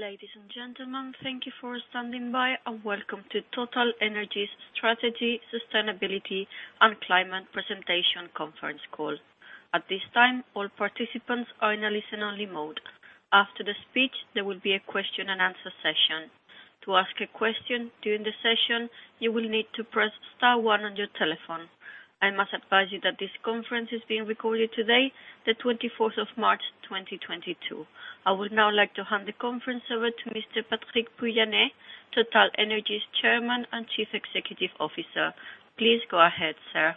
Ladies and gentlemen, thank you for standing by. Welcome to TotalEnergies' Strategy, Sustainability and Climate Presentation Conference Call. At this time, all participants are in a listen-only mode. After the speech, there will be a question and answer session. To ask a question during the session, you will need to press star one on your telephone. I must advise you that this conference is being recorded today, the 24th of March, 2022. I would now like to hand the conference over to Mr. Patrick Pouyanné, TotalEnergies Chairman and Chief Executive Officer. Please go ahead, sir.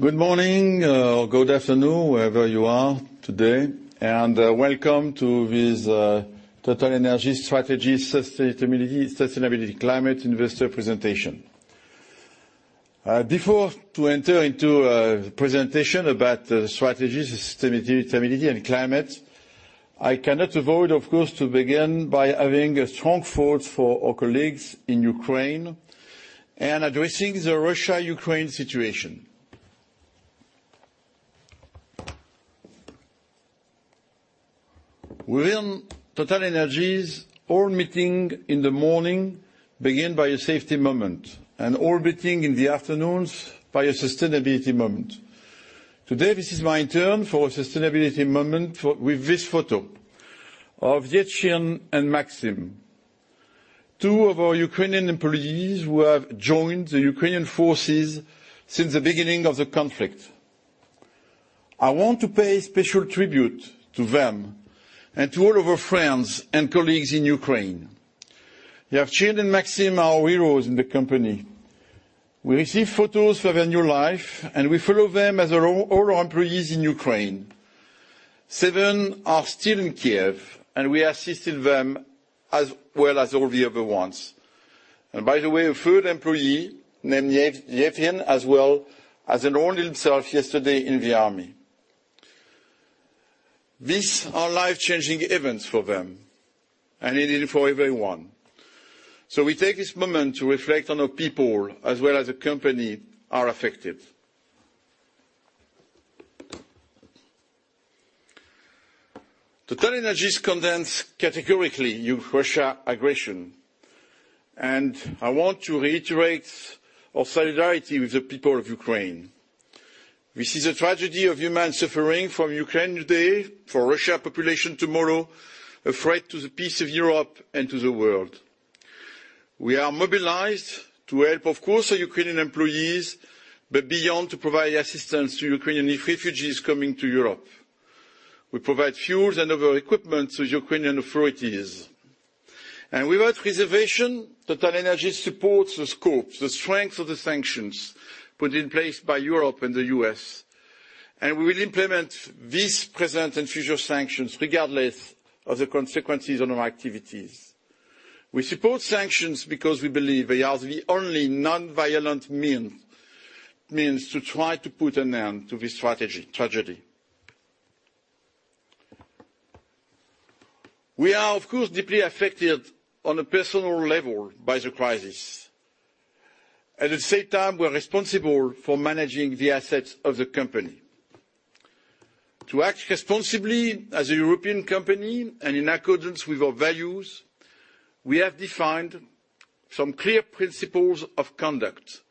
Good morning, or good afternoon, wherever you are today. Welcome to this TotalEnergies strategy, sustainability climate investor presentation. Before to enter into a presentation about strategies, sustainability and climate, I cannot avoid, of course, to begin by having a strong thought for our colleagues in Ukraine and addressing the Russia-Ukraine situation. Within TotalEnergies, all meeting in the morning begin by a safety moment, and all meeting in the afternoons by a sustainability moment. Today, this is my turn for a sustainability moment with this photo of Yevhen and Maksym, two of our Ukrainian employees who have joined the Ukrainian forces since the beginning of the conflict. I want to pay special tribute to them and to all of our friends and colleagues in Ukraine. Yevhen and Maksym are our heroes in the company. We receive photos of their new life, and we follow them as our all our employees in Ukraine. Seven are still in Kyiv, and we are assisting them as well as all the other ones. By the way, a third employee, named Yevhen, as well, has enrolled himself yesterday in the army. These are life-changing events for them, and indeed for everyone. We take this moment to reflect on our people as well as the company are affected. TotalEnergies condemns categorically Russia aggression, and I want to reiterate our solidarity with the people of Ukraine. We see the tragedy of human suffering from Ukraine today, for Russia population tomorrow, a threat to the peace of Europe and to the world. We are mobilized to help, of course, our Ukrainian employees, but beyond to provide assistance to Ukrainian refugees coming to Europe. We provide fuels and other equipment to Ukrainian authorities. Without reservation, TotalEnergies supports the scope, the strength of the sanctions put in place by Europe and the U.S. We will implement these present and future sanctions regardless of the consequences on our activities. We support sanctions because we believe they are the only non-violent means to try to put an end to this tragedy. We are, of course, deeply affected on a personal level by the crisis. At the same time, we are responsible for managing the assets of the company. To act responsibly as a European company and in accordance with our values, we have defined some clear principles of conduct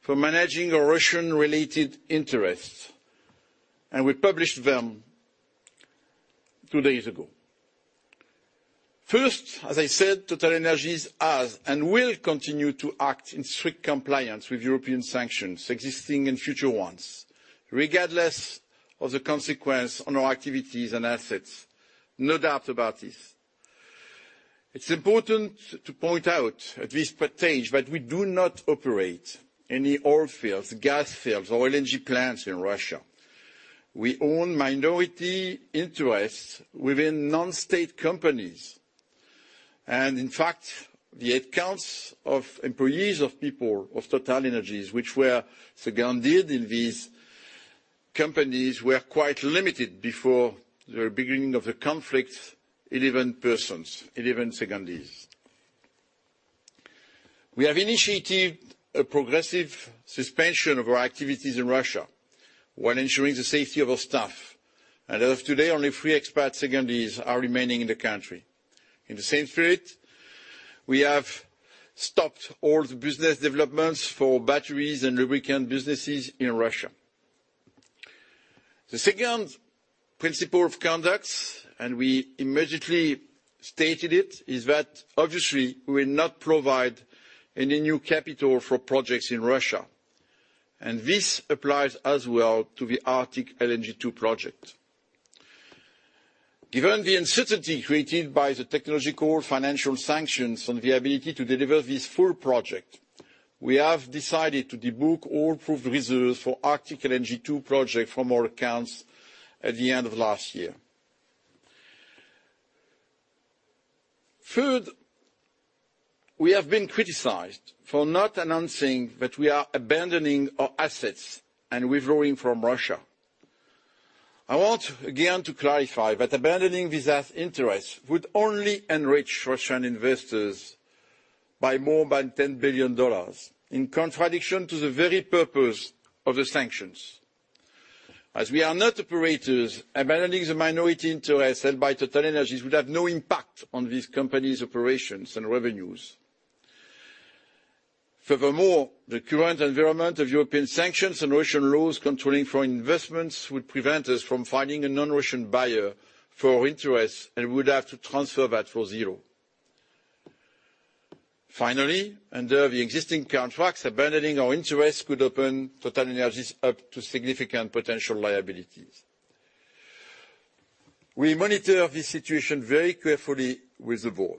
for managing our Russian-related interests, and we published them two days ago. First, as I said, TotalEnergies has and will continue to act in strict compliance with European sanctions, existing and future ones, regardless of the consequence on our activities and assets. No doubt about this. It's important to point out at this stage that we do not operate any oil fields, gas fields, or LNG plants in Russia. We own minority interests within non-state companies. In fact, the headcounts of employees, of people, of TotalEnergies, which were seconded in these companies, were quite limited before the beginning of the conflict, 11 persons, 11 secondees. We have initiated a progressive suspension of our activities in Russia while ensuring the safety of our staff. As of today, only three expat secondees are remaining in the country. In the same spirit, we have stopped all the business developments for batteries and lubricant businesses in Russia. The second principle of conduct, and we immediately stated it, is that obviously we will not provide any new capital for projects in Russia, and this applies as well to the Arctic LNG 2 project. Given the uncertainty created by the technological financial sanctions on the ability to deliver this full project, we have decided to debook all proved reserves for Arctic LNG 2 project from our accounts at the end of last year. Third, we have been criticized for not announcing that we are abandoning our assets and withdrawing from Russia. I want again to clarify that abandoning these asset interests would only enrich Russian investors by more than $10 billion, in contradiction to the very purpose of the sanctions. As we are not operators, abandoning the minority interest held by TotalEnergies would have no impact on this company's operations and revenues. Furthermore, the current environment of European sanctions and Russian laws controlling foreign investments would prevent us from finding a non-Russian buyer for our interest, and we would have to transfer that for zero. Finally, under the existing contracts, abandoning our interest could open TotalEnergies up to significant potential liabilities. We monitor this situation very carefully with the board.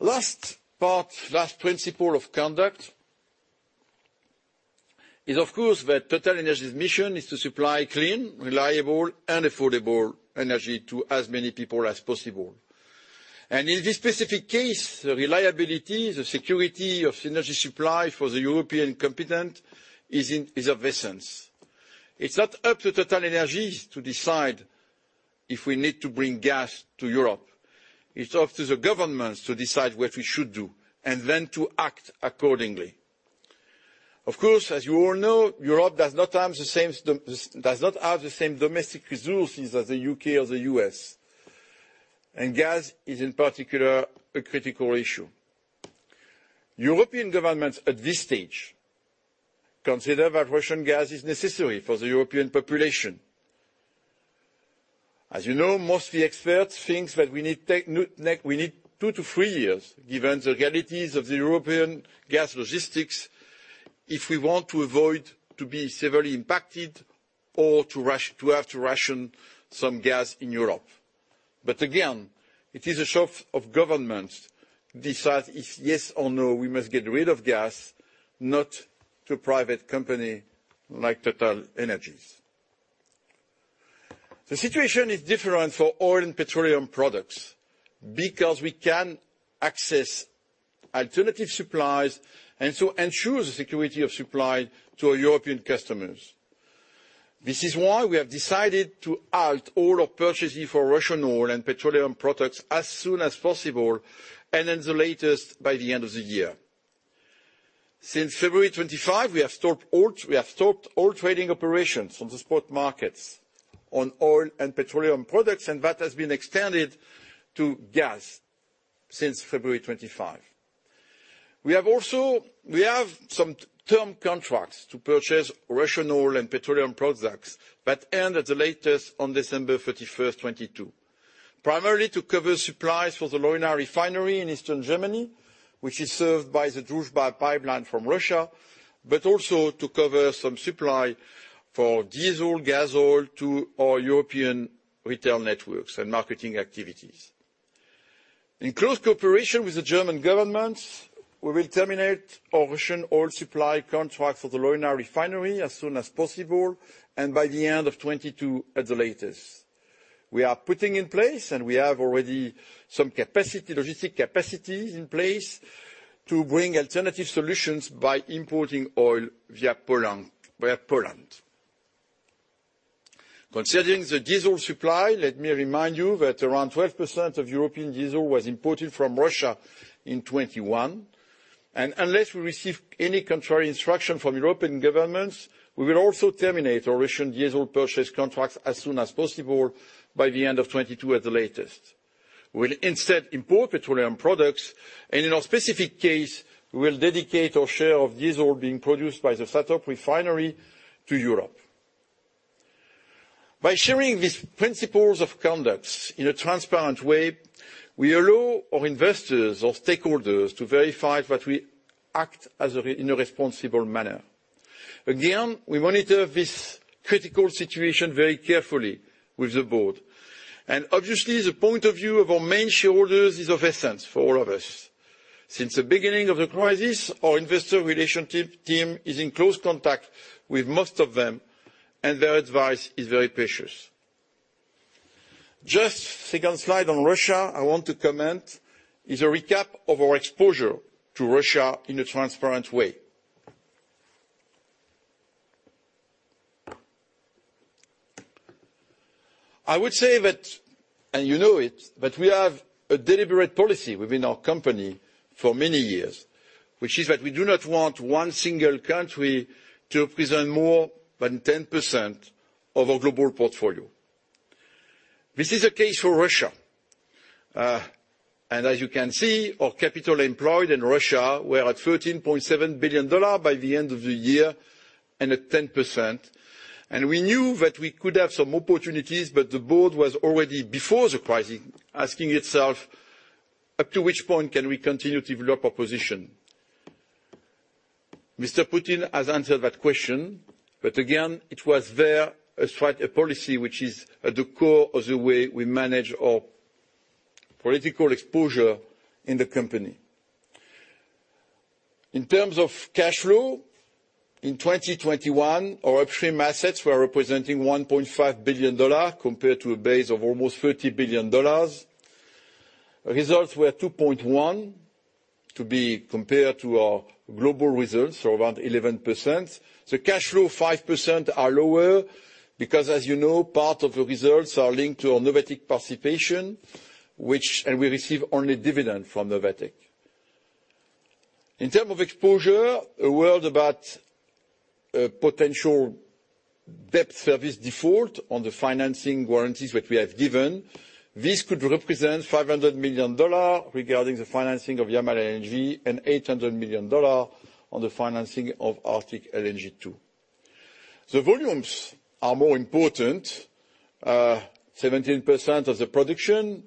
Last part, last principle of conduct is, of course, that TotalEnergies' mission is to supply clean, reliable, and affordable energy to as many people as possible. In this specific case, the reliability, the security of energy supply for the European continent is of the essence. It's not up to TotalEnergies to decide if we need to bring gas to Europe. It's up to the governments to decide what we should do, and then to act accordingly. Of course, as you all know, Europe does not have the same domestic resources as the U.K. or the U.S., and gas is in particular a critical issue. European governments at this stage consider that Russian gas is necessary for the European population. As you know, most of the experts think that we need two-three years, given the realities of the European gas logistics, if we want to avoid to be severely impacted or to have to ration some gas in Europe. Again, it is a job of governments decide if yes or no we must get rid of gas, not to private company like TotalEnergies. The situation is different for oil and petroleum products because we can access alternative supplies, and so ensure the security of supply to our European customers. This is why we have decided to halt all our purchasing for Russian oil and petroleum products as soon as possible, and at the latest by the end of the year. Since February 25, we have stopped all trading operations on the spot markets on oil and petroleum products, and that has been extended to gas since February 25. We have some term contracts to purchase Russian oil and petroleum products that end at the latest on December 31, 2022. Primarily to cover supplies for the Leuna refinery in Eastern Germany, which is served by the Druzhba pipeline from Russia, but also to cover some supply for diesel, gas oil to our European retail networks and marketing activities. In close cooperation with the German government, we will terminate our Russian oil supply contract for the Leuna refinery as soon as possible, and by the end of 2022 at the latest. We are putting in place, and we have already some capacity, logistic capacity in place to bring alternative solutions by importing oil via Poland. Considering the diesel supply, let me remind you that around 12% of European diesel was imported from Russia in 2021. Unless we receive any contrary instruction from European governments, we will also terminate our Russian diesel purchase contracts as soon as possible, by the end of 2022 at the latest. We'll instead import petroleum products, and in a specific case, we will dedicate our share of diesel being produced by the SATORP refinery to Europe. By sharing these principles of conduct in a transparent way, we allow our investors, our stakeholders to verify that we act in a responsible manner. Again, we monitor this critical situation very carefully with the board. Obviously, the point of view of our main shareholders is of essence for all of us. Since the beginning of the crisis, our investor relationship team is in close contact with most of them, and their advice is very precious. Just second slide on Russia I want to comment is a recap of our exposure to Russia in a transparent way. I would say that, and you know it, that we have a deliberate policy within our company for many years, which is that we do not want one single country to represent more than 10% of our global portfolio. This is the case for Russia. As you can see, our capital employed in Russia were at $13.7 billion by the end of the year and at 10%. We knew that we could have some opportunities, but the board was already, before the crisis, asking itself, "Up to which point can we continue to develop our position?" Mr. Putin has answered that question, but again, it was there as part of a policy which is at the core of the way we manage our political exposure in the company. In terms of cash flow, in 2021, our upstream assets were representing $1.5 billion compared to a base of almost $30 billion. Results were $2.1 billion. To be compared to our global results of around 11%. The cash flow 5% are lower because, as you know, part of the results are linked to our Novatek participation, which we receive only dividend from Novatek. In terms of exposure, a word about a potential debt service default on the financing warranties that we have given. This could represent $500 million regarding the financing of Yamal LNG, and $800 million on the financing of Arctic LNG 2. The volumes are more important, 17% of the production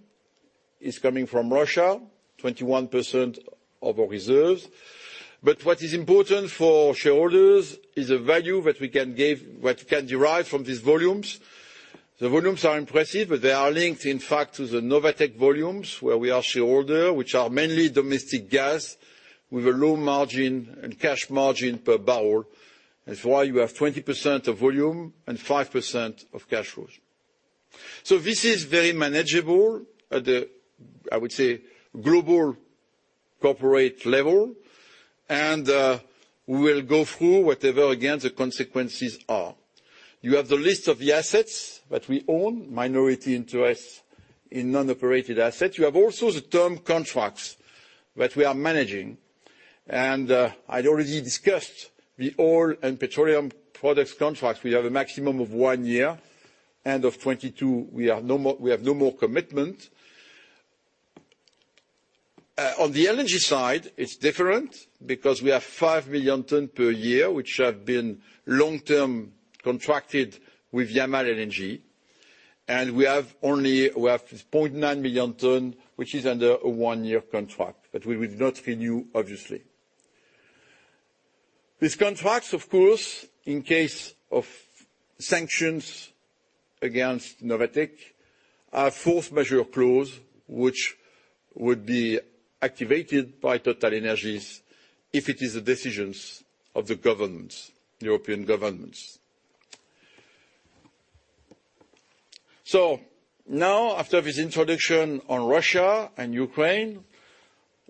is coming from Russia, 21% of our reserves. What is important for shareholders is the value that we can derive from these volumes. The volumes are impressive, but they are linked, in fact, to the Novatek volumes, where we are shareholder, which are mainly domestic gas with a low margin and cash margin per barrel. That's why you have 20% of volume and 5% of cash flows. This is very manageable at the, I would say, global corporate level, and we will go through whatever, again, the consequences are. You have the list of the assets that we own, minority interest in non-operated assets. You have also the term contracts that we are managing. I'd already discussed the oil and petroleum products contracts. We have a maximum of one year, end of 2022 we have no more commitment. On the LNG side, it's different because we have 5 million tons per year, which have been long-term contracted with Yamal LNG. We have only 0.9 million tons, which is under a one-year contract, that we will not renew, obviously. These contracts, of course, in case of sanctions against Novatek, are force majeure clause which would be activated by TotalEnergies if it is the decisions of the governments, European governments. Now after this introduction on Russia and Ukraine,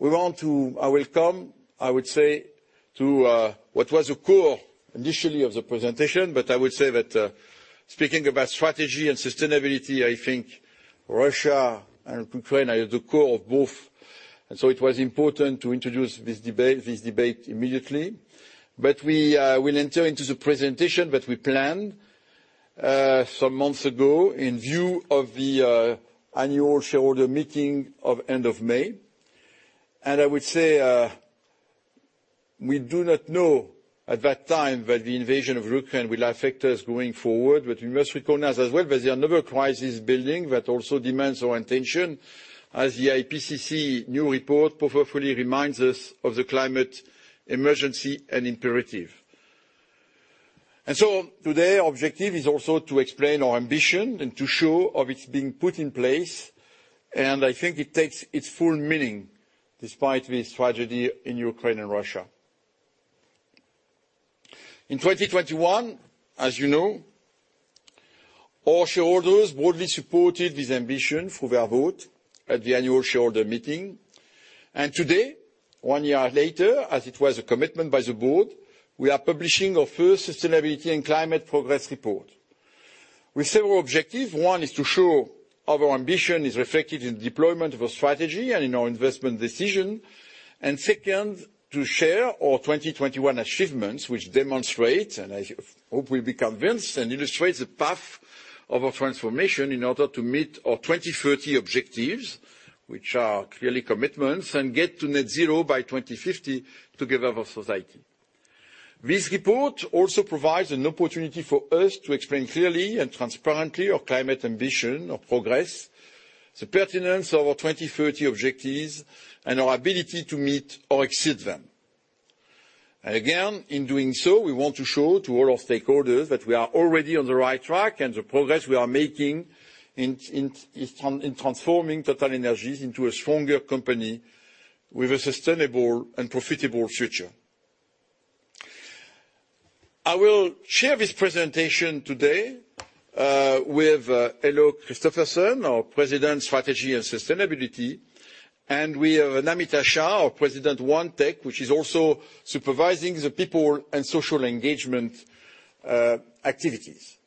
I will come, I would say, to what was the core initially of the presentation. I would say that, speaking about strategy and sustainability, I think Russia and Ukraine are at the core of both, and so it was important to introduce this debate immediately. We will enter into the presentation that we planned some months ago in view of the annual shareholder meeting of end of May. I would say, we do not know at that time that the invasion of Ukraine will affect us going forward. We must recognize as well there is another crisis building that also demands our attention, as the IPCC new report powerfully reminds us of the climate emergency and imperative. Today, objective is also to explain our ambition and to show how it's being put in place, and I think it takes its full meaning despite this tragedy in Ukraine and Russia. In 2021, as you know, our shareholders broadly supported this ambition through their vote at the annual shareholder meeting. Today, one year later, as it was a commitment by the board, we are publishing our first sustainability and climate progress report with several objectives. One is to show how our ambition is reflected in the deployment of our strategy and in our investment decision. Second, to share our 2021 achievements which demonstrate, and I hope we'll be convinced, and illustrates the path of our transformation in order to meet our 2030 objectives, which are clearly commitments, and get to net zero by 2050 together with society. This report also provides an opportunity for us to explain clearly and transparently our climate ambition, our progress, the pertinence of our 2030 objectives, and our ability to meet or exceed them. Again, in doing so, we want to show to all our stakeholders that we are already on the right track, and the progress we are making in transforming TotalEnergies into a stronger company with a sustainable and profitable future. I will share this presentation today with Helle Kristoffersen, our President, Strategy and Sustainability. We have Namita Shah, our President, OneTech, which is also supervising the people and social engagement activities.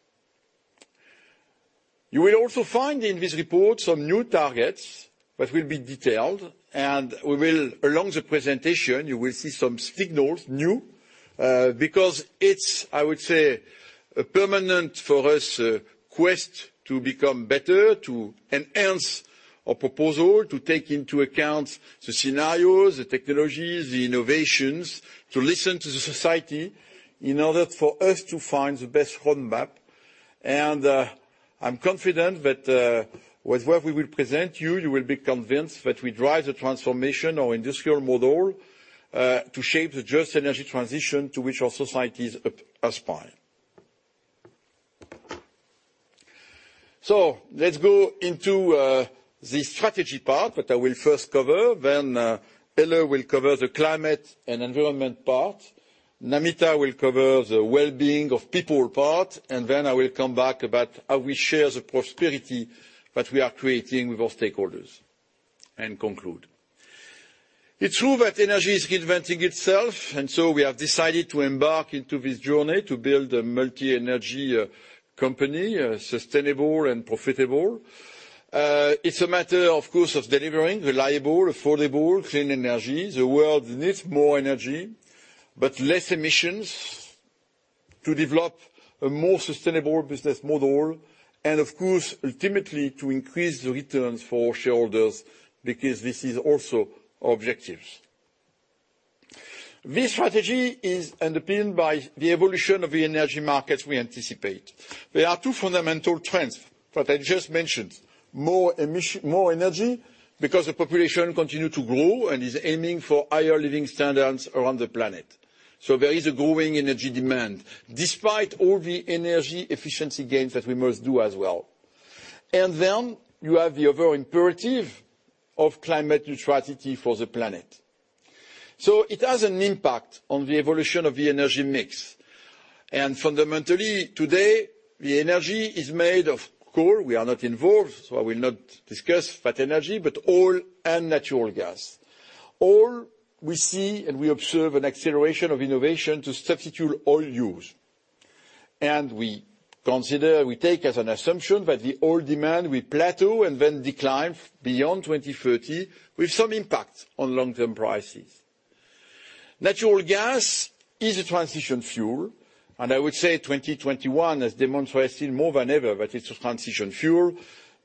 You will also find in this report some new targets that will be detailed, and along the presentation, you will see some signals, new, because it's, I would say, a permanent, for us, quest to become better, to enhance our proposal, to take into account the scenarios, the technologies, the innovations, to listen to the society in order for us to find the best roadmap. I'm confident that, with what we will present you will be convinced that we drive the transformation of our industrial model to shape the just energy transition to which our societies aspire. Let's go into the strategy part that I will first cover, then Helle will cover the climate and environment part. Namita will cover the well-being of people part, and then I will come back about how we share the prosperity that we are creating with our stakeholders and conclude. It's true that energy is reinventing itself, and so we have decided to embark into this journey to build a multi energy company sustainable and profitable. It's a matter, of course, of delivering reliable, affordable, clean energy. The world needs more energy, but less emissions to develop a more sustainable business model, and of course, ultimately to increase the returns for shareholders because this is also our objectives. This strategy is underpinned by the evolution of the energy markets we anticipate. There are two fundamental trends that I just mentioned. More energy because the population continue to grow and is aiming for higher living standards around the planet. There is a growing energy demand despite all the energy efficiency gains that we must do as well. You have the other imperative of climate neutrality for the planet. It has an impact on the evolution of the energy mix. Fundamentally, today, the energy is made of coal. We are not involved, so I will not discuss that energy, but oil and natural gas. Oil, we see and we observe an acceleration of innovation to substitute oil use. We consider, we take as an assumption that the oil demand will plateau and then decline beyond 2030 with some impact on long-term prices. Natural gas is a transition fuel, and I would say 2021 has demonstrated more than ever that it's a transition fuel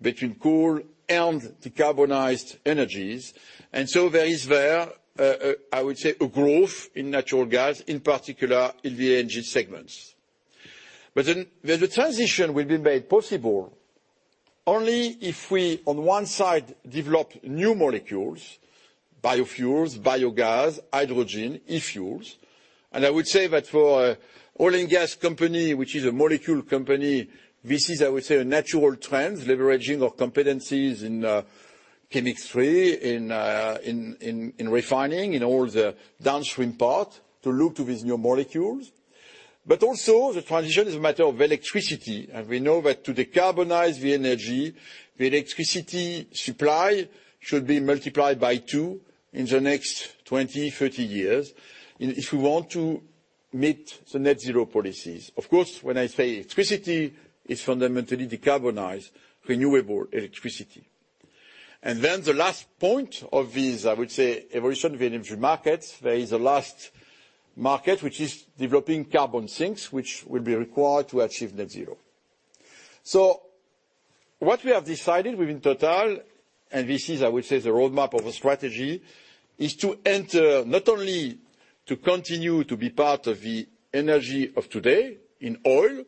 between coal and decarbonized energies. There is a growth in natural gas, in particular in the energy segments. The transition will be made possible only if we, on one side, develop new molecules, biofuels, biogas, hydrogen, e-fuels. I would say that for oil and gas company, which is a molecule company, this is a natural trend, leveraging our competencies in chemistry, in refining, in all the downstream part to look to these new molecules. The transition is a matter of electricity. We know that to decarbonize the energy, the electricity supply should be multiplied by two in the next 20-30 years if we want to meet the net zero policies. Of course, when I say electricity, it's fundamentally decarbonized renewable electricity. The last point of this, I would say, evolution of energy markets, there is a last market which is developing carbon sinks, which will be required to achieve net zero. What we have decided within Total, and this is, I would say, the roadmap of a strategy, is to enter not only to continue to be part of the energy of today in oil,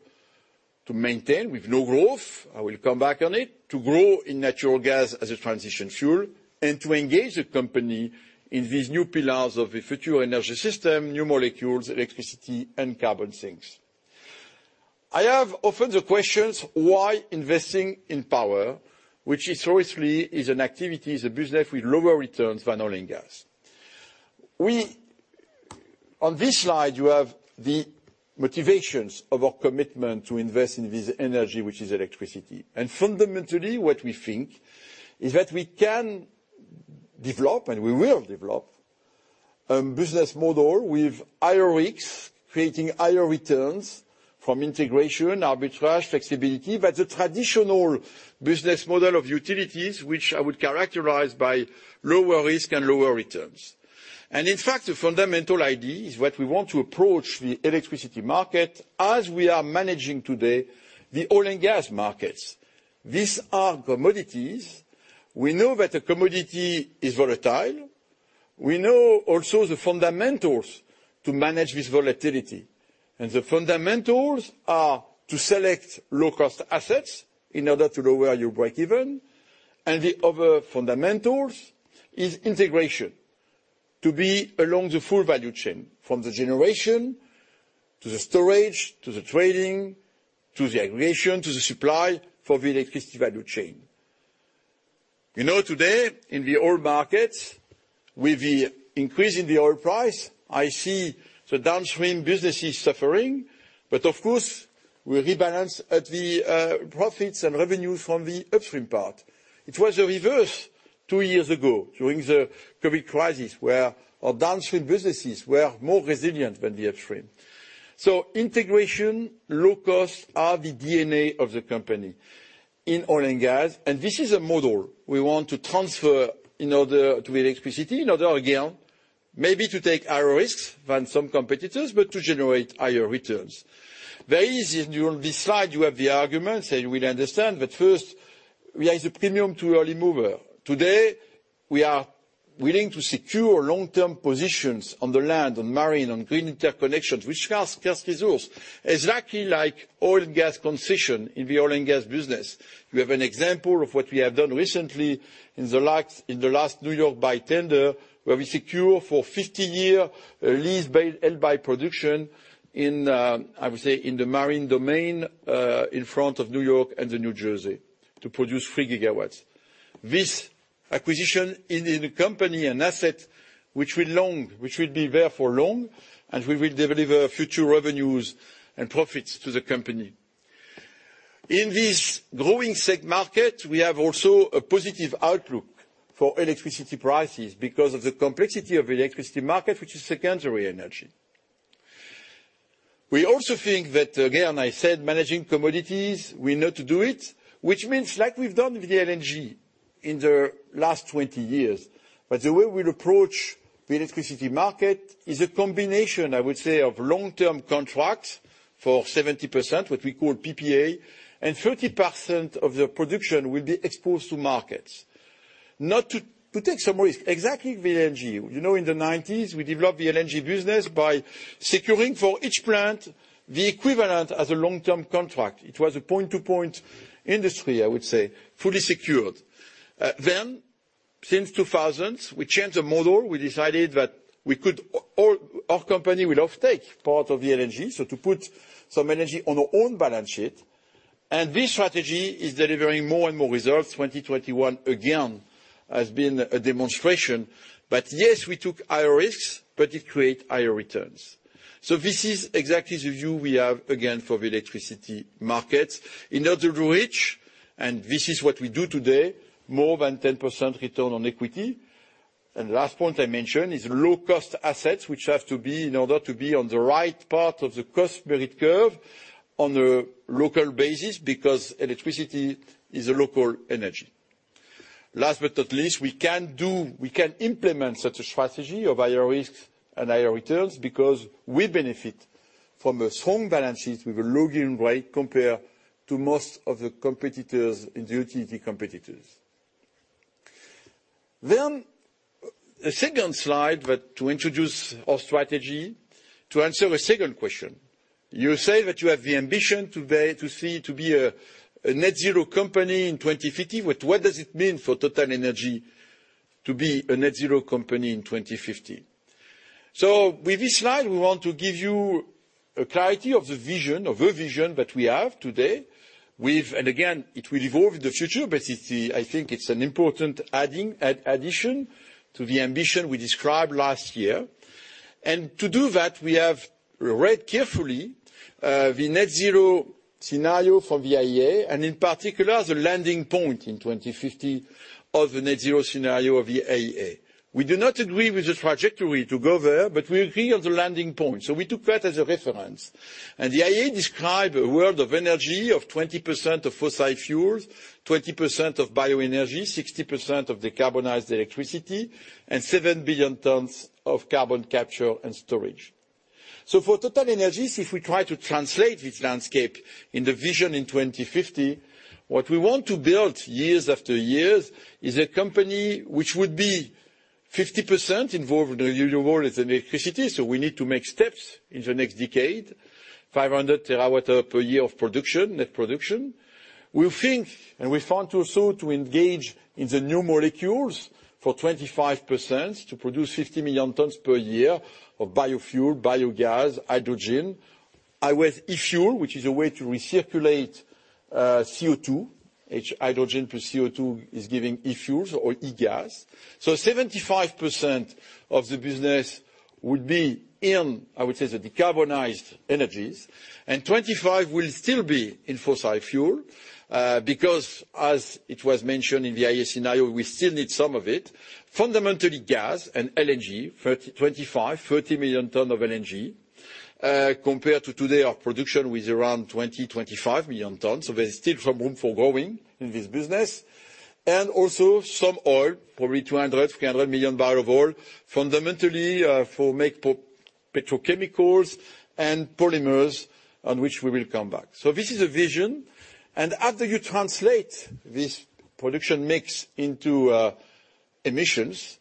to maintain with no growth, I will come back on it, to grow in natural gas as a transition fuel, and to engage the company in these new pillars of the future energy system, new molecules, electricity and carbon sinks. I have often the questions why investing in power, which historically is an activity, is a business with lower returns than oil and gas. On this slide, you have the motivations of our commitment to invest in this energy, which is electricity. Fundamentally, what we think is that we can develop, and we will develop a business model with higher risks, creating higher returns from integration, arbitrage, flexibility, but the traditional business model of utilities, which I would characterize by lower risk and lower returns. In fact, the fundamental idea is what we want to approach the electricity market as we are managing today, the oil and gas markets. These are commodities. We know that the commodity is volatile. We know also the fundamentals to manage this volatility. The fundamentals are to select low cost assets in order to lower your break even. The other fundamentals is integration, to be along the full value chain, from the generation to the storage, to the trading, to the aggregation, to the supply for the electricity value chain. You know, today in the oil markets, with the increase in the oil price, I see the downstream businesses suffering. Of course, we rebalance at the profits and revenues from the upstream part. It was the reverse two years ago during the COVID crisis, where our downstream businesses were more resilient than the upstream. Integration, low cost are the DNA of the company in oil and gas. This is a model we want to transfer in order to the electricity, in order, again, maybe to take higher risks than some competitors, but to generate higher returns. There is in-- On this slide, you have the arguments and you will understand that first, there is a premium to early mover. Today, we are willing to secure long-term positions on the land, on marine, on green interconnections, which has resource, exactly like oil and gas concession in the oil and gas business. We have an example of what we have done recently in the last New York Bight tender, where we secure for 50-year lease held by production in, I would say, in the marine domain, in front of New York and New Jersey to produce 3 GW. This acquisition in a company, an asset which will be there for long, and we will deliver future revenues and profits to the company. In this growing segment market, we have also a positive outlook for electricity prices because of the complexity of electricity market, which is secondary energy. We also think that, again, I said managing commodities, we know to do it, which means like we've done with the LNG in the last 20 years. The way we'll approach the electricity market is a combination, I would say, of long-term contracts for 70%, what we call PPA, and 30% of the production will be exposed to markets. Not to take some risk, exactly the LNG. You know, in the 1990s, we developed the LNG business by securing for each plant the equivalent as a long-term contract. It was a point-to-point industry, I would say, fully secured. Then since the 2000s, we changed the model. We decided that we could-- Our company will offtake part of the LNG, so to put some energy on our own balance sheet. This strategy is delivering more and more results. 2021 again has been a demonstration that yes, we took higher risks, but it create higher returns. This is exactly the view we have again for the electricity markets. In order to reach, and this is what we do today, more than 10% return on equity. Last point I mentioned is low cost assets, which have to be in order to be on the right part of the cost merit curve on a local basis because electricity is a local energy. Last but not least, we can implement such a strategy of higher risks and higher returns because we benefit from a strong balance sheet with a low gear rate compared to most of the competitors in the utility competitors. The second slide that to introduce our strategy to answer a second question. You say that you have the ambition today to be a net zero company in 2050, but what does it mean for TotalEnergies to be a net zero company in 2050? So with this slide, we want to give you a clarity of the vision that we have today, and again, it will evolve in the future, but I think it's an important addition to the ambition we described last year. To do that, we have read carefully the net zero scenario from the IEA, and in particular, the landing point in 2050 of the net zero scenario of the IEA. We do not agree with the trajectory to go there, but we agree on the landing point, so we took that as a reference. The IEA describe a world of energy of 20% of fossil fuels, 20% of bioenergy, 60% of decarbonized electricity, and 7 billion tons of carbon capture and storage. For TotalEnergies, if we try to translate this landscape in the vision in 2050, what we want to build years after years is a company which would be 50% involved in the renewable and electricity, so we need to make steps in the next decade, 500 TWh per year of production, net production. We think, and we want also to engage in the new molecules for 25% to produce 50 million tons per year of biofuel, biogas, hydrogen, along with e-fuel, which is a way to recirculate CO2. Hydrogen + CO2 is giving e-fuels or e-gas. 75% of the business will be in, I would say, the decarbonized energies, and 25% will still be in fossil fuel, because as it was mentioned in the IEA scenario, we still need some of it. Fundamentally, gas and LNG, 25 million-30 million tons of LNG, compared to today our production with around 25 million tons. There's still some room for growing in this business. Also some oil, probably 200 million-300 million barrels of oil, fundamentally for making petrochemicals and polymers on which we will come back. This is a vision. After you translate this production mix into emissions,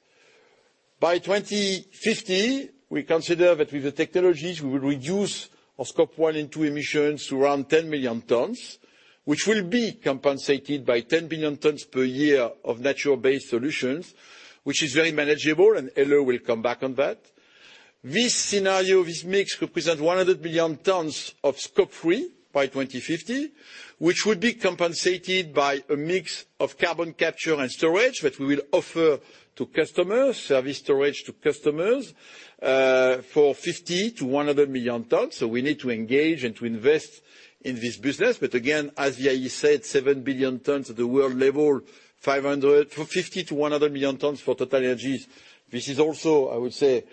by 2050, we consider that with the technologies, we will reduce our Scope 1 and 2 emissions to around 10 million tons, which will be compensated by 10 billion tons per year of nature-based solutions, which is very manageable, and Helle will come back on that. This scenario, this mix represent 100 billion tons of Scope 3 by 2050, which would be compensated by a mix of carbon capture and storage that we will offer to customers, service storage to customers, for 50 million-100 million tons. We need to engage and to invest in this business. Again, as I said, 7 billion tons at the world level, 50 million-100 million tons for TotalEnergies. This is also, I would say,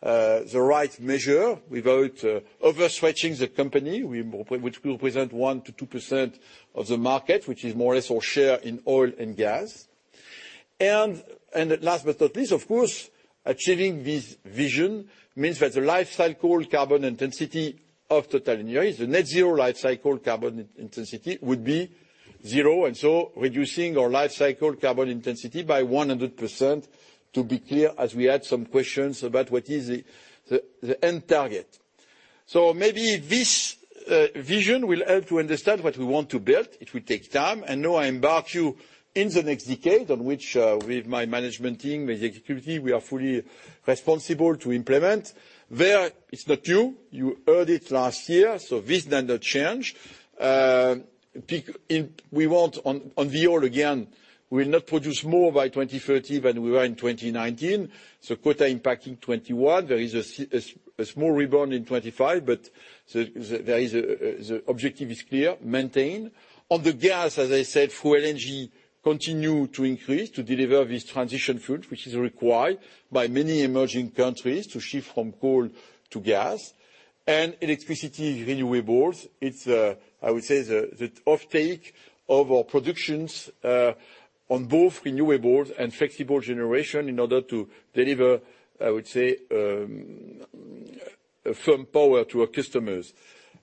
the right measure without overstretching the company, which will present 1%-2% of the market, which is more or less our share in oil and gas. Last but not least, of course, achieving this vision means that the lifecycle carbon intensity of TotalEnergies, the net zero lifecycle carbon intensity would be zero, and reducing our lifecycle carbon intensity by 100% to be clear as we had some questions about what is the end target. Maybe this vision will help to understand what we want to build. It will take time. Now I embark you in the next decade on which, with my management team, with the executive, we are fully responsible to implement. There is the two. You heard it last year, so this does not change. On the oil again, we will not produce more by 2030 than we were in 2019. Quota impacting 2021. There is a small rebound in 2025, but the objective is clear, maintain. On the gas, as I said, full LNG continue to increase to deliver this transition fuel, which is required by many emerging countries to shift from coal to gas. Electricity renewables, it is the offtake of our productions on both renewables and flexible generation in order to deliver firm power to our customers.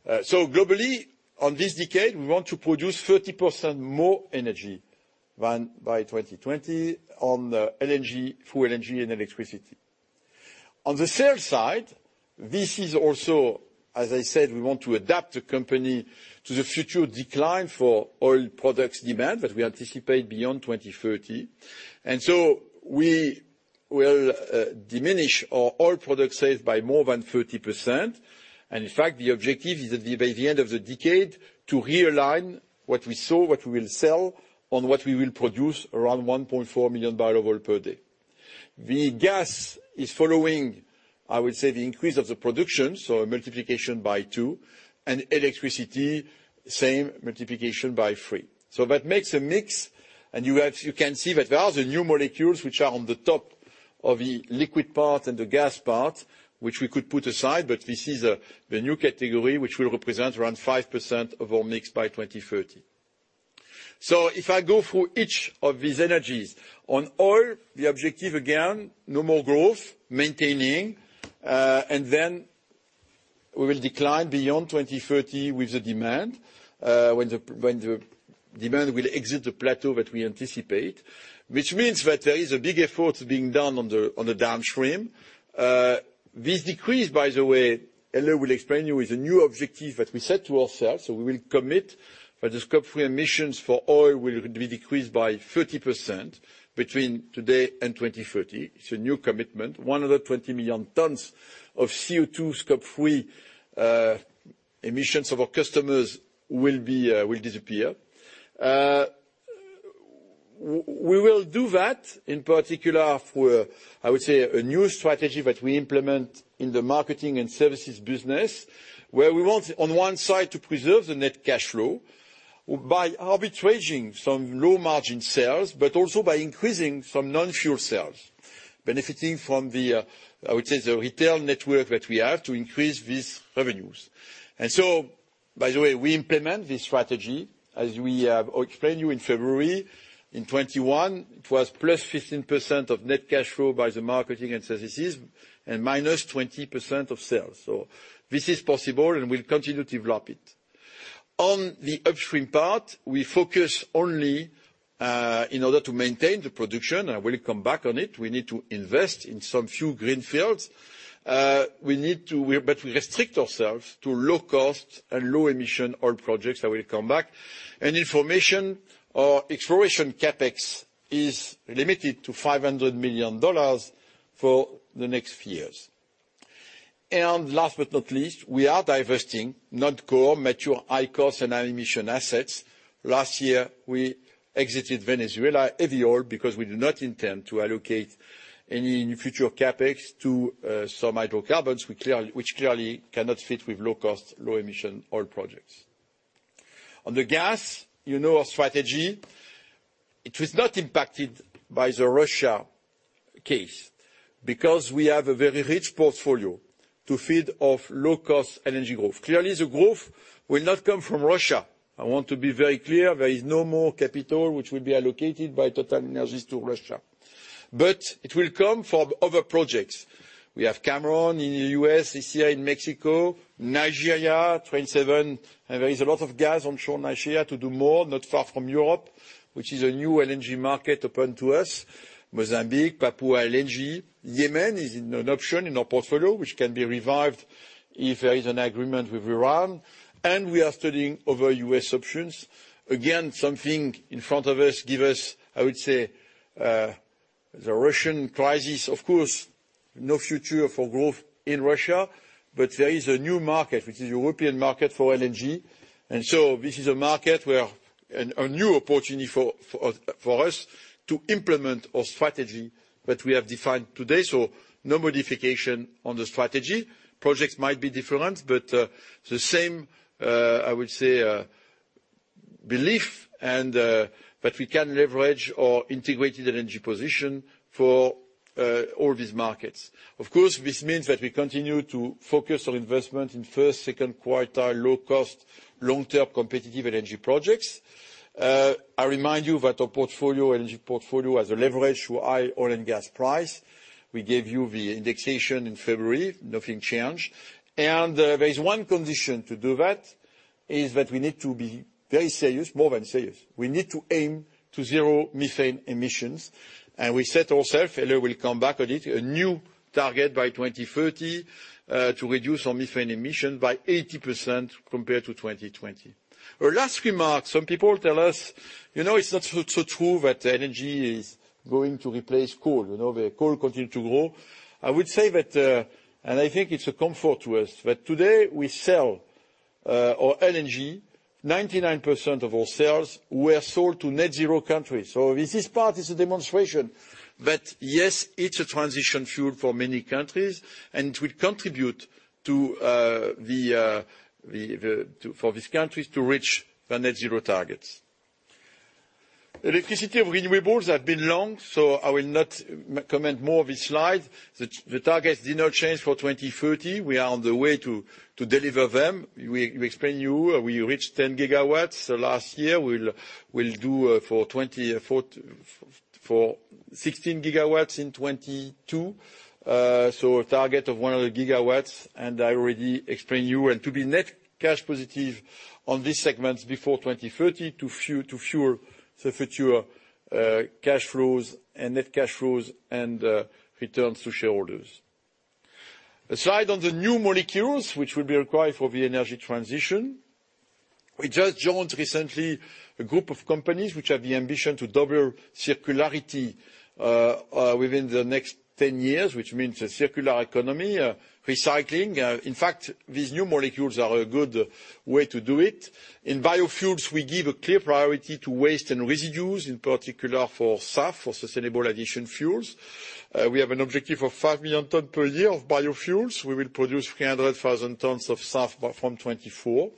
Globally, on this decade, we want to produce 30% more energy than by 2020 on LNG, full LNG, and electricity. On the sales side, this is also, as I said, we want to adapt the company to the future decline in oil products demand that we anticipate beyond 2030. We will diminish our oil product sales by more than 30%. In fact, the objective is that by the end of the decade to realign what we sell with what we will produce around 1.4 million barrels of oil per day. The gas is following, I would say, the increase of the production, so a multiplication by two, and electricity, same, multiplication by three. That makes a mix, and you have, you can see that there are the new molecules which are on the top of the liquid part and the gas part, which we could put aside. This is the new category, which will represent around 5% of our mix by 2030. If I go through each of these energies, on oil, the objective again, no more growth, maintaining, and then we will decline beyond 2030 with the demand, when the demand will exit the plateau that we anticipate. Which means that there is a big effort being done on the downstream. This decrease, by the way, and I will explain you, is a new objective that we set to ourselves, so we will commit that the Scope 3 emissions for oil will be decreased by 30% between today and 2030. It's a new commitment. 120 million tons of CO2 Scope 3 emissions of our customers will disappear. We will do that in particular for, I would say, a new strategy that we implement in the marketing and services business, where we want on one side to preserve the net cash flow by arbitraging some low-margin sales, but also by increasing some non-fuel sales, benefiting from the, I would say, the retail network that we have to increase these revenues. By the way, we implement this strategy, as we have explained you in February 2021, it was +15% of net cash flow by the marketing and services and -20% of sales. This is possible, and we'll continue to develop it. On the upstream part, we focus only, in order to maintain the production, I will come back on it. We need to invest in some few green fields. We need to-- We restrict ourselves to low cost and low emission oil projects. I will come back. Infill or exploration CapEx is limited to $500 million for the next years. Last but not least, we are divesting non-core mature high-cost and high-emission assets. Last year, we exited Venezuela heavy oil because we do not intend to allocate any future CapEx to some hydrocarbons which clearly cannot fit with low cost, low emission oil projects. On the gas, you know our strategy. It was not impacted by the Russia case because we have a very rich portfolio to feed off low cost LNG growth. Clearly, the growth will not come from Russia. I want to be very clear, there is no more capital which will be allocated by TotalEnergies to Russia. It will come from other projects. We have Cameron in the U.S., ECA in Mexico, Nigeria, Train 7. There is a lot of gas onshore Nigeria to do more, not far from Europe, which is a new LNG market open to us. Mozambique, Papua LNG. Yemen is an option in our portfolio which can be revived if there is an agreement with Iran. We are studying other U.S. options. Again, something in front of us give us, I would say, the Russian crisis, of course, no future for growth in Russia, but there is a new market, which is European market for LNG. This is a market and a new opportunity for us to implement our strategy that we have defined today. No modification on the strategy. Projects might be different, but the same, I would say, belief and that we can leverage our integrated LNG position for all these markets. Of course, this means that we continue to focus on investment in first, second quartile low cost, long-term competitive LNG projects. I remind you that our portfolio, LNG portfolio, has a leverage to high oil and gas price. We gave you the indexation in February. Nothing changed. There is one condition to do that, is that we need to be very serious, more than serious. We need to aim to zero methane emissions. We set ourself, and I will come back on it, a new target by 2030 to reduce our methane emission by 80% compared to 2020. Our last remark, some people tell us, "You know, it's not so true that LNG is going to replace coal. You know, the coal continue to grow." I would say that, and I think it's a comfort to us, that today we sell our LNG, 99% of our sales were sold to net-zero countries. This in part is a demonstration that yes, it's a transition fuel for many countries, and it will contribute to for these countries to reach their net-zero targets. Electricity of renewables have been long, so I will not comment more on this slide. The targets did not change for 2030. We are on the way to deliver them. We explained to you, we reached 10 GW last year. We'll do for 2024 for 16 GW in 2022. A target of 100 GW, and I already explained you. To be net cash positive on these segments before 2030 to fuel the future cash flows and net cash flows and returns to shareholders. A slide on the new molecules which will be required for the energy transition. We just joined recently a group of companies which have the ambition to double circularity within the next 10 years, which means a circular economy, recycling. In fact, these new molecules are a good way to do it. In biofuels, we give a clear priority to waste and residues, in particular for SAF, for sustainable aviation fuels. We have an objective of 5 million tons per year of biofuels. We will produce 300,000 tons of SAF by 2024.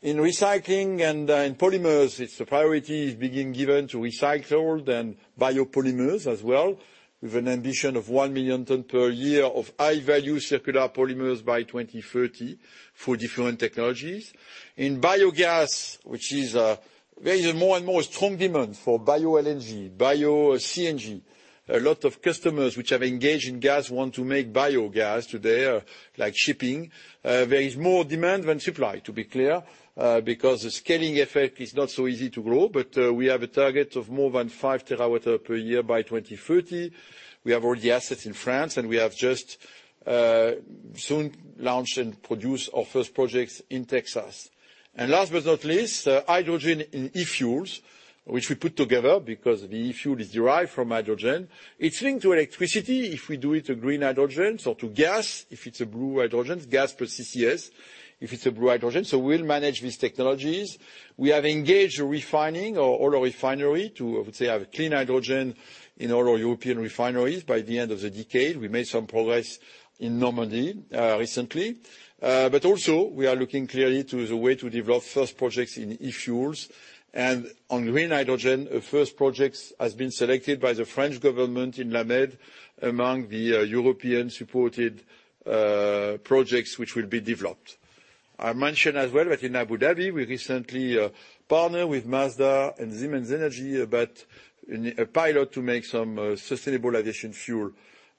In recycling and in polymers, a priority is being given to recycled and biopolymers as well, with an ambition of 1 million tons per year of high-value circular polymers by 2030 for different technologies. In biogas, there is more and more strong demand for bioLNG, bioCNG. A lot of customers which have engaged in gas want to make biogas today, like shipping. There is more demand than supply, to be clear, because the scaling effect is not so easy to grow. We have a target of more than 5 TWh per year by 2030. We have all the assets in France, and we have just soon launched and produced our first projects in Texas. Last but not least, hydrogen and e-fuels, which we put together because the e-fuel is derived from hydrogen. It's linked to electricity if we do it as green hydrogen, so to gas, if it's a blue hydrogen, gas plus CCS, if it's a blue hydrogen. We'll manage these technologies. We have engaged refining or all our refineries to, I would say, have clean hydrogen in all our European refineries by the end of the decade. We made some progress in Normandy recently. We are looking clearly to the way to develop first projects in e-fuels. On green hydrogen, a first project has been selected by the French government in La Mède among the European-supported projects which will be developed. I mentioned as well that in Abu Dhabi, we recently partnered with Masdar and Siemens Energy about a pilot to make some sustainable aviation fuel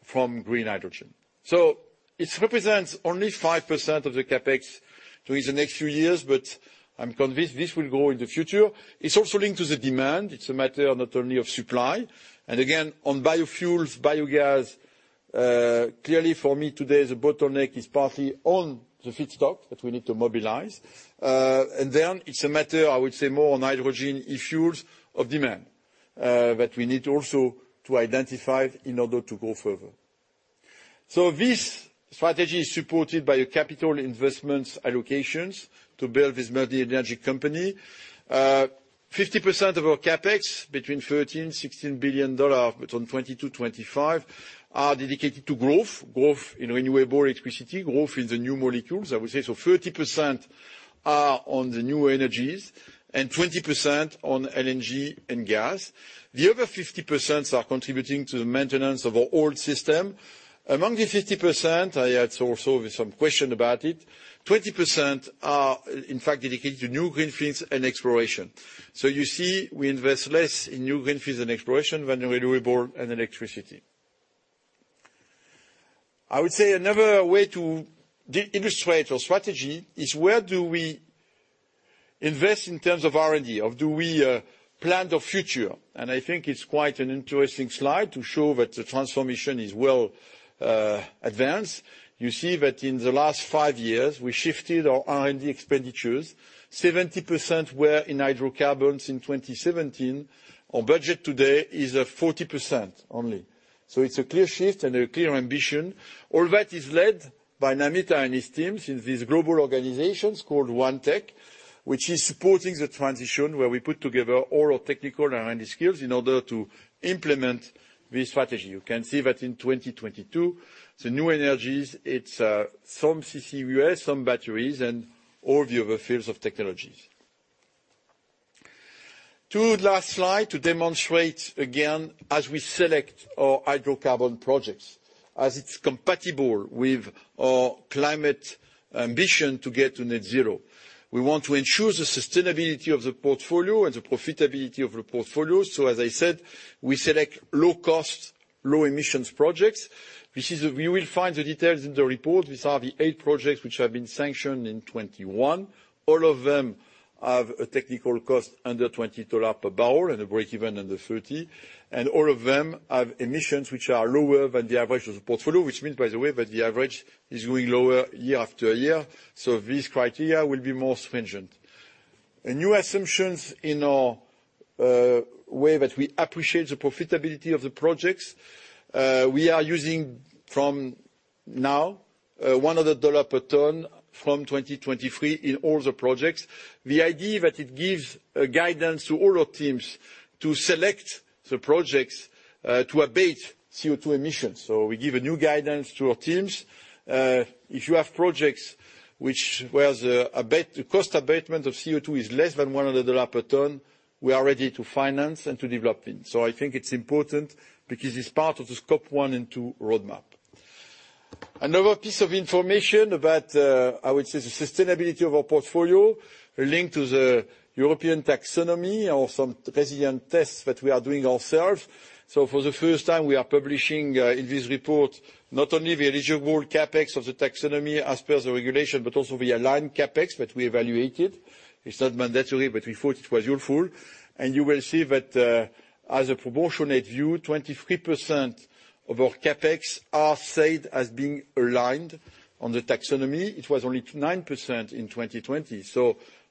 from green hydrogen. It represents only 5% of the CapEx within the next few years, but I'm convinced this will grow in the future. It's also linked to the demand. It's a matter not only of supply. Again, on biofuels, biogas, clearly for me today, the bottleneck is partly on the feedstock that we need to mobilize. Then it's a matter, I would say, more on hydrogen issues of demand, that we need also to identify in order to go further. This strategy is supported by a capital investments allocations to build this multi-energy company. 50% of our CapEx between $13 billion-$16 billion between 2020 to 2025 are dedicated to growth in renewable electricity, growth in the new molecules. I would say so 30% are on the new energies and 20% on LNG and gas. The other 50% are contributing to the maintenance of our old system. Among the 50%, I had also some question about it, 20% are in fact dedicated to new greenfields and exploration. You see, we invest less in new greenfields and exploration than renewable and electricity. I would say another way to illustrate our strategy is where do we invest in terms of R&D or do we plan the future. I think it's quite an interesting slide to show that the transformation is advanced. You see that in the last five years, we shifted our R&D expenditures. 70% were in hydrocarbons in 2017. Our budget today is at 40% only. It's a clear shift and a clear ambition. All that is led by Namita and his teams in these global organizations called OneTech, which is supporting the transition where we put together all our technical R&D skills in order to implement this strategy. You can see that in 2022, the new energies, it's some CCUS, some batteries, and all the other fields of technologies. The last two slides demonstrate again, as we select our hydrocarbon projects, that it's compatible with our climate ambition to get to net zero. We want to ensure the sustainability of the portfolio and the profitability of the portfolio. As I said, we select low cost, low emissions projects. You will find the details in the report. These are the eight projects which have been sanctioned in 2021. All of them have a technical cost under $20 per barrel and a break even under $30. All of them have emissions which are lower than the average of the portfolio, which means, by the way, that the average is going lower year after year. This criteria will be more stringent. A new assumption in our way that we appreciate the profitability of the projects, we are using from now $100 per ton from 2023 in all the projects. The idea that it gives guidance to all our teams to select the projects to abate CO2 emissions. We give a new guidance to our teams. If you have projects where the cost of abatement of CO2 is less than $100 per ton, we are ready to finance and to develop it. I think it's important because it's part of the Scope 1 and 2 roadmap. Another piece of information about, I would say, the sustainability of our portfolio linked to the European Taxonomy or some resilient tests that we are doing ourselves. For the first time, we are publishing in this report, not only the eligible CapEx of the taxonomy as per the regulation, but also the aligned CapEx that we evaluated. It's not mandatory, but we thought it was useful. You will see that, as a proportionate view, 23% of our CapEx are said as being aligned on the taxonomy. It was only 9% in 2020.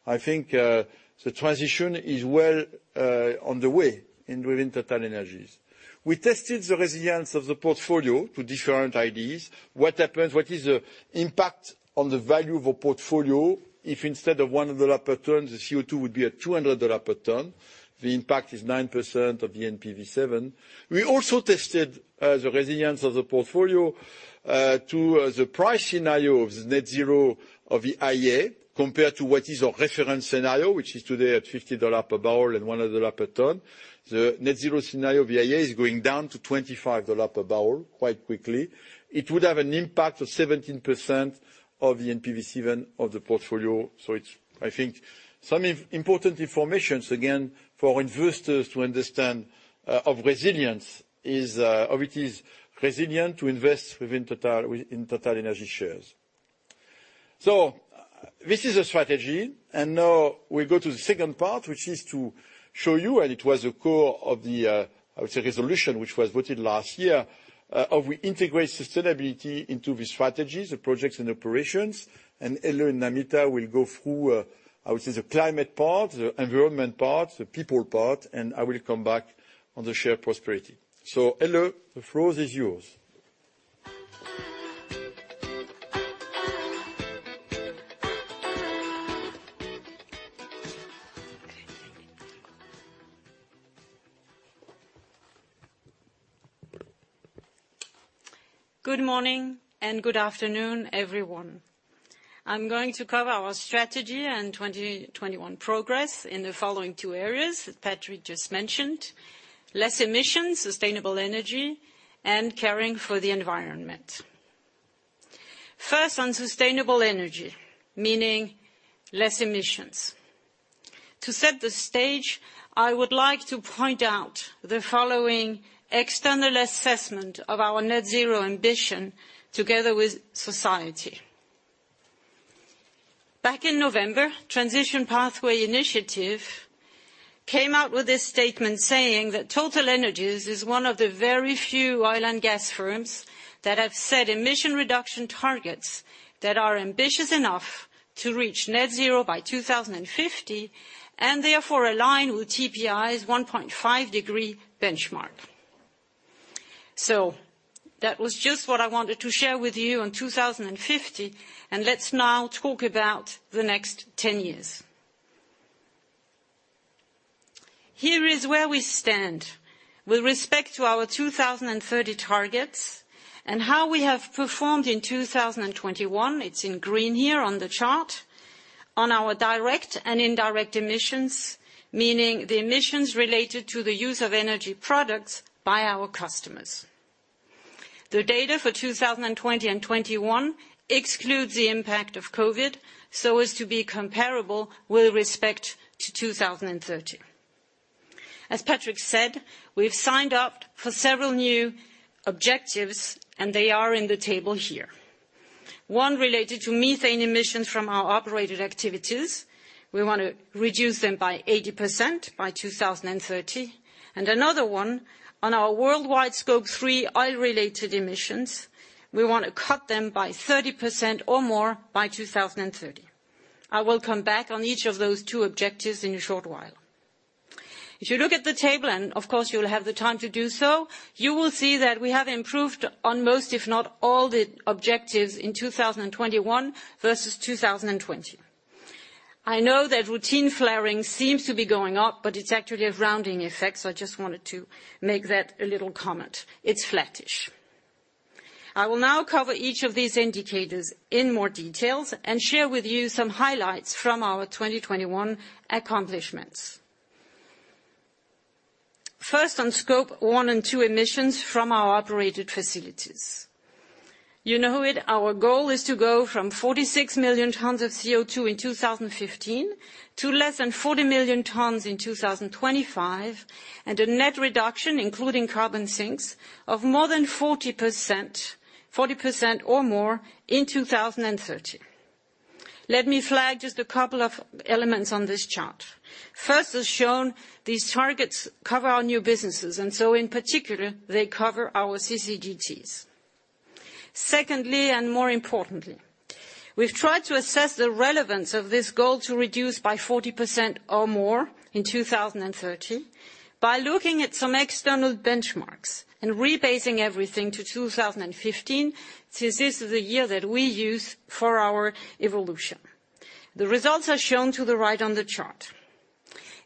I think the transition is well on the way within TotalEnergies. We tested the resilience of the portfolio to different ideas. What happens, what is the impact on the value of a portfolio if instead of $100 per ton, the CO2 would be at $200 per ton? The impact is 9% of the NPV 7. We also tested the resilience of the portfolio to the price scenario of the net zero of the IEA compared to what is our reference scenario, which is today at $50 per barrel and $100 per ton. The net zero scenario of the IEA is going down to $25 per barrel quite quickly. It would have an impact of 17% of the NPV 7 of the portfolio. It's, I think, some important information again for investors to understand of resilience is how it is resilient to invest within Total in TotalEnergies shares. This is a strategy, and now we go to the second part, which is to show you, and it was a core of the, I would say, resolution which was voted last year, how we integrate sustainability into the strategies, the projects and operations. Helle and Namita will go through, I would say, the climate part, the environment part, the people part, and I will come back on the shared prosperity. Helle, the floor is yours. Good morning and good afternoon, everyone. I'm going to cover our strategy and 2021 progress in the following two areas that Patrick just mentioned. Less emissions, sustainable energy, and caring for the environment. First, on sustainable energy, meaning less emissions. To set the stage, I would like to point out the following external assessment of our net zero ambition together with society. Back in November, Transition Pathway Initiative came out with this statement saying that TotalEnergies is one of the very few oil and gas firms that have set emission reduction targets that are ambitious enough to reach net zero by 2050, and therefore align with TPI's 1.5 degree benchmark. That was just what I wanted to share with you on 2050, and let's now talk about the next 10 years. Here is where we stand with respect to our 2030 targets and how we have performed in 2021. It's in green here on the chart. On our direct and indirect emissions, meaning the emissions related to the use of energy products by our customers. The data for 2020 and 2021 excludes the impact of COVID so as to be comparable with respect to 2030. As Patrick said, we've signed up for several new objectives, and they are in the table here. One related to methane emissions from our operated activities. We wanna reduce them by 80% by 2030. Another one on our worldwide Scope 3 oil-related emissions. We wanna cut them by 30% or more by 2030. I will come back on each of those two objectives in a short while. If you look at the table, and of course you'll have the time to do so, you will see that we have improved on most, if not all, the objectives in 2021 versus 2020. I know that routine flaring seems to be going up, but it's actually a rounding effect, so I just wanted to make that a little comment. It's flattish. I will now cover each of these indicators in more details and share with you some highlights from our 2021 accomplishments. First, on Scope 1 and 2 emissions from our operated facilities. You know it, our goal is to go from 46 million tons of CO2 in 2015 to less than 40 million tons in 2025, and a net reduction, including carbon sinks, of more than 40%, 40% or more in 2030. Let me flag just a couple of elements on this chart. First, as shown, these targets cover our new businesses, and so in particular, they cover our CCGTs. Secondly, and more importantly, we've tried to assess the relevance of this goal to reduce by 40% or more in 2030 by looking at some external benchmarks and rebasing everything to 2015, since this is the year that we use for our evolution. The results are shown to the right on the chart.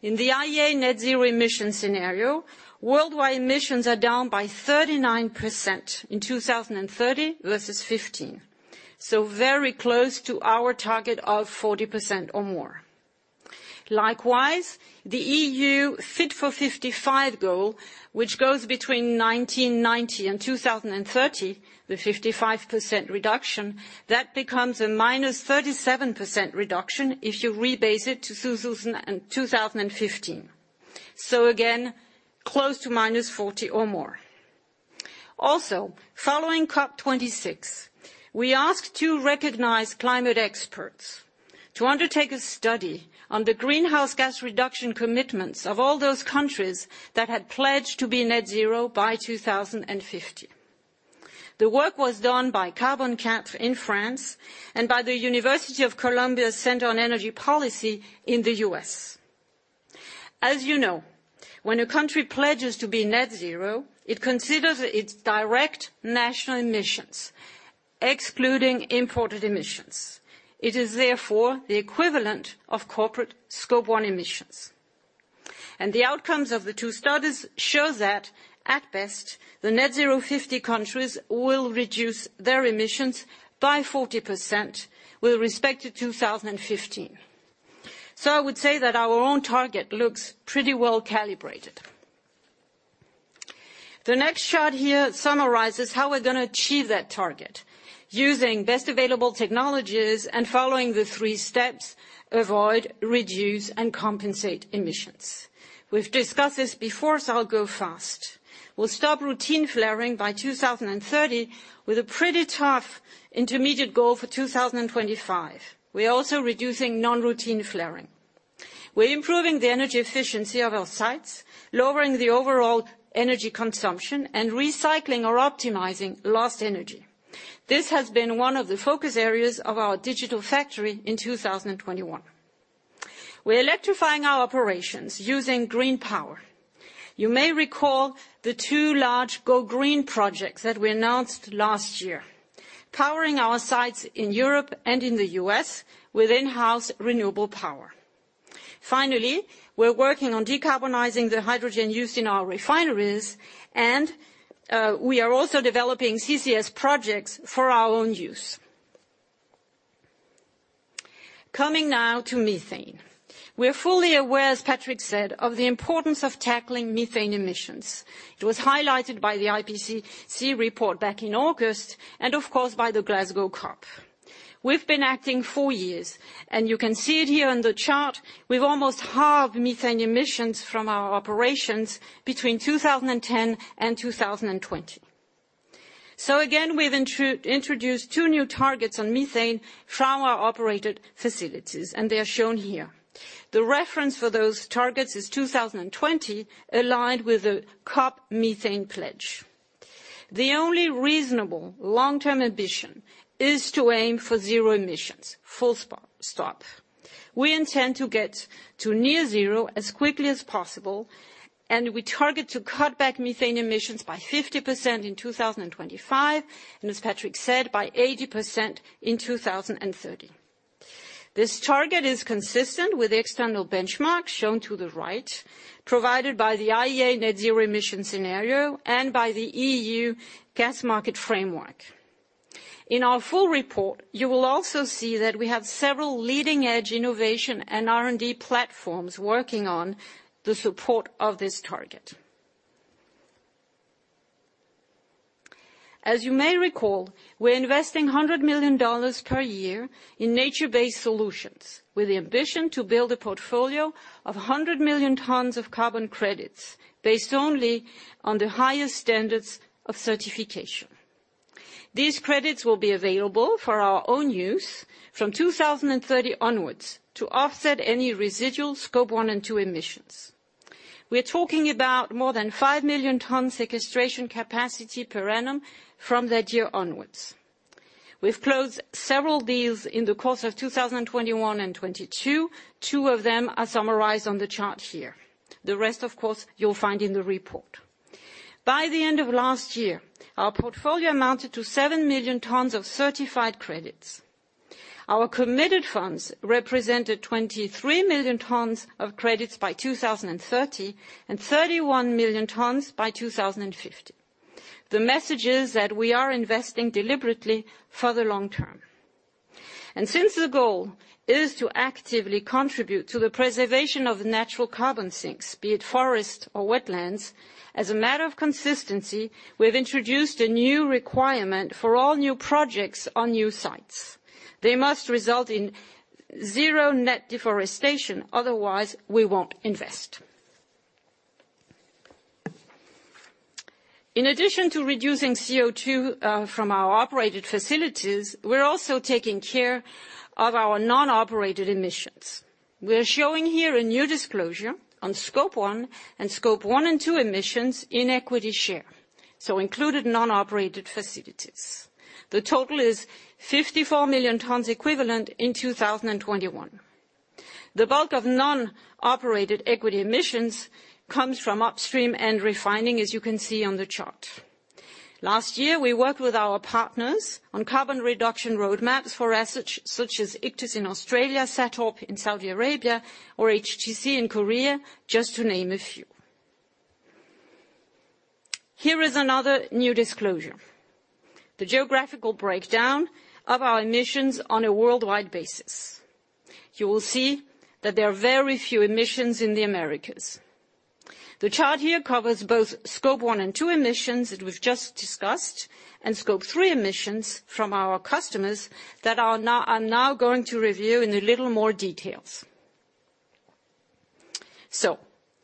In the IEA net zero emission scenario, worldwide emissions are down by 39% in 2030 versus 2015, so very close to our target of 40% or more. Likewise, the EU Fit for 55% goal, which goes between 1990 and 2030, the 55% reduction, that becomes a -37% reduction if you rebase it to 2015. Again, close to -40% or more. Following COP26, we asked two recognized climate experts to undertake a study on the greenhouse gas reduction commitments of all those countries that had pledged to be net zero by 2050. The work was done by Carbon [cath] in France and by the Columbia University Center on Global Energy Policy in the U.S. As you know, when a country pledges to be net zero, it considers its direct national emissions, excluding imported emissions. It is therefore the equivalent of corporate Scope 1 emissions. The outcomes of the two studies show that, at best, the net zero 50 countries will reduce their emissions by 40% with respect to 2015. I would say that our own target looks pretty well-calibrated. The next chart here summarizes how we're gonna achieve that target using best available technologies and following the three steps: avoid, reduce, and compensate emissions. We've discussed this before, so I'll go fast. We'll stop routine flaring by 2030 with a pretty tough intermediate goal for 2025. We're also reducing non-routine flaring. We're improving the energy efficiency of our sites, lowering the overall energy consumption, and recycling or optimizing lost energy. This has been one of the focus areas of our digital factory in 2021. We're electrifying our operations using green power. You may recall the two large Go Green projects that we announced last year, powering our sites in Europe and in the U.S. with in-house renewable power. Finally, we're working on decarbonizing the hydrogen used in our refineries, and we are also developing CCS projects for our own use. Coming now to methane. We're fully aware, as Patrick said, of the importance of tackling methane emissions. It was highlighted by the IPCC report back in August and, of course, by the Glasgow COP. We've been acting four years, and you can see it here on the chart, we've almost halved methane emissions from our operations between 2010 and 2020. Again, we've introduced two new targets on methane from our operated facilities, and they are shown here. The reference for those targets is 2020, aligned with the COP methane pledge. The only reasonable long-term ambition is to aim for zero emissions, full stop. We intend to get to near zero as quickly as possible, and we target to cut back methane emissions by 50% in 2025 and, as Patrick said, by 80% in 2030. This target is consistent with external benchmarks shown to the right, provided by the IEA net zero emission scenario and by the EU gas market framework. In our full report, you will also see that we have several leading-edge innovation and R&D platforms working in support of this target. As you may recall, we're investing $100 million per year in nature-based solutions with the ambition to build a portfolio of 100 million tons of carbon credits based only on the highest standards of certification. These credits will be available for our own use from 2030 onwards to offset any residual Scope 1 and 2 emissions. We are talking about more than 5 million tons sequestration capacity per annum from that year onwards. We've closed several deals in the course of 2021 and 2022. Two of them are summarized on the chart here. The rest, of course, you'll find in the report. By the end of last year, our portfolio amounted to 7 million tons of certified credits. Our committed funds represented 23 million tons of credits by 2030 and 31 million tons by 2050. The message is that we are investing deliberately for the long term. Since the goal is to actively contribute to the preservation of natural carbon sinks, be it forest or wetlands, as a matter of consistency, we have introduced a new requirement for all new projects on new sites. They must result in zero net deforestation, otherwise we won't invest. In addition to reducing CO2 from our operated facilities, we're also taking care of our non-operated emissions. We're showing here a new disclosure on Scope 1 and Scope 2 emissions in equity share, so included non-operated facilities. The total is 54 million tons equivalent in 2021. The bulk of non-operated equity emissions comes from upstream and refining, as you can see on the chart. Last year, we worked with our partners on carbon reduction roadmaps for assets such as Ichthys in Australia, SATORP in Saudi Arabia or HTP in Korea, just to name a few. Here is another new disclosure, the geographical breakdown of our emissions on a worldwide basis. You will see that there are very few emissions in the Americas. The chart here covers both Scope 1 and 2 emissions that we've just discussed, and Scope 3 emissions from our customers that are now, I'm now going to review in a little more details.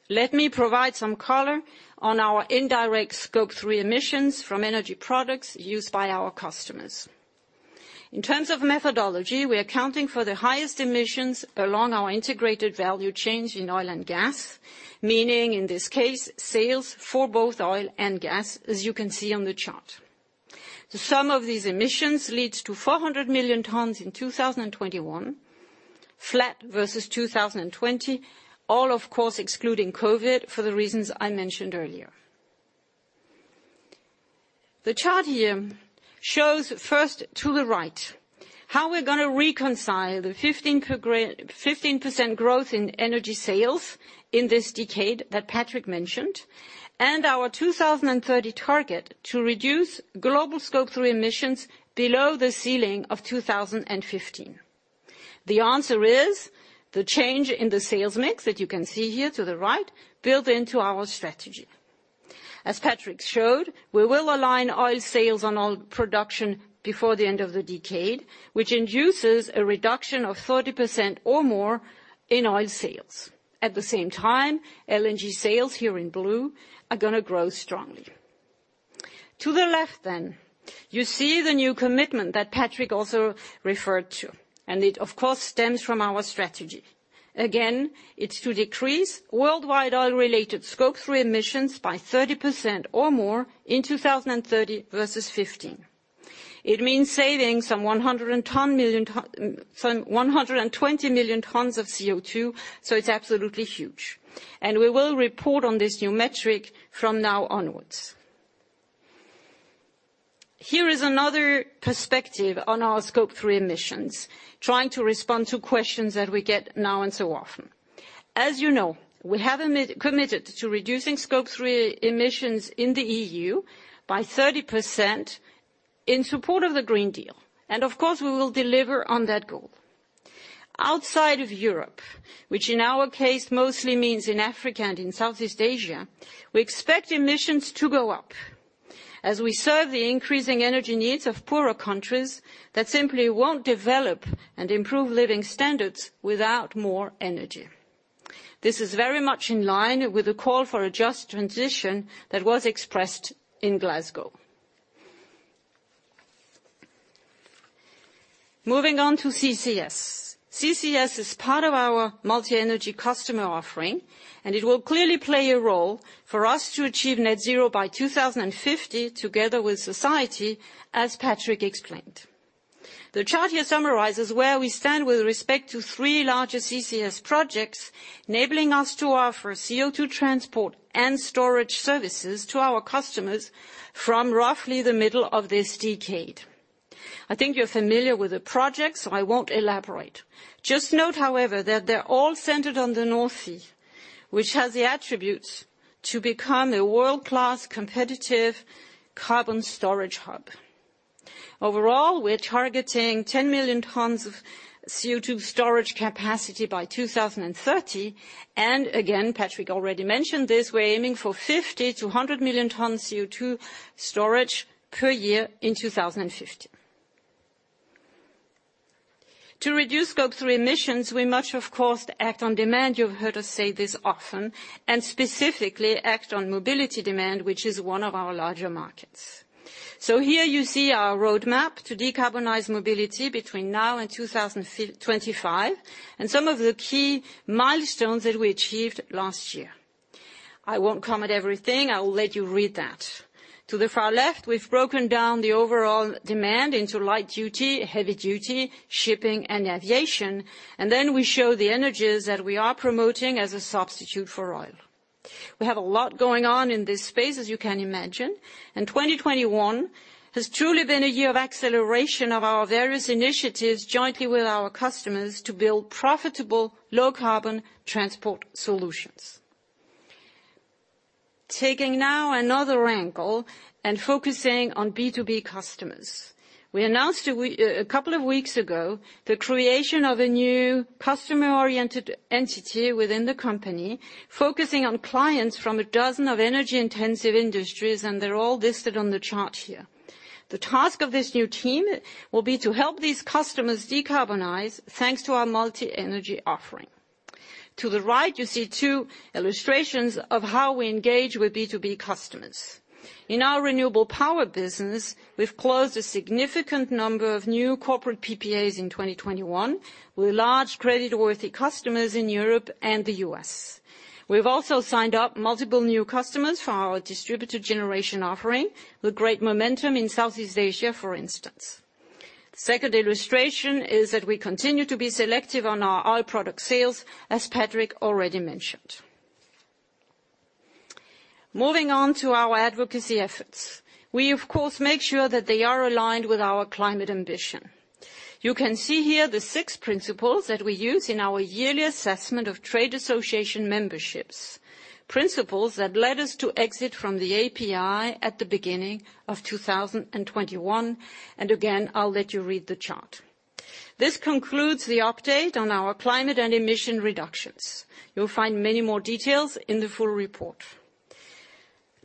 Let me provide some color on our indirect Scope 3 emissions from energy products used by our customers. In terms of methodology, we are accounting for the highest emissions along our integrated value chains in oil and gas, meaning in this case, sales for both oil and gas, as you can see on the chart. The sum of these emissions leads to 400 million tons in 2021, flat versus 2020, all of course, excluding COVID, for the reasons I mentioned earlier. The chart here shows first to the right, how we're gonna reconcile the 15% growth in energy sales in this decade that Patrick mentioned, and our 2030 target to reduce global Scope 3 emissions below the ceiling of 2015. The answer is the change in the sales mix that you can see here to the right built into our strategy. As Patrick showed, we will align oil sales on all production before the end of the decade, which induces a reduction of 30% or more in oil sales. At the same time, LNG sales, here in blue, are gonna grow strongly. To the left, you see the new commitment that Patrick also referred to, and it of course stems from our strategy. Again, it's to decrease worldwide oil-related Scope 3 emissions by 30% or more in 2030 versus 2015. It means saving some 100 million tons-- some 120 million tons of CO2, so it's absolutely huge. We will report on this new metric from now onwards. Here is another perspective on our Scope 3 emissions, trying to respond to questions that we get now and so often. As you know, we have committed to reducing Scope 3 emissions in the EU by 30% in support of the Green Deal. Of course we will deliver on that goal. Outside of Europe, which in our case mostly means in Africa and in Southeast Asia, we expect emissions to go up as we serve the increasing energy needs of poorer countries that simply won't develop and improve living standards without more energy. This is very much in line with the call for a just transition that was expressed in Glasgow. Moving on to CCS. CCS is part of our multi-energy customer offering, and it will clearly play a role for us to achieve net zero by 2050 together with society, as Patrick explained. The chart here summarizes where we stand with respect to three larger CCS projects, enabling us to offer CO2 transport and storage services to our customers from roughly the middle of this decade. I think you're familiar with the project, so I won't elaborate. Just note, however, that they're all centered on the North Sea, which has the attributes to become a world-class competitive carbon storage hub. Overall, we're targeting 10 million tons of CO2 storage capacity by 2030. Patrick already mentioned this, we're aiming for 50 million-100 million tons CO2 storage per year in 2050. To reduce Scope 3 emissions, we must of course act on demand. You've heard us say this often, and specifically act on mobility demand, which is one of our larger markets. Here you see our roadmap to decarbonize mobility between now and 2025, and some of the key milestones that we achieved last year. I won't comment everything. I will let you read that. To the far left, we've broken down the overall demand into light duty, heavy duty, shipping, and aviation, and then we show the energies that we are promoting as a substitute for oil. We have a lot going on in this space, as you can imagine, and 2021 has truly been a year of acceleration of our various initiatives jointly with our customers to build profitable low carbon transport solutions. Taking now another angle and focusing on B2B customers, we announced a couple of weeks ago, the creation of a new customer-oriented entity within the company, focusing on clients from a dozen of energy-intensive industries, and they're all listed on the chart here. The task of this new team will be to help these customers decarbonize thanks to our multi-energy offering. To the right you see two illustrations of how we engage with B2B customers. In our renewable power business, we've closed a significant number of new corporate PPAs in 2021 with large credit-worthy customers in Europe and the U.S. We've also signed up multiple new customers for our distributed generation offering, with great momentum in Southeast Asia, for instance. Second illustration is that we continue to be selective on our oil products sales, as Patrick already mentioned. Moving on to our advocacy efforts. We, of course, make sure that they are aligned with our climate ambition. You can see here the six principles that we use in our yearly assessment of trade association memberships, principles that led us to exit from the API at the beginning of 2021. Again, I'll let you read the chart. This concludes the update on our climate and emission reductions. You'll find many more details in the full report.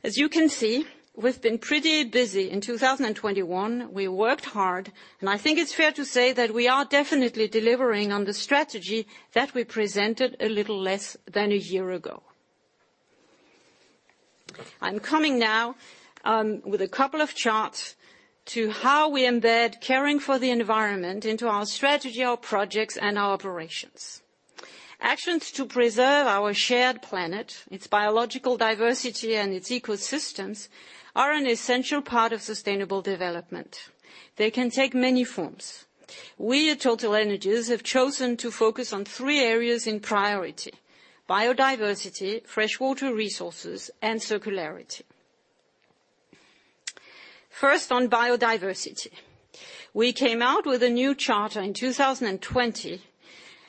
As you can see, we've been pretty busy in 2021. We worked hard, and I think it's fair to say that we are definitely delivering on the strategy that we presented a little less than a year ago. I'm coming now with a couple of charts to show how we embed caring for the environment into our strategy, our projects, and our operations. Actions to preserve our shared planet, its biological diversity, and its ecosystems are an essential part of sustainable development. They can take many forms. We at TotalEnergies have chosen to focus on three areas in priority: biodiversity, fresh water resources, and circularity. First, on biodiversity. We came out with a new charter in 2020,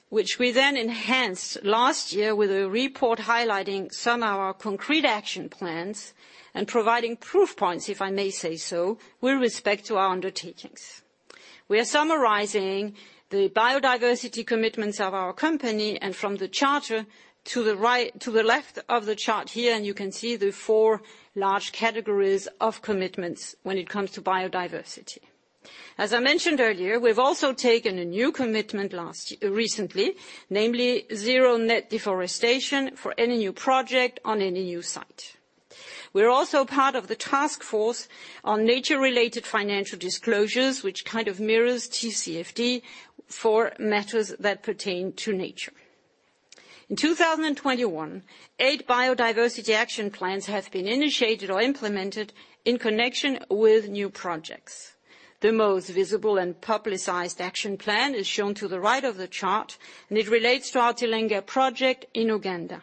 which we then enhanced last year with a report highlighting some of our concrete action plans and providing proof points, if I may say so, with respect to our undertakings. We are summarizing the biodiversity commitments of our company. From the charter to the right, to the left of the chart here, and you can see the four large categories of commitments when it comes to biodiversity. As I mentioned earlier, we've also taken a new commitment last year, recently, namely zero net deforestation for any new project on any new site. We're also part of the task force on nature-related financial disclosures, which kind of mirrors TCFD for matters that pertain to nature. In 2021, eight biodiversity action plans have been initiated or implemented in connection with new projects. The most visible and publicized action plan is shown to the right of the chart, and it relates to our Tilenga project in Uganda.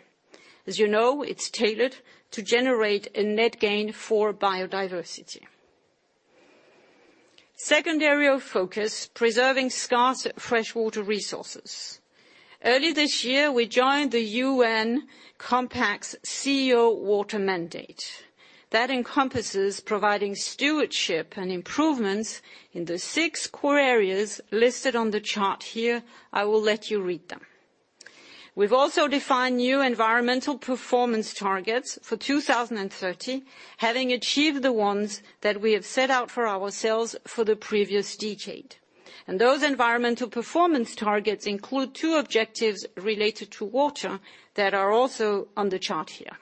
As you know, it's tailored to generate a net gain for biodiversity. Second area of focus, preserving scarce freshwater resources. Early this year, we joined the UN Global Compact's CEO Water Mandate. That encompasses providing stewardship and improvements in the six core areas listed on the chart here. I will let you read them. We've also defined new environmental performance targets for 2030, having achieved the ones that we have set out for ourselves for the previous decade. Those environmental performance targets include two objectives related to water that are also on the chart here.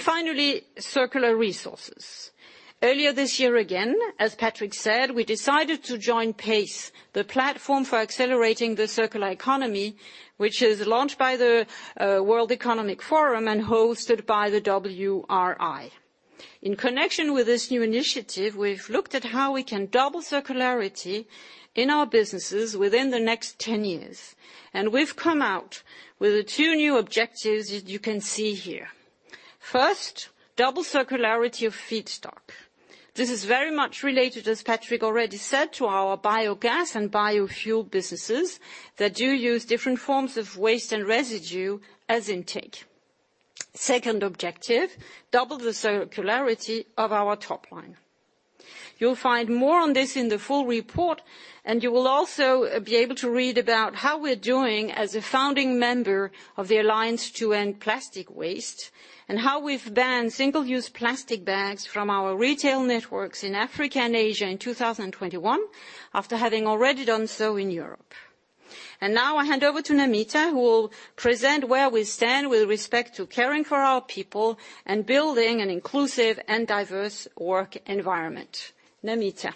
Finally, circular resources. Earlier this year again, as Patrick said, we decided to join PACE, the Platform for Accelerating the Circular Economy, which is launched by the World Economic Forum and hosted by the WRI. In connection with this new initiative, we've looked at how we can double circularity in our businesses within the next 10 years, and we've come out with the two new objectives that you can see here. First, double circularity of feedstock. This is very much related, as Patrick already said, to our biogas and biofuel businesses that do use different forms of waste and residue as intake. Second objective, double the circularity of our top line. You'll find more on this in the full report, and you will also be able to read about how we're doing as a founding member of the Alliance to End Plastic Waste and how we've banned single-use plastic bags from our retail networks in Africa and Asia in 2021 after having already done so in Europe. Now I hand over to Namita, who will present where we stand with respect to caring for our people and building an inclusive and diverse work environment. Namita?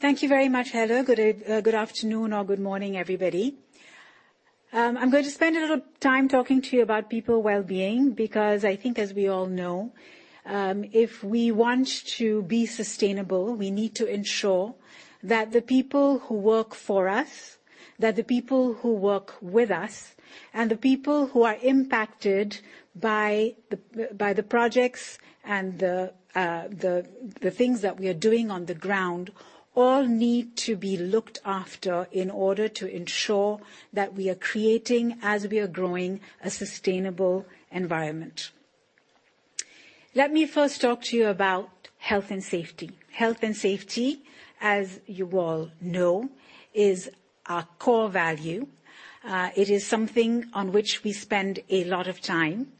Thank you very much, Helle. Good afternoon or good morning, everybody. I'm going to spend a little time talking to you about people's well-being because I think as we all know, if we want to be sustainable, we need to ensure that the people who work for us, that the people who work with us, and the people who are impacted by the projects and the things that we are doing on the ground all need to be looked after in order to ensure that we are creating, as we are growing, a sustainable environment. Let me first talk to you about health and safety. Health and safety, as you all know, is our core value. It is something on which we spend a lot of time.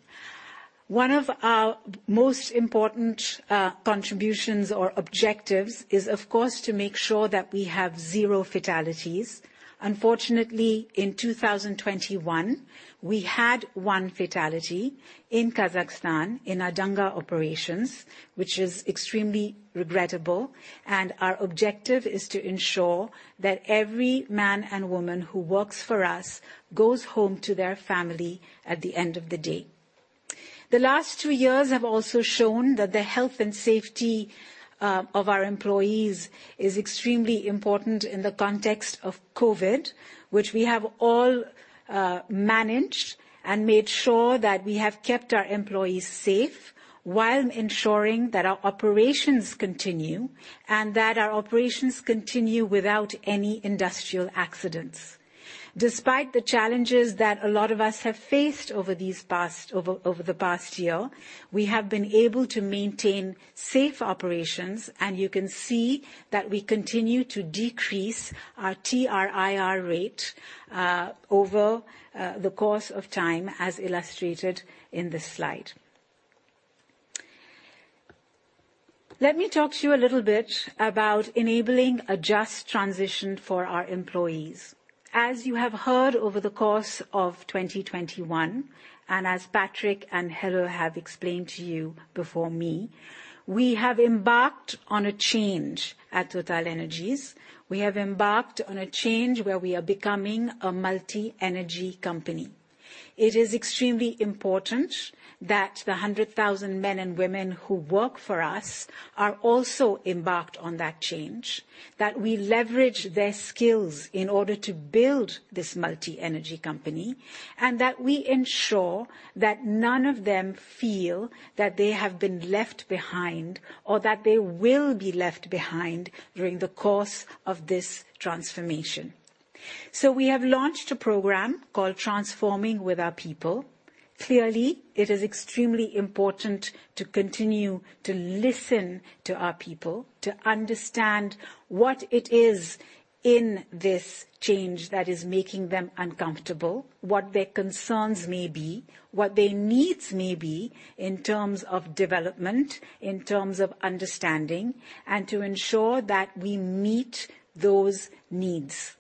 One of our most important contributions or objectives is, of course, to make sure that we have zero fatalities. Unfortunately, in 2021, we had one fatality in Kazakhstan in our Dunga operations, which is extremely regrettable. Our objective is to ensure that every man and woman who works for us goes home to their family at the end of the day. The last two years have also shown that the health and safety of our employees is extremely important in the context of COVID, which we have all managed and made sure that we have kept our employees safe while ensuring that our operations continue without any industrial accidents. Despite the challenges that a lot of us have faced over the past year, we have been able to maintain safe operations, and you can see that we continue to decrease our TRIR rate over the course of time, as illustrated in this slide. Let me talk to you a little bit about enabling a just transition for our employees. As you have heard over the course of 2021, and as Patrick and Helle have explained to you before me, we have embarked on a change at TotalEnergies. We have embarked on a change where we are becoming a multi-energy company. It is extremely important that the 100,000 men and women who work for us are also embarked on that change, that we leverage their skills in order to build this multi-energy company, and that we ensure that none of them feel that they have been left behind or that they will be left behind during the course of this transformation. We have launched a program called Transforming With Our People. Clearly, it is extremely important to continue to listen to our people, to understand what it is in this change that is making them uncomfortable, what their concerns may be, what their needs may be in terms of development, in terms of understanding, and to ensure that we meet those needs.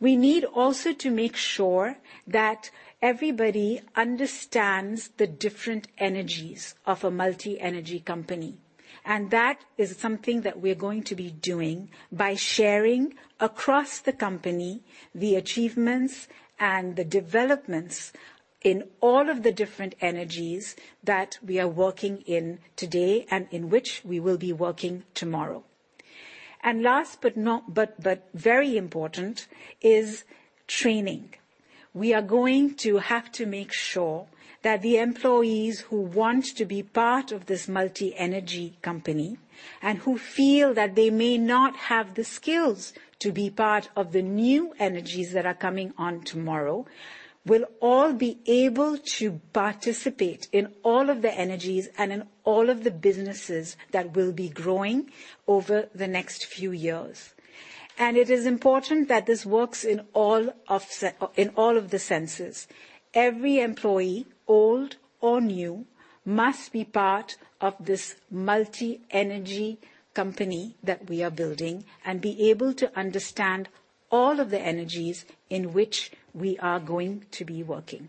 We need also to make sure that everybody understands the different energies of a multi-energy company, and that is something that we're going to be doing by sharing across the company the achievements and the developments in all of the different energies that we are working in today and in which we will be working tomorrow. Last but very important is training. We are going to have to make sure that the employees who want to be part of this multi-energy company and who feel that they may not have the skills to be part of the new energies that are coming on tomorrow will all be able to participate in all of the energies and in all of the businesses that will be growing over the next few years. It is important that this works in all of the senses. Every employee, old or new, must be part of this multi-energy company that we are building and be able to understand all of the energies in which we are going to be working.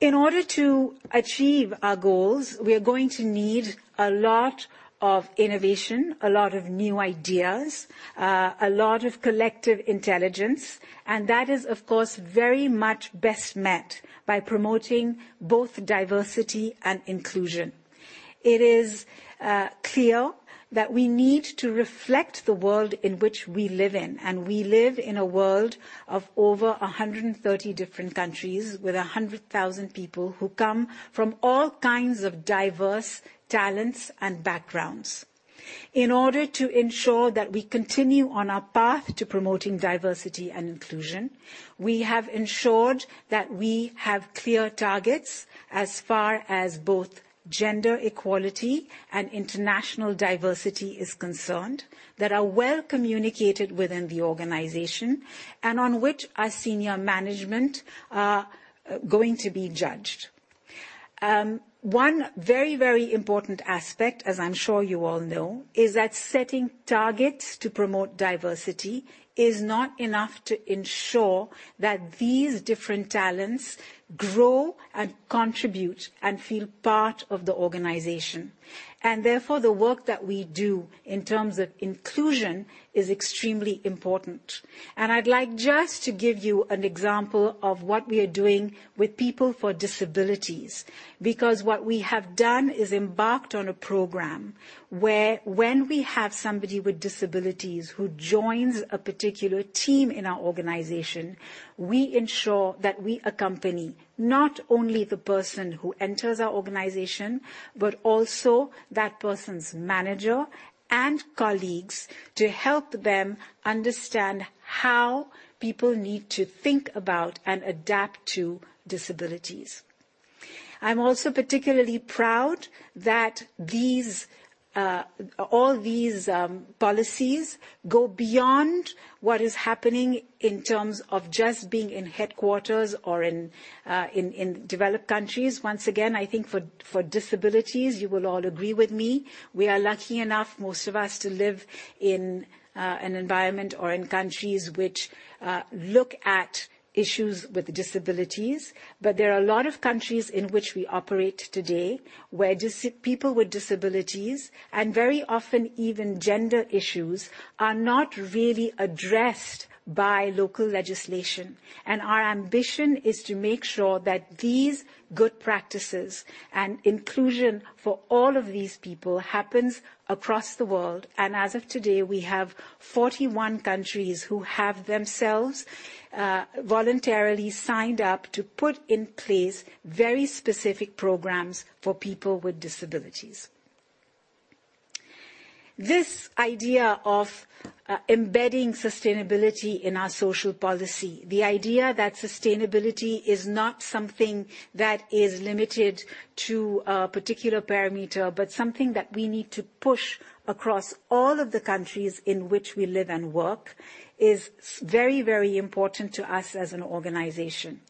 In order to achieve our goals, we are going to need a lot of innovation, a lot of new ideas, a lot of collective intelligence, and that is, of course, very much best met by promoting both diversity and inclusion. It is clear that we need to reflect the world in which we live in, and we live in a world of over 130 different countries with 100,000 people who come from all kinds of diverse talents and backgrounds. In order to ensure that we continue on our path to promoting diversity and inclusion, we have ensured that we have clear targets as far as both gender equality and international diversity is concerned that are well communicated within the organization and on which our senior management are going to be judged. One very important aspect, as I'm sure you all know, is that setting targets to promote diversity is not enough to ensure that these different talents grow and contribute and feel part of the organization. Therefore, the work that we do in terms of inclusion is extremely important. I'd like just to give you an example of what we are doing with people for disabilities, because what we have done is embarked on a program where when we have somebody with disabilities who joins a particular team in our organization, we ensure that we accompany not only the person who enters our organization, but also that person's manager and colleagues to help them understand how people need to think about and adapt to disabilities. I'm also particularly proud that these, all these, policies go beyond what is happening in terms of just being in headquarters or in developed countries. Once again, I think for disabilities, you will all agree with me. We are lucky enough, most of us, to live in an environment or in countries which look at issues with disabilities. There are a lot of countries in which we operate today where people with disabilities, and very often even gender issues, are not really addressed by local legislation. Our ambition is to make sure that these good practices and inclusion for all of these people happens across the world. As of today, we have 41 countries who have themselves voluntarily signed up to put in place very specific programs for people with disabilities. This idea of embedding sustainability in our social policy, the idea that sustainability is not something that is limited to a particular parameter, but something that we need to push across all of the countries in which we live and work is very, very important to us as an organization.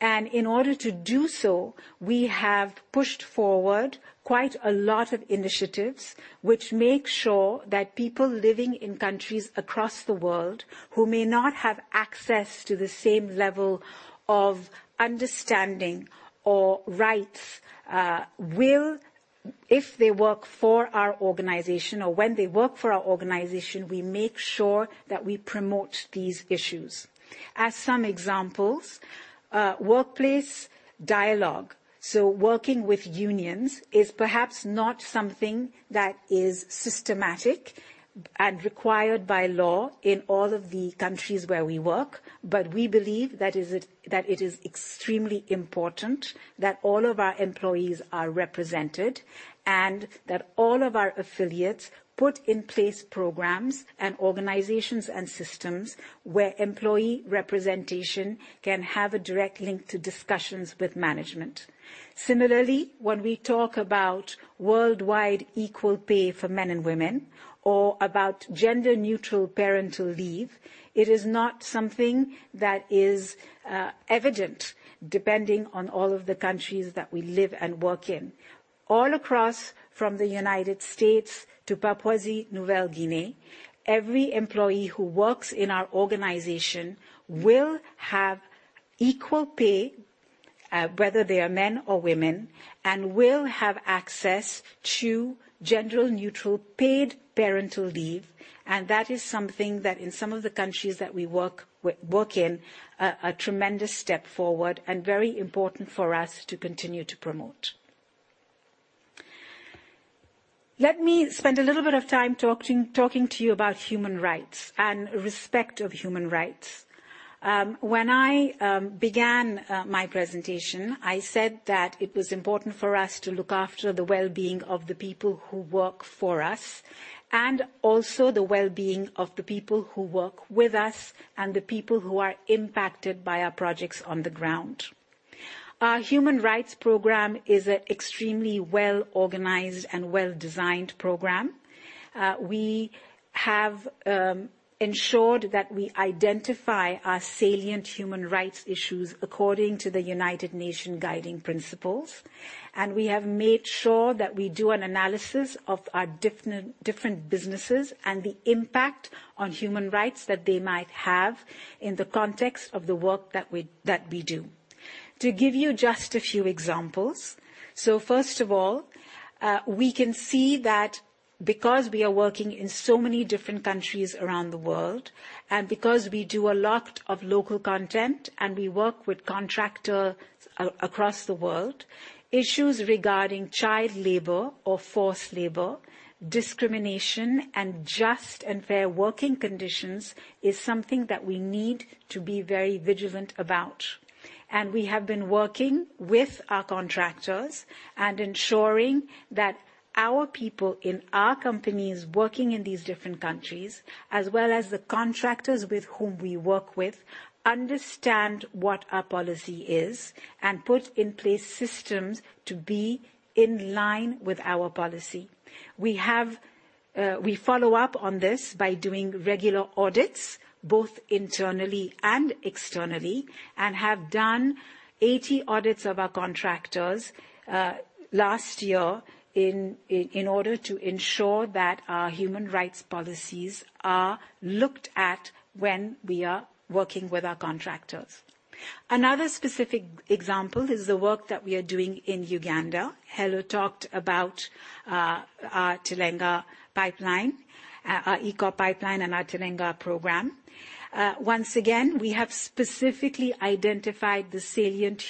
In order to do so, we have pushed forward quite a lot of initiatives which make sure that people living in countries across the world who may not have access to the same level of understanding or rights. If they work for our organization or when they work for our organization, we make sure that we promote these issues. As some examples, workplace dialogue. Working with unions is perhaps not something that is systematic and required by law in all of the countries where we work, but we believe that it is extremely important that all of our employees are represented, and that all of our affiliates put in place programs and organizations and systems where employee representation can have a direct link to discussions with management. Similarly, when we talk about worldwide equal pay for men and women or about gender-neutral parental leave, it is not something that is evident depending on all of the countries that we live and work in. All across from the United States to Papua New Guinea, every employee who works in our organization will have equal pay, whether they are men or women, and will have access to gender-neutral paid parental leave. That is something that in some of the countries that we work in a tremendous step forward and very important for us to continue to promote. Let me spend a little bit of time talking to you about human rights and respect of human rights. When I began my presentation, I said that it was important for us to look after the well-being of the people who work for us and also the well-being of the people who work with us and the people who are impacted by our projects on the ground. Our human rights program is an extremely well-organized and well-designed program. We have ensured that we identify our salient human rights issues according to the United Nations Guiding Principles, and we have made sure that we do an analysis of our different businesses and the impact on human rights that they might have in the context of the work that we do. To give you just a few examples. First of all, we can see that because we are working in so many different countries around the world, and because we do a lot of local content and we work with contractors across the world, issues regarding child labor or forced labor, discrimination, and just and fair working conditions is something that we need to be very vigilant about. We have been working with our contractors and ensuring that our people in our companies working in these different countries, as well as the contractors with whom we work with, understand what our policy is and put in place systems to be in line with our policy. We follow up on this by doing regular audits, both internally and externally, and have done 80 audits of our contractors last year in order to ensure that our human rights policies are looked at when we are working with our contractors. Another specific example is the work that we are doing in Uganda. Helle talked about our Tilenga pipeline, our EACOP and our Tilenga program. Once again, we have specifically identified the salient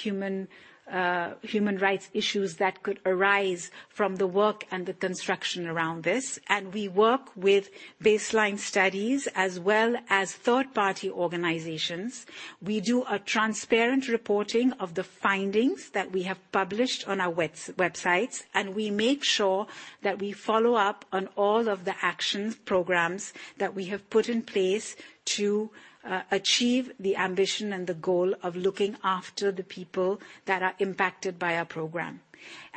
human rights issues that could arise from the work and the construction around this, and we work with baseline studies as well as third-party organizations. We do a transparent reporting of the findings that we have published on our websites, and we make sure that we follow up on all of the actions, programs that we have put in place to achieve the ambition and the goal of looking after the people that are impacted by our program.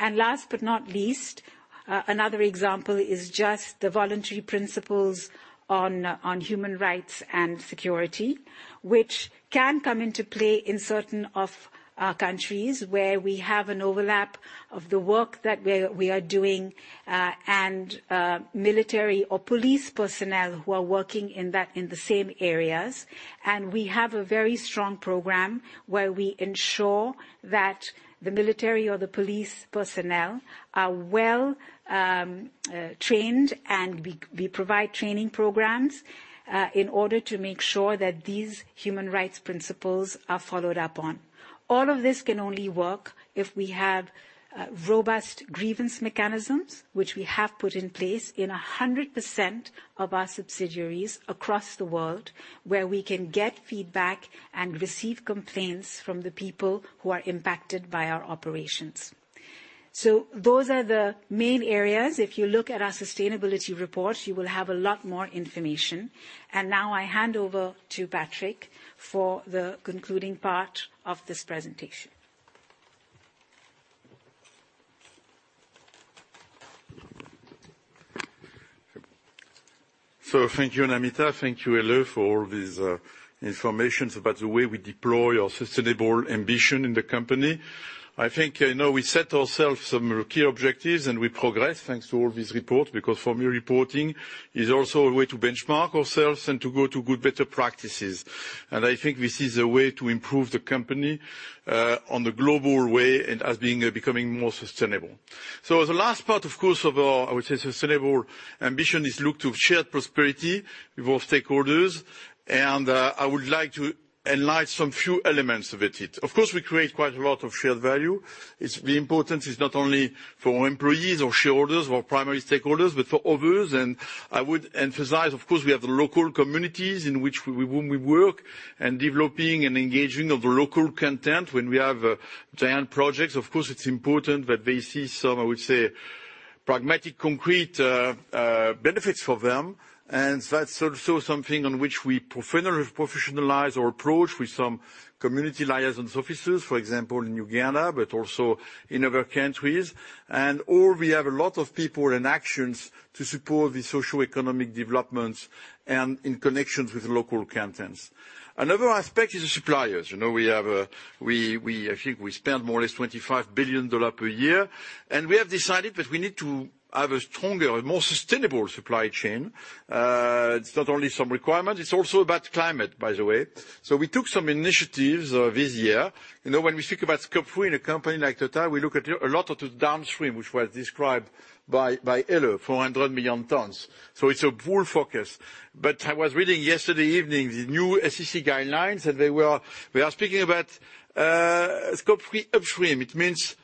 Last but not least, another example is just the voluntary principles on human rights and security, which can come into play in certain of our countries where we have an overlap of the work that we are doing and military or police personnel who are working in that, in the same areas. We have a very strong program where we ensure that the military or the police personnel are well trained, and we provide training programs in order to make sure that these human rights principles are followed up on. All of this can only work if we have robust grievance mechanisms, which we have put in place in 100% of our subsidiaries across the world, where we can get feedback and receive complaints from the people who are impacted by our operations. Those are the main areas. If you look at our sustainability report, you will have a lot more information. Now I hand over to Patrick for the concluding part of this presentation. Thank you, Namita. Thank you, Helle, for all this information about the way we deploy our sustainable ambition in the company. I think, you know, we set ourselves some key objectives and we progress thanks to all this report, because for me, reporting is also a way to benchmark ourselves and to go to good, better practices. I think this is a way to improve the company on the global way and becoming more sustainable. The last part, of course, of our, I would say, sustainable ambition is look to shared prosperity with all stakeholders, and I would like to enlighten some few elements of it. Of course, we create quite a lot of shared value. Its importance is not only for our employees or shareholders or primary stakeholders, but for others. I would emphasize, of course, we have the local communities with whom we work, developing and engaging in local content. When we have giant projects, of course it's important that they see some, I would say, pragmatic, concrete benefits for them. That's also something on which we professionalize our approach with some community liaison officers, for example, in Uganda, but also in other countries. We have a lot of people and actions to support the socioeconomic developments and connections with local content. Another aspect is the suppliers. You know, we have, we, I think we spend more or less $25 billion per year, and we have decided that we need to have a stronger and more sustainable supply chain. It's not only some requirement, it's also about climate, by the way. We took some initiatives this year. When we think about Scope 3 in a company like Total, we look at a lot of the downstream, which was described by Helle, 400 million tons. It's a full focus. I was reading yesterday evening the new SEC guidelines, and they are speaking about Scope 3 upstream. It means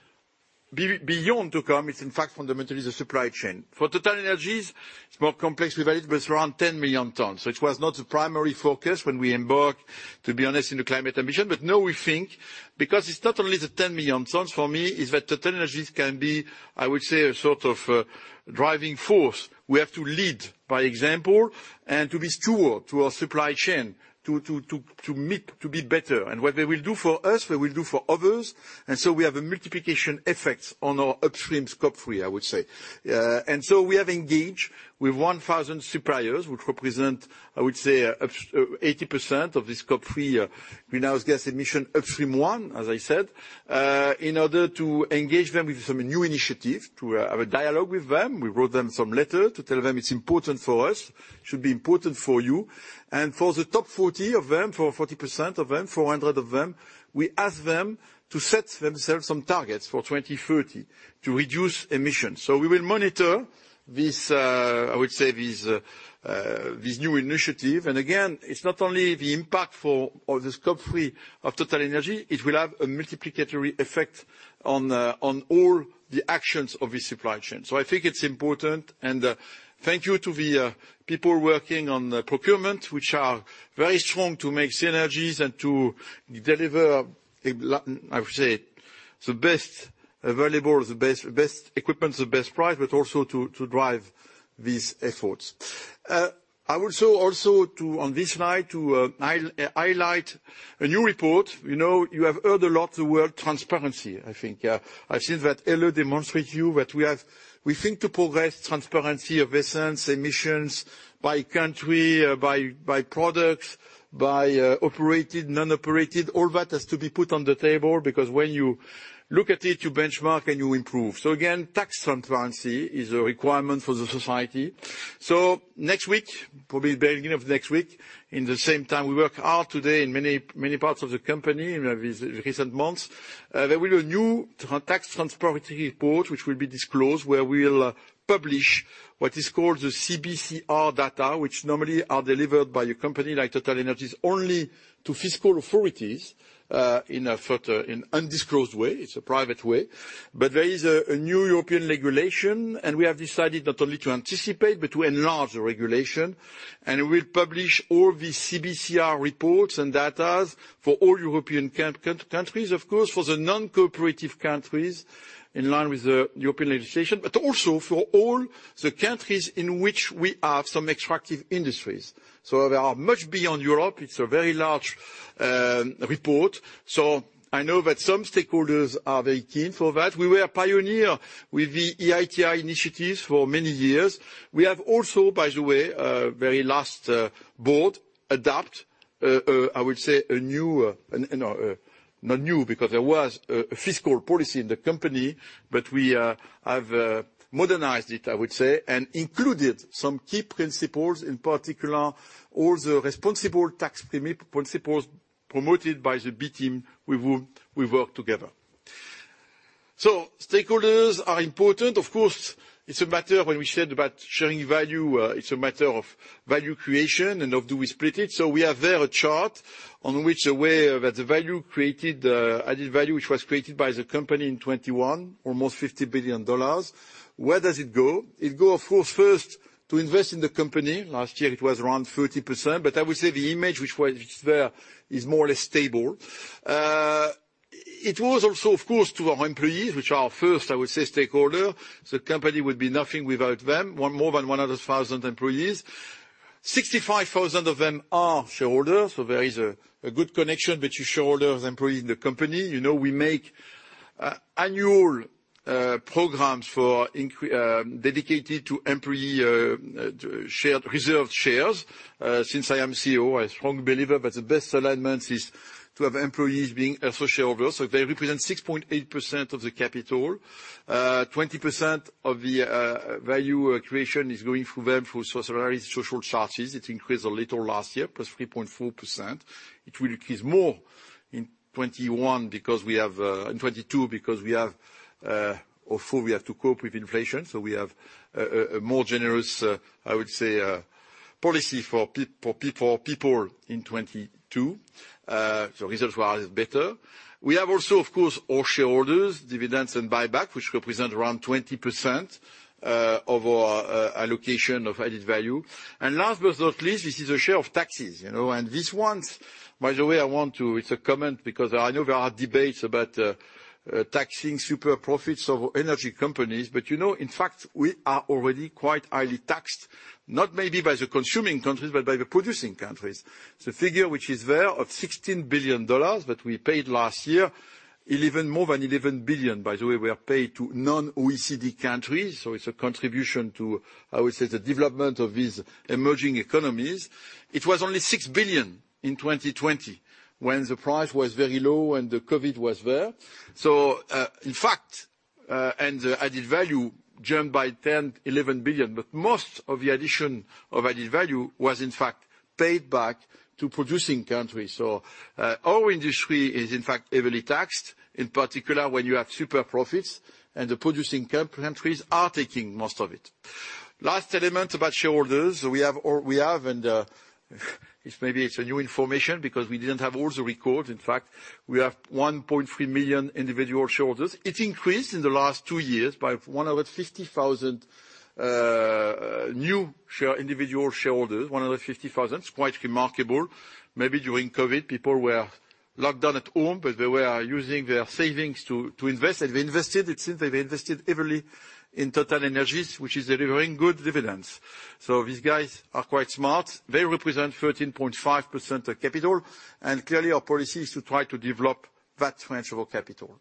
beyond to come. It's in fact fundamentally the supply chain. For TotalEnergies, it's more complex. We deal with around 10 million tons, which was not the primary focus when we embarked, to be honest, in the climate emissions. Now we think because it's not only the 10 million tons for me, it's that TotalEnergies can be, I would say, a sort of driving force. We have to lead by example and to be steward to our supply chain to meet, to be better. What they will do for us, we will do for others. We have a multiplication effect on our upstream Scope 3, I would say. We have engaged with 1,000 suppliers, which represent, I would say 80% of the Scope 3 greenhouse gas emission upstream one, as I said, in order to engage them with some new initiative, to have a dialogue with them. We wrote them some letter to tell them it's important for us, it should be important for you. For the top 40 of them, for 40% of them, 400 of them, we ask them to set themselves some targets for 2030 to reduce emissions. We will monitor this, I would say, this new initiative. Again, it's not only the impact for, of the Scope 3 of TotalEnergies, it will have a multiplicatory effect on all the actions of the supply chain. I think it's important, and, thank you to the, people working on the procurement, which are very strong to make synergies and to deliver. I would say the best available, the best equipment, the best price, but also to drive these efforts. I would show also to, on this slide, to highlight a new report. You know, you have heard a lot the word transparency, I think. I've seen that Helle demonstrated to you that we think to progress transparency of essence: emissions by country, by products, by operated, non-operated, all that has to be put on the table because when you look at it, you benchmark and you improve. Again, tax transparency is a requirement for society. Next week, probably beginning of next week, at the same time, we work hard today in many, many parts of the company in recent months. There will be a new tax transparency report which will be disclosed, where we'll publish what is called the CBCR data, which normally are delivered by a company like TotalEnergies, only to fiscal authorities, in an undisclosed way. It's a private way. There is a new European regulation, and we have decided not only to anticipate but to enlarge the regulation. We'll publish all the CBCR reports and data for all European countries, of course, for the non-cooperative countries in line with the European legislation, but also for all the countries in which we have some extractive industries. They are much beyond Europe. It's a very large report. I know that some stakeholders are very keen for that. We were pioneers with the EITI initiatives for many years. We have also, by the way, the very last board adopted a, I would say, a new, not new because there was a fiscal policy in the company, but we have modernized it, I would say, and included some key principles, in particular all the responsible tax principles promoted by the B Team. We will work together. Stakeholders are important. Of course, it's a matter, when we said about sharing value, it's a matter of value creation and of do we split it. We have there a chart on which the way the value created, added value which was created by the company in 2021, almost $50 billion. Where does it go? It goes, of course, first to invest in the company. Last year it was around 30%, but I would say the image which was there is more or less stable. It was also, of course, to our employees, who are first, I would say, stakeholders. The company would be nothing without them. More than 100,000 employees. 65,000 of them are shareholders. There is a good connection between shareholders and employees in the company. You know, we make annual programs dedicated to employee shared reserved shares. Since I am CEO, a strong believer that the best alignment is to have employees being also shareholders, so they represent 6.8% of the capital. 20% of the value creation is going through them through salaries, social charges. It increased a little last year, +3.4%. It will increase more in 2022 because we have to cope with inflation, so we have a more generous, I would say, policy for people in 2022. So results were a little better. We have also, of course, our shareholders, dividends and buyback, which represent around 20% of our allocation of added value. Last but not least, this is a share of taxes, you know. This one, by the way, it's a comment because I know there are debates about taxing super profits of energy companies. You know, in fact, we are already quite highly taxed, not maybe by the consuming countries, but by the producing countries. The figure which is there of $16 billion that we paid last year, $11 billion, more than $11 billion, by the way, were paid to non-OECD countries. It's a contribution to, I would say, the development of these emerging economies. It was only $6 billion in 2020 when the price was very low and the COVID was there. In fact, and the added value jumped by $10 billion-$11 billion, but most of the addition of added value was in fact paid back to producing countries. Our industry is in fact heavily taxed, in particular, when you have super profits and the producing countries are taking most of it. Last element about shareholders, it's maybe a new information because we didn't have all the records. In fact, we have 1.3 million individual shareholders. It increased in the last two years by 150,000 new individual shareholders. It's quite remarkable. Maybe during COVID, people were locked down at home, but they were using their savings to invest. They've invested. It seems they've invested heavily in TotalEnergies, which is delivering good dividends. These guys are quite smart. They represent 13.5% of capital, and clearly our policy is to try to develop that transferable capital.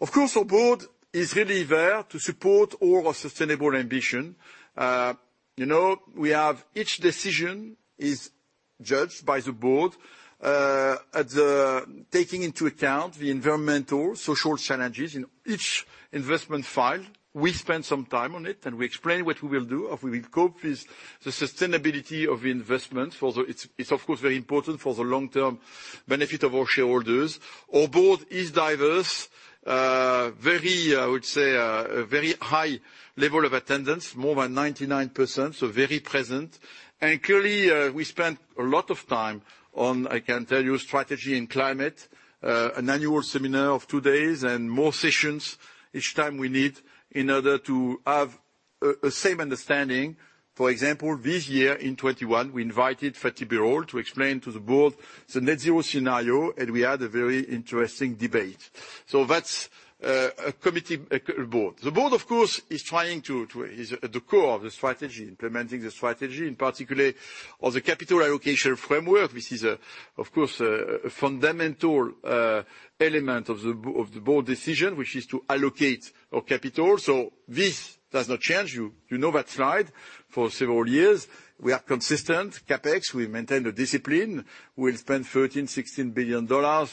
Of course, our board is really there to support all our sustainable ambition. You know, we have each decision is judged by the board, at the taking into account the environmental, social challenges in each investment file. We spend some time on it, and we explain what we will do. If we will cope with the sustainability of investment, it's of course, very important for the long-term benefit of our shareholders. Our board is diverse. Very, I would say, very high level of attendance, more than 99%, so very present. Clearly, we spent a lot of time on, I can tell you, strategy and climate, an annual seminar of two days and more sessions each time we need in order to have a same understanding. For example, this year in 2021, we invited Fatih Birol to explain to the board the net zero scenario, and we had a very interesting debate. That's a committed board. The board, of course, is at the core of the strategy, implementing the strategy, in particular of the capital allocation framework. This is, of course, a fundamental element of the board decision, which is to allocate our capital. This does not change. You know that slide for several years. We are consistent. CapEx, we maintain the discipline. We'll spend $13 billion-$16 billion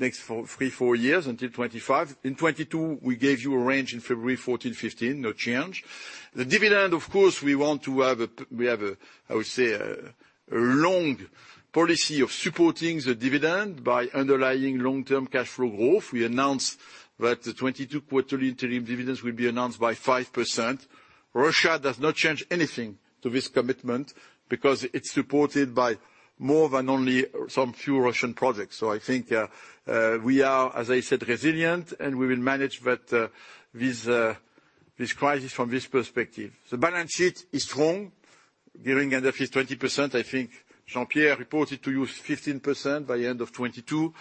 next for three-four years until 2025. In 2022, we gave you a range in February, 14-15, no change. The dividend, of course, we want to have a long policy of supporting the dividend by underlying long-term cash flow growth. We announced that the 2022 quarterly interim dividends will be enhanced by 5%. Russia does not change anything to this commitment because it's supported by more than only some few Russian projects. I think we are, as I said, resilient, and we will manage that this crisis from this perspective. The balance sheet is strong, gearing under 20%. I think Jean-Pierre reported to you 15% by end of 2022.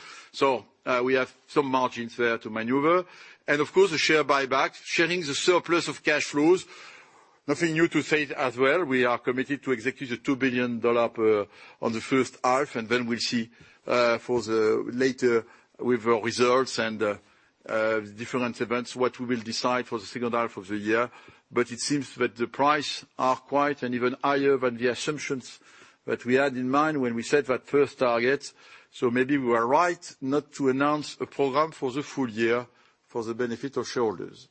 We have some margins there to maneuver. Of course, the share buyback, sharing the surplus of cash flows. Nothing new to say as well. We are committed to execute the $2 billion in the first half, and then we'll see, for the latter with our results and different events, what we will decide for the second half of the year. It seems that the prices are quite high and even higher than the assumptions that we had in mind when we set that first target. Maybe we were right not to announce a program for the full year for the benefit of shareholders.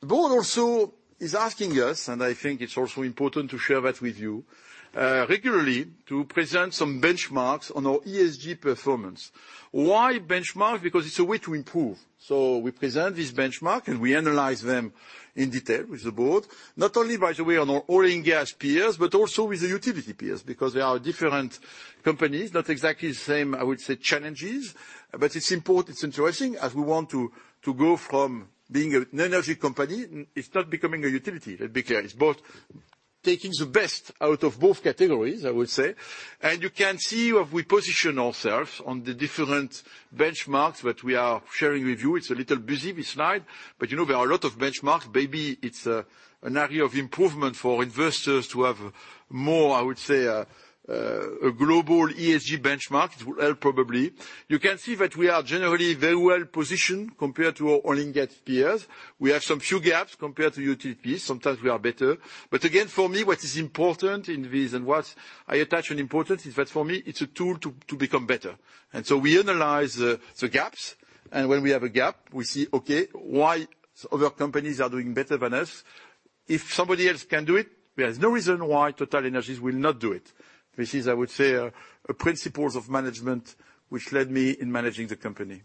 The board also is asking us, and I think it's also important to share that with you, regularly to present some benchmarks on our ESG performance. Why benchmark? Because it's a way to improve. We present this benchmark, and we analyze them in detail with the board, not only by the way on our oil and gas peers, but also with the utility peers because they are different companies, not exactly the same, I would say, challenges. It's interesting as we want to go from being an energy company. It's not becoming a utility, let's be clear. It's both. Taking the best out of both categories, I would say. You can see where we position ourselves on the different benchmarks that we are sharing with you. It's a little busy, this slide, but you know there are a lot of benchmarks. Maybe it's an area of improvement for investors to have more, I would say, a global ESG benchmark. It will help probably. You can see that we are generally very well-positioned compared to our oil and gas peers. We have some few gaps compared to utility peers. Sometimes we are better. Again, for me, what is important in this and what I attach an importance is that for me, it's a tool to become better. We analyze the gaps, and when we have a gap, we see, okay, why other companies are doing better than us. If somebody else can do it, there's no reason why TotalEnergies will not do it. This is, I would say, a principles of management which led me in managing the company.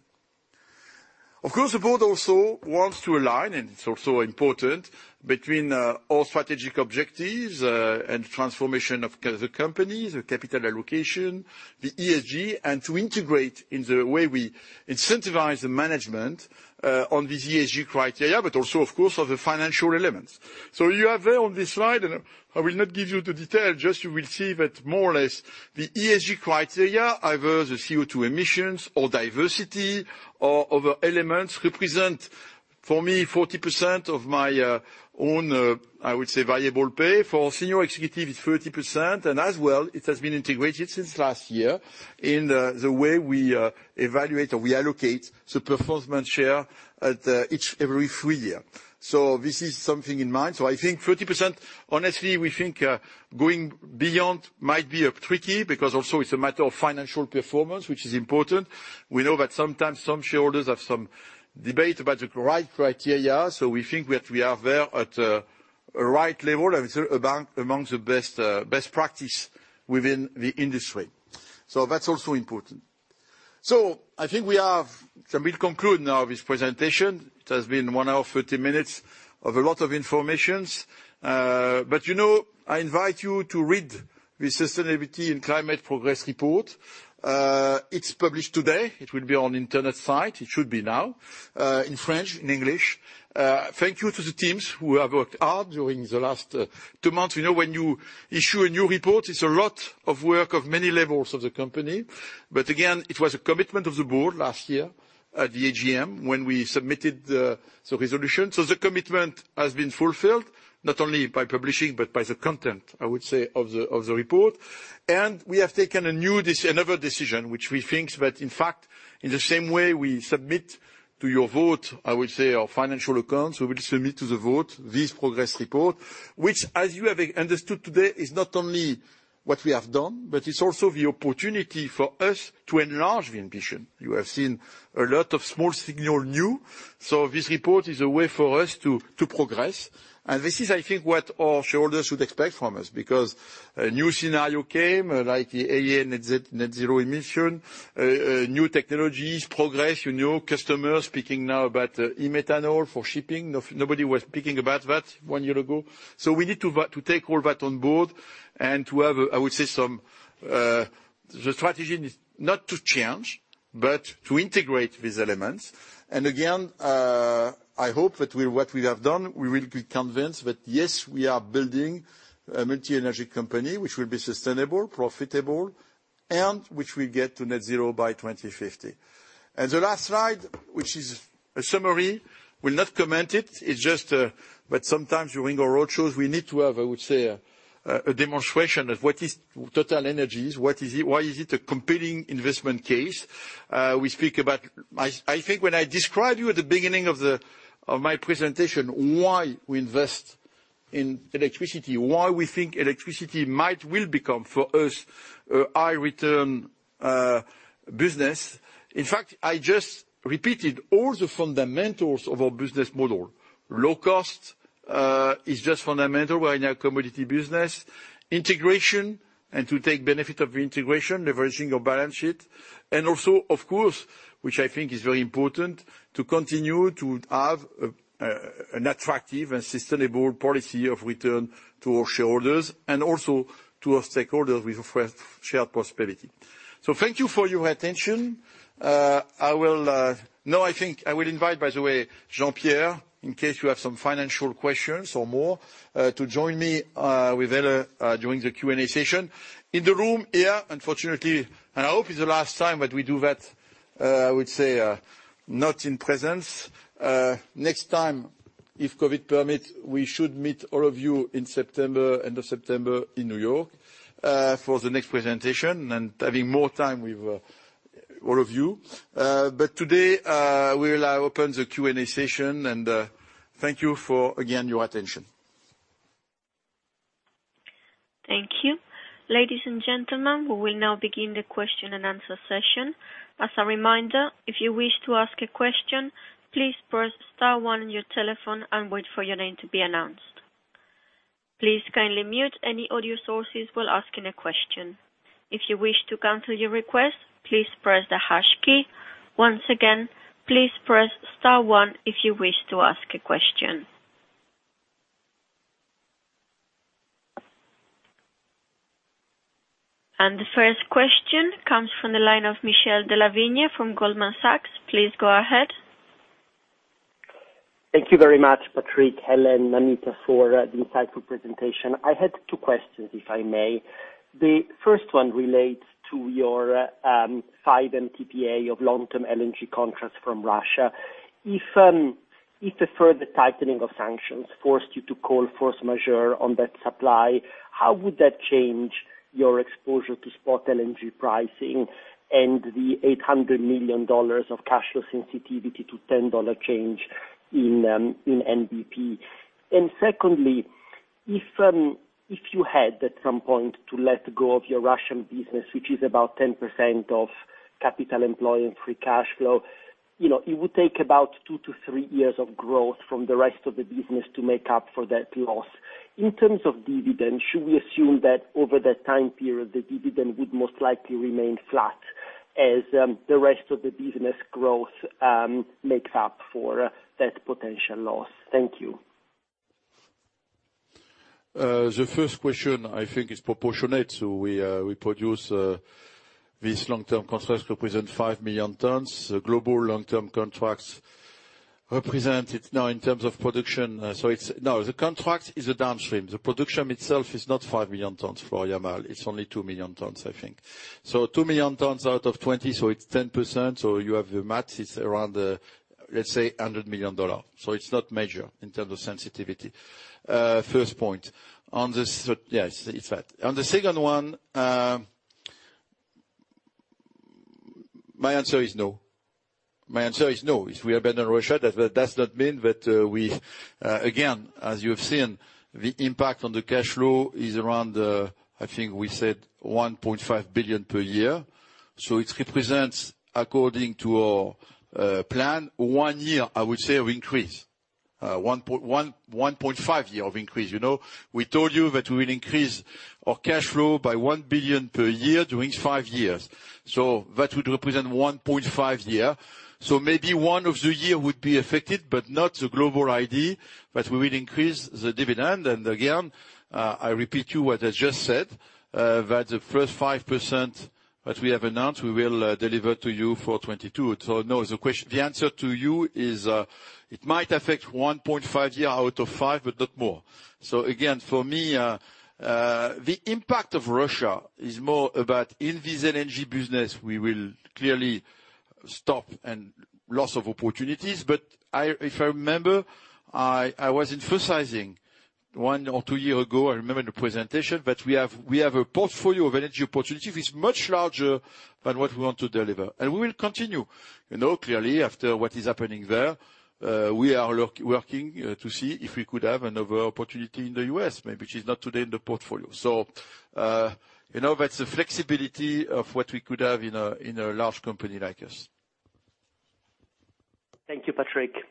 Of course, the board also wants to align, and it's also important, between, all strategic objectives, and transformation of the company, the capital allocation, the ESG, and to integrate in the way we incentivize the management, on these ESG criteria, but also, of course, other financial elements. You have there on this slide, and I will not give you the detail, just you will see that more or less the ESG criteria, either the CO₂ emissions or diversity or other elements, represent, for me, 40% of my, own, I would say, variable pay. For senior executive it's 30%, and as well, it has been integrated since last year in, the way we, evaluate or we allocate the performance share at, each every three year. This is something in mind. I think 30%, honestly, we think, going beyond might be tricky because also it's a matter of financial performance, which is important. We know that sometimes some shareholders have some debate about the right criteria, so we think that we are there at a right level, and it's among the best practice within the industry. That's also important. I think we'll conclude now this presentation. It has been 1.5 hour, a lot of information. But you know, I invite you to read the Sustainability and Climate Progress report. It's published today. It will be on internet site. It should be now in French and English. Thank you to the teams who have worked hard during the last two months. We know when you issue a new report, it's a lot of work of many levels of the company. Again, it was a commitment of the board last year at the AGM when we submitted the resolution. The commitment has been fulfilled, not only by publishing, but by the content, I would say, of the report. We have taken another decision, which we think that, in fact, in the same way we submit to your vote, I would say, our financial accounts, we will submit to the vote this progress report. Which, as you have understood today, is not only what we have done, but it's also the opportunity for us to enlarge the ambition. You have seen a lot of small signal new. This report is a way for us to progress. This is, I think, what all shareholders should expect from us because a new scenario came, like the IEA net zero emissions, new technologies, progress. You know customers speaking now about e-methanol for shipping. Nobody was speaking about that one year ago. So we need to take all that on board and to have, I would say, some the strategy not to change, but to integrate these elements. Again, I hope that what we have done, we will be convinced that yes, we are building a multi-energy company which will be sustainable, profitable, and which will get to net zero by 2050. The last slide, which is a summary, will not comment it. It's just, but sometimes during our roadshows we need to have, I would say, a demonstration of what is TotalEnergies. What is it? Why is it a competing investment case? I think when I described to you at the beginning of my presentation why we invest in electricity, why we think electricity might will become for us a high-return business. In fact, I just repeated all the fundamentals of our business model. Low cost is just fundamental. We are in a commodity business. Integration, and to take benefit of the integration, leveraging our balance sheet. And also, of course, which I think is very important, to continue to have an attractive and sustainable policy of return to our shareholders and also to our stakeholders with, of course, shared prosperity. Thank you for your attention. No, I think I will invite, by the way, Jean-Pierre, in case you have some financial questions or more, to join me with during the Q&A session. In the room here, unfortunately, and I hope it's the last time that we do that, I would say, not in presence. Next time, if COVID permits, we should meet all of you in September, end of September in New York, for the next presentation and having more time with all of you. Today, we will open the Q&A session and thank you for, again, your attention. Thank you. Ladies and gentlemen, we will now begin the question and answer session. As a reminder, if you wish to ask a question, please press star one on your telephone and wait for your name to be announced. Please kindly mute any audio sources while asking a question. If you wish to cancel your request, please press the hash key. Once again, please press star one if you wish to ask a question. The first question comes from the line of Michele Della Vigna from Goldman Sachs. Please go ahead. Thank you very much, Patrick, Helle, Namita, for the insightful presentation. I had two questions, if I may. The first one relates to your five MTPA of long-term LNG contracts from Russia. If a further tightening of sanctions forced you to call force majeure on that supply, how would that change your exposure to spot LNG pricing and the $800 million of cash flow sensitivity to $10 change in NBP? Secondly, if you had at some point to let go of your Russian business, which is about 10% of capital employed and free cash flow, you know, it would take about two-three years of growth from the rest of the business to make up for that loss. In terms of dividend, should we assume that over that time period, the dividend would most likely remain flat as, the rest of the business growth, makes up for that potential loss? Thank you. The first question I think is proportionate. We produce these long-term contracts represent 5 million tons. Global long-term contracts represent it now in terms of production. It's now the contract is a downstream. The production itself is not 5 million tons for Yamal. It's only 2 million tons, I think. So 2 million tons out of 20, so it's 10%. You have your math, it's around, let's say $100 million. It's not major in terms of sensitivity. First point. Yes, it's that. On the second one, my answer is no. If we abandon Russia, that does not mean that, again, as you have seen, the impact on the cash flow is around, I think we said $1.5 billion per year. It represents, according to our plan, one year, I would say, of increase. 1.5 years of increase. You know, we told you that we will increase our cash flow by 1 billion per year during five years. That would represent 1.5 years. Maybe one of the years would be affected, but not the global idea that we will increase the dividend. Again, I repeat to you what I just said, that the first 5% that we have announced, we will deliver to you for 2022. No, the answer to you is, it might affect 1.5 years out of five, but not more. Again, for me, the impact of Russia is more about in this LNG business, we will clearly stop and loss of opportunities. If I remember, I was emphasizing one or two years ago, I remember in a presentation, that we have a portfolio of energy opportunities which is much larger than what we want to deliver. We will continue. You know, clearly after what is happening there, we are working to see if we could have another opportunity in the U.S. maybe, which is not today in the portfolio. You know, that's the flexibility of what we could have in a large company like us. Thank you, Patrick. Thank you.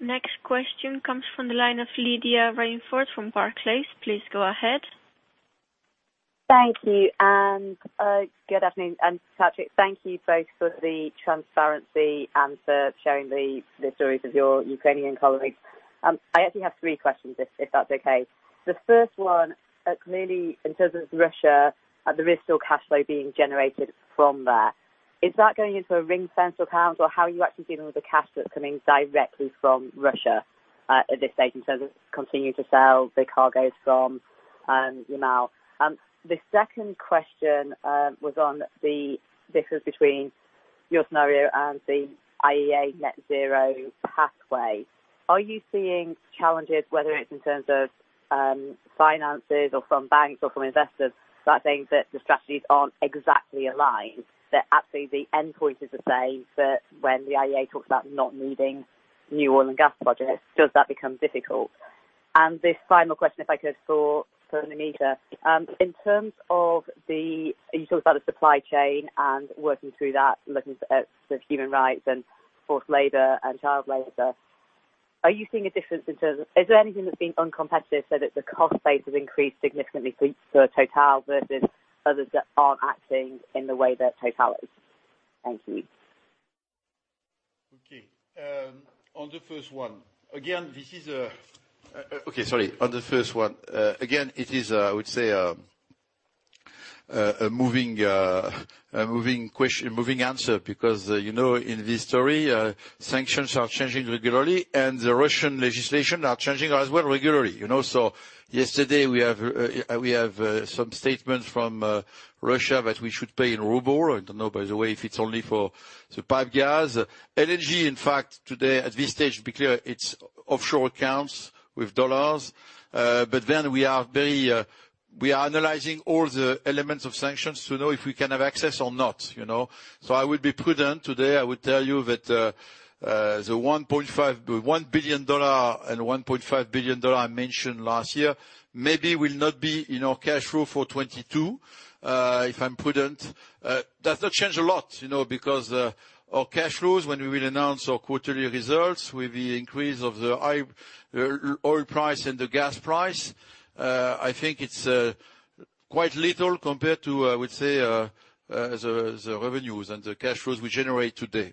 Next question comes from the line of Lydia Rainforth from Barclays. Please go ahead. Thank you. Good afternoon. Patrick, thank you both for the transparency and for sharing the stories of your Ukrainian colleagues. I actually have three questions if that's okay. The first one, clearly in terms of Russia, there is still cash flow being generated from that. Is that going into a ring-fenced account or how are you actually dealing with the cash that's coming directly from Russia, at this stage in terms of continuing to sell the cargoes from Yamal? The second question, was on the difference between your scenario and the IEA net zero pathway. Are you seeing challenges, whether it's in terms of finances or from banks or from investors that think that the strategies aren't exactly aligned? That actually the end point is the same, but when the IEA talks about not needing new oil and gas projects, does that become difficult? The final question, if I could, for Namita. In terms of the, you talked about the supply chain and working through that and looking at the human rights and forced labor and child labor. Are you seeing a difference in terms of? Is there anything that's been uncompetitive so that the cost base has increased significantly for Total versus others that aren't acting in the way that Total is? Thank you. On the first one, again, it is, I would say, a moving answer because, you know, in this story, sanctions are changing regularly and the Russian legislation are changing as well regularly, you know. Yesterday we have some statement from Russia that we should pay in ruble. I don't know, by the way, if it's only for the pipe gas. LNG, in fact, today at this stage, to be clear, it's offshore accounts with dollars. We are analyzing all the elements of sanctions to know if we can have access or not, you know. I will be prudent. Today, I will tell you that the $1 billion and $1.5 billion I mentioned last year maybe will not be in our cash flow for 2022, if I'm prudent. That's not changed a lot, you know, because our cash flows when we will announce our quarterly results with the increase of the oil price and the gas price, I think it's quite little compared to, I would say, the revenues and the cash flows we generate today.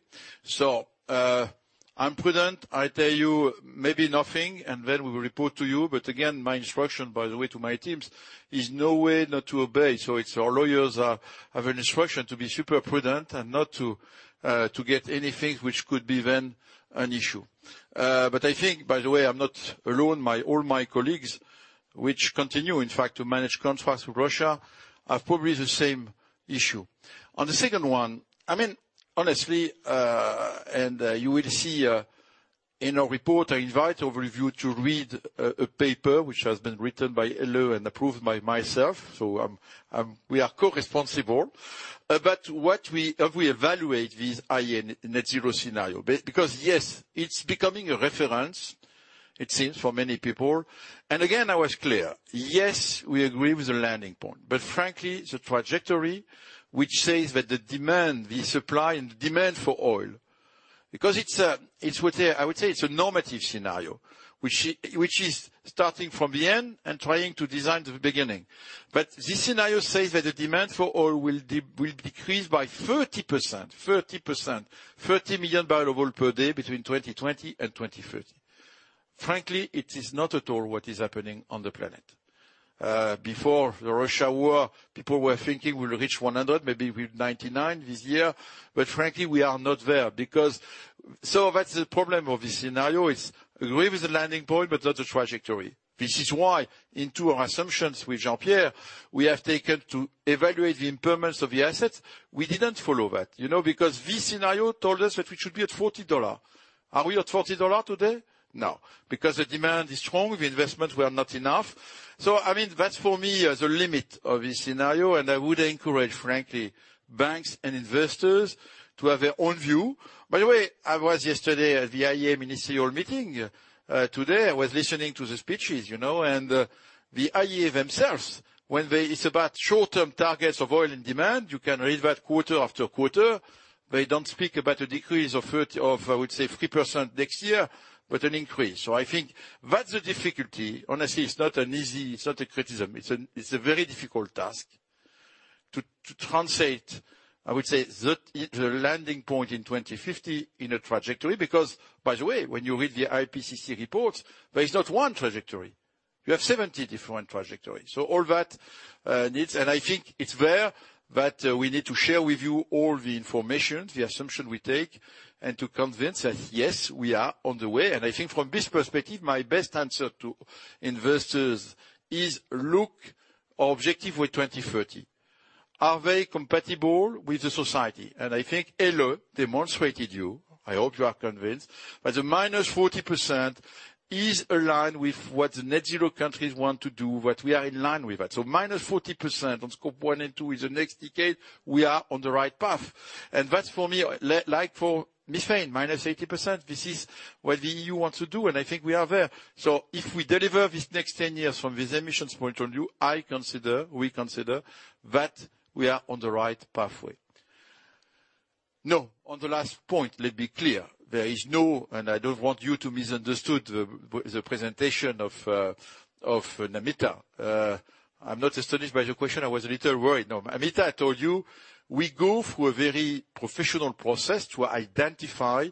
I'm prudent. I tell you maybe nothing, and then we will report to you. Again, my instruction, by the way, to my teams is no way not to obey. It's our lawyers have an instruction to be super prudent and not to get anything which could be then an issue. I think, by the way, I'm not alone. All my colleagues which continue in fact to manage contracts with Russia have probably the same issue. On the second one, I mean, honestly, you will see in our report. I invite you to read a paper which has been written by Helle and approved by myself. We are co-responsible. What have we evaluated this IEA net zero scenario? Because yes, it's becoming a reference, it seems, for many people. Again, I was clear. Yes, we agree with the landing point. Frankly, the trajectory which says that the demand, the supply and demand for oil, because it's what they, I would say it's a normative scenario which is starting from the end and trying to design the beginning. This scenario says that the demand for oil will decrease by 30%. 30%. 30 million barrels per day between 2020 and 2030. Frankly, it is not at all what is happening on the planet. Before the Russia war, people were thinking we'll reach 100, maybe 99 this year. Frankly, we are not there. That's the problem of this scenario is, I agree with the landing point, but not the trajectory. This is why in two assumptions with Jean-Pierre, we have taken to evaluate the impairments of the assets. We didn't follow that, you know, because this scenario told us that we should be at $40. Are we at $40 today? No, because the demand is strong, the investments were not enough. I mean, that's for me the limit of this scenario, and I would encourage, frankly, banks and investors to have their own view. By the way, I was yesterday at the IEA ministerial meeting. Today, I was listening to the speeches, you know, and, the IEA themselves, it's about short-term targets of oil demand, you can read that quarter after quarter. They don't speak about a decrease of, I would say, 3% next year, but an increase. I think that's the difficulty. Honestly, it's not easy, it's not a criticism. It's a very difficult task to translate, I would say, the landing point in 2050 in a trajectory because, by the way, when you read the IPCC reports, there is not one trajectory. You have 70 different trajectories. So all that needs, and I think it's there that we need to share with you all the information, the assumption we take, and to convince that, yes, we are on the way. I think from this perspective, my best answer to investors is look our objective with 2030. Are they compatible with the society? I think Helle demonstrated you, I hope you are convinced, that the -40% is aligned with what the net zero countries want to do, what we are in line with that. -40% on Scope 1 and 2 in the next decade, we are on the right path. That's for me, like for methane, -80%. This is what the EU wants to do, and I think we are there. If we deliver this next 10 years from this emissions point of view, I consider, we consider that we are on the right pathway. No, on the last point, let me be clear. There is no, and I don't want you to misunderstand the presentation of Namita. I'm not astonished by your question. I was a little worried. No, Namita, I told you, we go through a very professional process to identify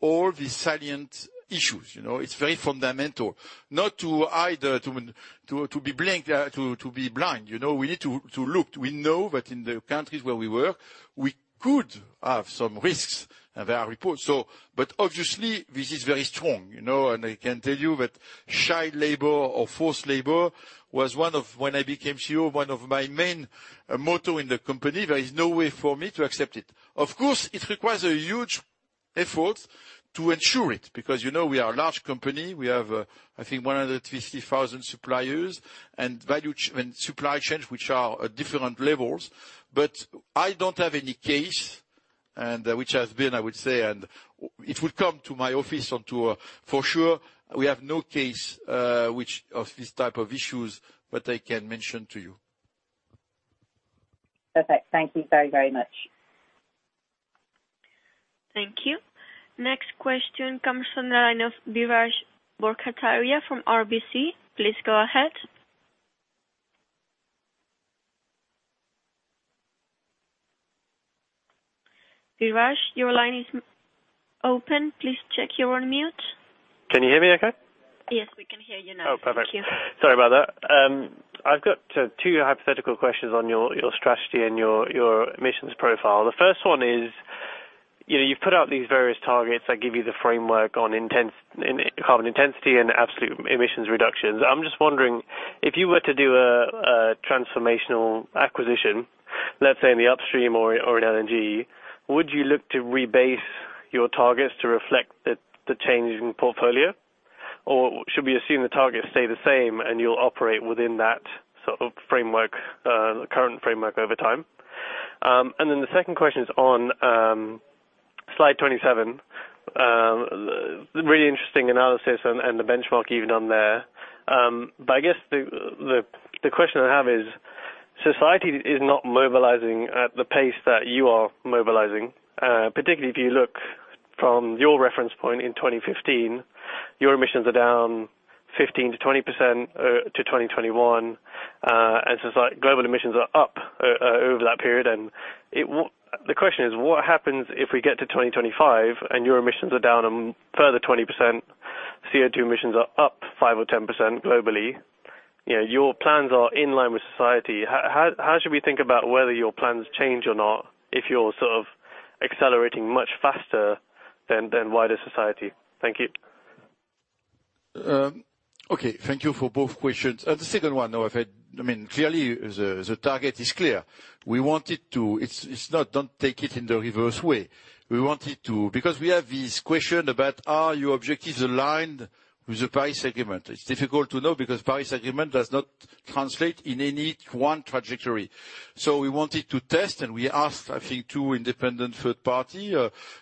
all the salient issues. You know, it's very fundamental not to be blind. You know, we need to look. We know that in the countries where we work, we could have some risks, and they are reported. Obviously, this is very strong, you know. I can tell you that child labor or forced labor was one of, when I became CEO, one of my main motto in the company. There is no way for me to accept it. Of course, it requires a huge effort to ensure it because you know we are a large company. We have, I think 150,000 suppliers and value and supply chains which are at different levels. I don't have any case which has been, I would say, brought to my office. For sure, we have no case of these types of issues that I can mention to you. Perfect. Thank you very, very much. Thank you. Next question comes from the line of Biraj Borkhataria from RBC. Please go ahead. Biraj, your line is now open. Please check you're on mute. Can you hear me okay? Yes, we can hear you now. Oh, perfect. Sorry about that. I've got two hypothetical questions on your strategy and your emissions profile. The first one is, you know, you've put out these various targets that give you the framework on in carbon intensity and absolute emissions reductions. I'm just wondering, if you were to do a transformational acquisition Let's say in the upstream or in LNG, would you look to rebase your targets to reflect the change in portfolio? Or should we assume the targets stay the same and you'll operate within that sort of framework, current framework over time? Then the second question is on slide 27. Really interesting analysis and the benchmark you've done there. I guess the question I have is, society is not mobilizing at the pace that you are mobilizing. Particularly if you look from your reference point in 2015, your emissions are down 15%-20% to 2021. It's like global emissions are up over that period. The question is, what happens if we get to 2025 and your emissions are down a further 20%, CO2 emissions are up 5% or 10% globally? You know, your plans are in line with society. How should we think about whether your plans change or not if you're sort of accelerating much faster than wider society? Thank you. Okay. Thank you for both questions. The second one, I mean, clearly, the target is clear. We want it to. It's not, don't take it in the reverse way. We want it to. Because we have this question about are your objectives aligned with the Paris Agreement? It's difficult to know because Paris Agreement does not translate in any one trajectory. So we wanted to test, and we asked, I think, two independent third party,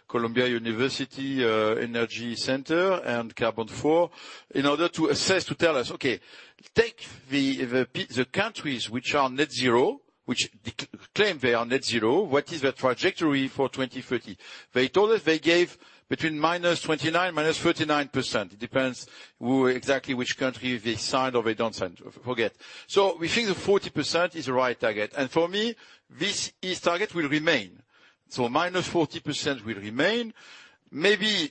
Columbia University Energy Center and Carbone 4, in order to assess, to tell us, "Okay, take the countries which claim they are net zero, what is the trajectory for 2030?" They told us they gave between -29% and -39%. It depends who exactly, which country they signed or they don't sign, forget. We think the 40% is the right target. For me, this target will remain. -40% will remain. Maybe,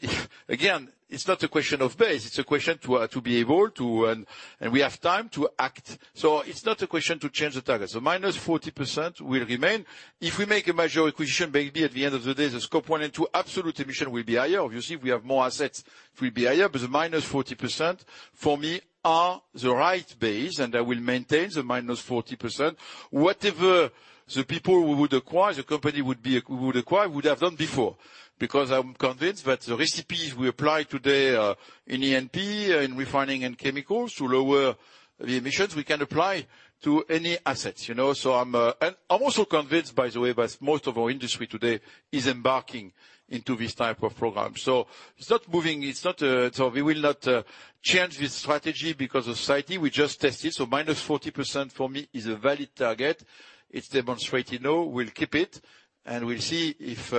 again, it's not a question of base, it's a question to be able to and we have time to act. It's not a question to change the target. -40% will remain. If we make a major acquisition, maybe at the end of the day, the Scope 1 and 2 absolute emission will be higher. Obviously, if we have more assets will be higher. The -40% for me are the right base and I will maintain the -40%. Whatever the company we would acquire would have done before. Because I'm convinced that the recipes we apply today in E&P, in refining and chemicals to lower the emissions we can apply to any assets, you know. I'm also convinced by the way that most of our industry today is embarking into this type of program. It's not moving. We will not change this strategy because of society. We just test it. -40% for me is a valid target. It's demonstrated now. We'll keep it and we'll see if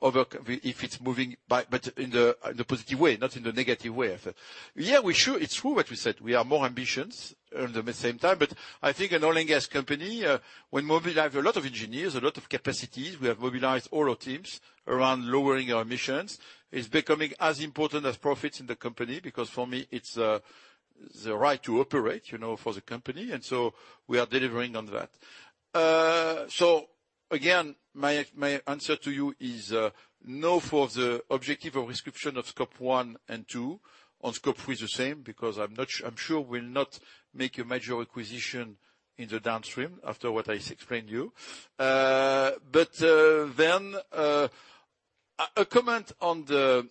it's moving but in the positive way, not in the negative way. Yeah, we sure, it's true what you said. We are more ambitions at the same time. I think an oil and gas company, when mobilize a lot of engineers, a lot of capacities, we have mobilized all our teams around lowering our emissions. It's becoming as important as profits in the company because for me, it's the right to operate, you know, for the company. We are delivering on that. Again, my answer to you is no, for the objective or description of Scope 1 and 2. On Scope 3 the same, because I'm sure we'll not make a major acquisition in the downstream after what I explained to you. A comment on the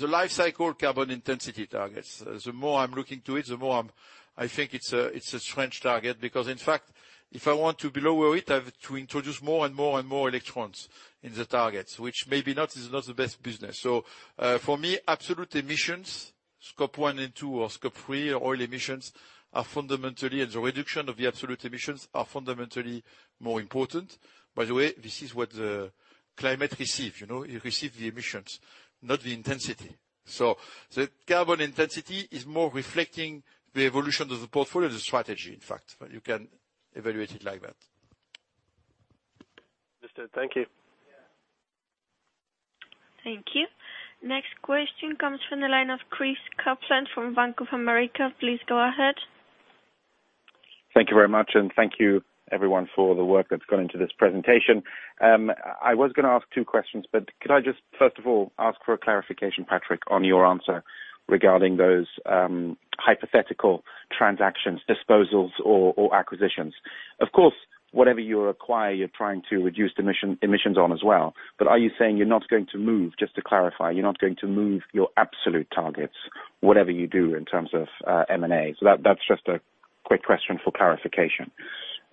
life cycle carbon intensity targets. The more I'm looking to it, the more I'm I think it's a strange target because in fact, if I want to be lower it, I have to introduce more and more and more electrons in the targets, which is not the best business. For me, absolute emissions, Scope 1 and 2 or Scope 3 oil emissions are fundamentally more important. The reduction of the absolute emissions are fundamentally more important. By the way, this is what the climate receives, you know? It receives the emissions, not the intensity. The carbon intensity is more reflecting the evolution of the portfolio, the strategy in fact. You can evaluate it like that. Understood. Thank you. Thank you. Next question comes from the line of Chris Kuplent from Bank of America. Please go ahead. Thank you very much, and thank you everyone for the work that's gone into this presentation. I was gonna ask two questions, but could I just first of all ask for a clarification, Patrick, on your answer regarding those hypothetical transactions, disposals or acquisitions. Of course, whatever you acquire, you're trying to reduce emissions on as well. But are you saying you're not going to move your absolute targets, whatever you do in terms of M&A? That's just a quick question for clarification.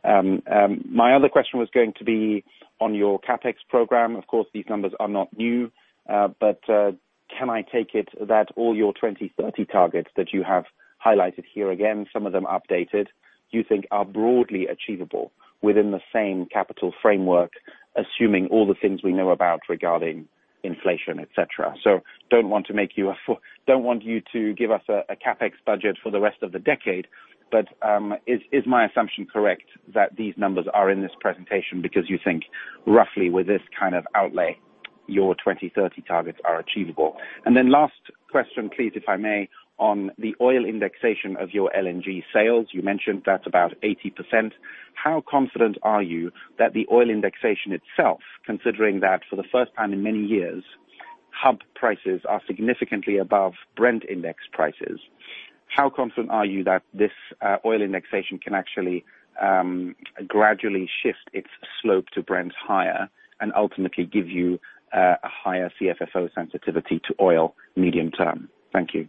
My other question was going to be on your CapEx program. Of course, these numbers are not new. Can I take it that all your 2030 targets that you have highlighted here, again, some of them updated, you think are broadly achievable within the same capital framework, assuming all the things we know about regarding inflation, et cetera? Don't want to make you a fool. Don't want you to give us a CapEx budget for the rest of the decade, but is my assumption correct that these numbers are in this presentation because you think roughly with this kind of outlay, your 2030 targets are achievable? Last question, please, if I may, on the oil indexation of your LNG sales, you mentioned that's about 80%. How confident are you that the oil indexation itself, considering that for the first time in many years, hub prices are significantly above Brent index prices? How confident are you that this oil indexation can actually gradually shift its slope to Brent higher and ultimately give you a higher CFFO sensitivity to oil medium term? Thank you.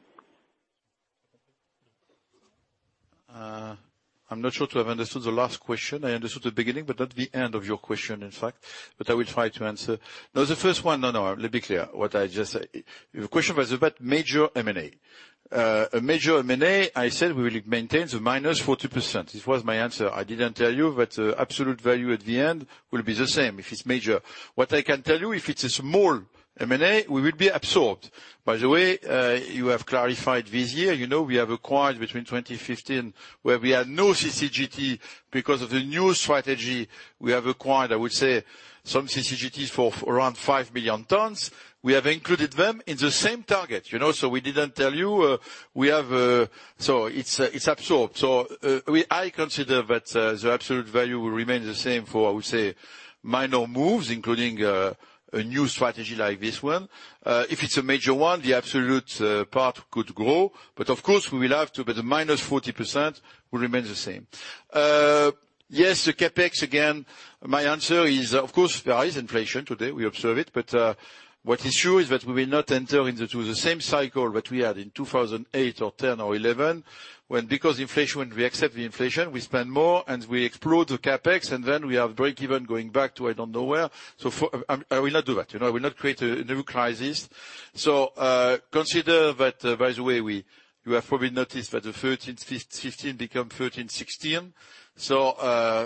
I'm not sure to have understood the last question. I understood the beginning, but not the end of your question, in fact, but I will try to answer. No, the first one. No, let me be clear. Your question was about major M&A. A major M&A, I said we will maintain the -40%. This was my answer. I didn't tell you that absolute value at the end will be the same, if it's major. What I can tell you, if it's a small M&A, we will be absorbed. By the way, you have clarified this year, you know, we have acquired between 2015, where we had no CCGT, because of the new strategy we have acquired, I would say some CCGTs for around 5 billion. We have included them in the same target, you know. We didn't tell you, we have. It's absorbed. I consider that the absolute value will remain the same for, I would say, minor moves, including a new strategy like this one. If it's a major one, the absolute part could grow, but of course we will have to, but the -40% will remain the same. Yes, the CapEx again, my answer is of course there is inflation today, we observe it, but what is sure is that we will not enter into the same cycle that we had in 2008 or 2010 or 2011 when, because inflation, we accept the inflation, we spend more and we explode the CapEx, and then we have breakeven going back to I don't know where. For, I will not do that, you know. I will not create a new crisis. Consider that, by the way, we, you have probably noticed that the 13-15 become 13-16.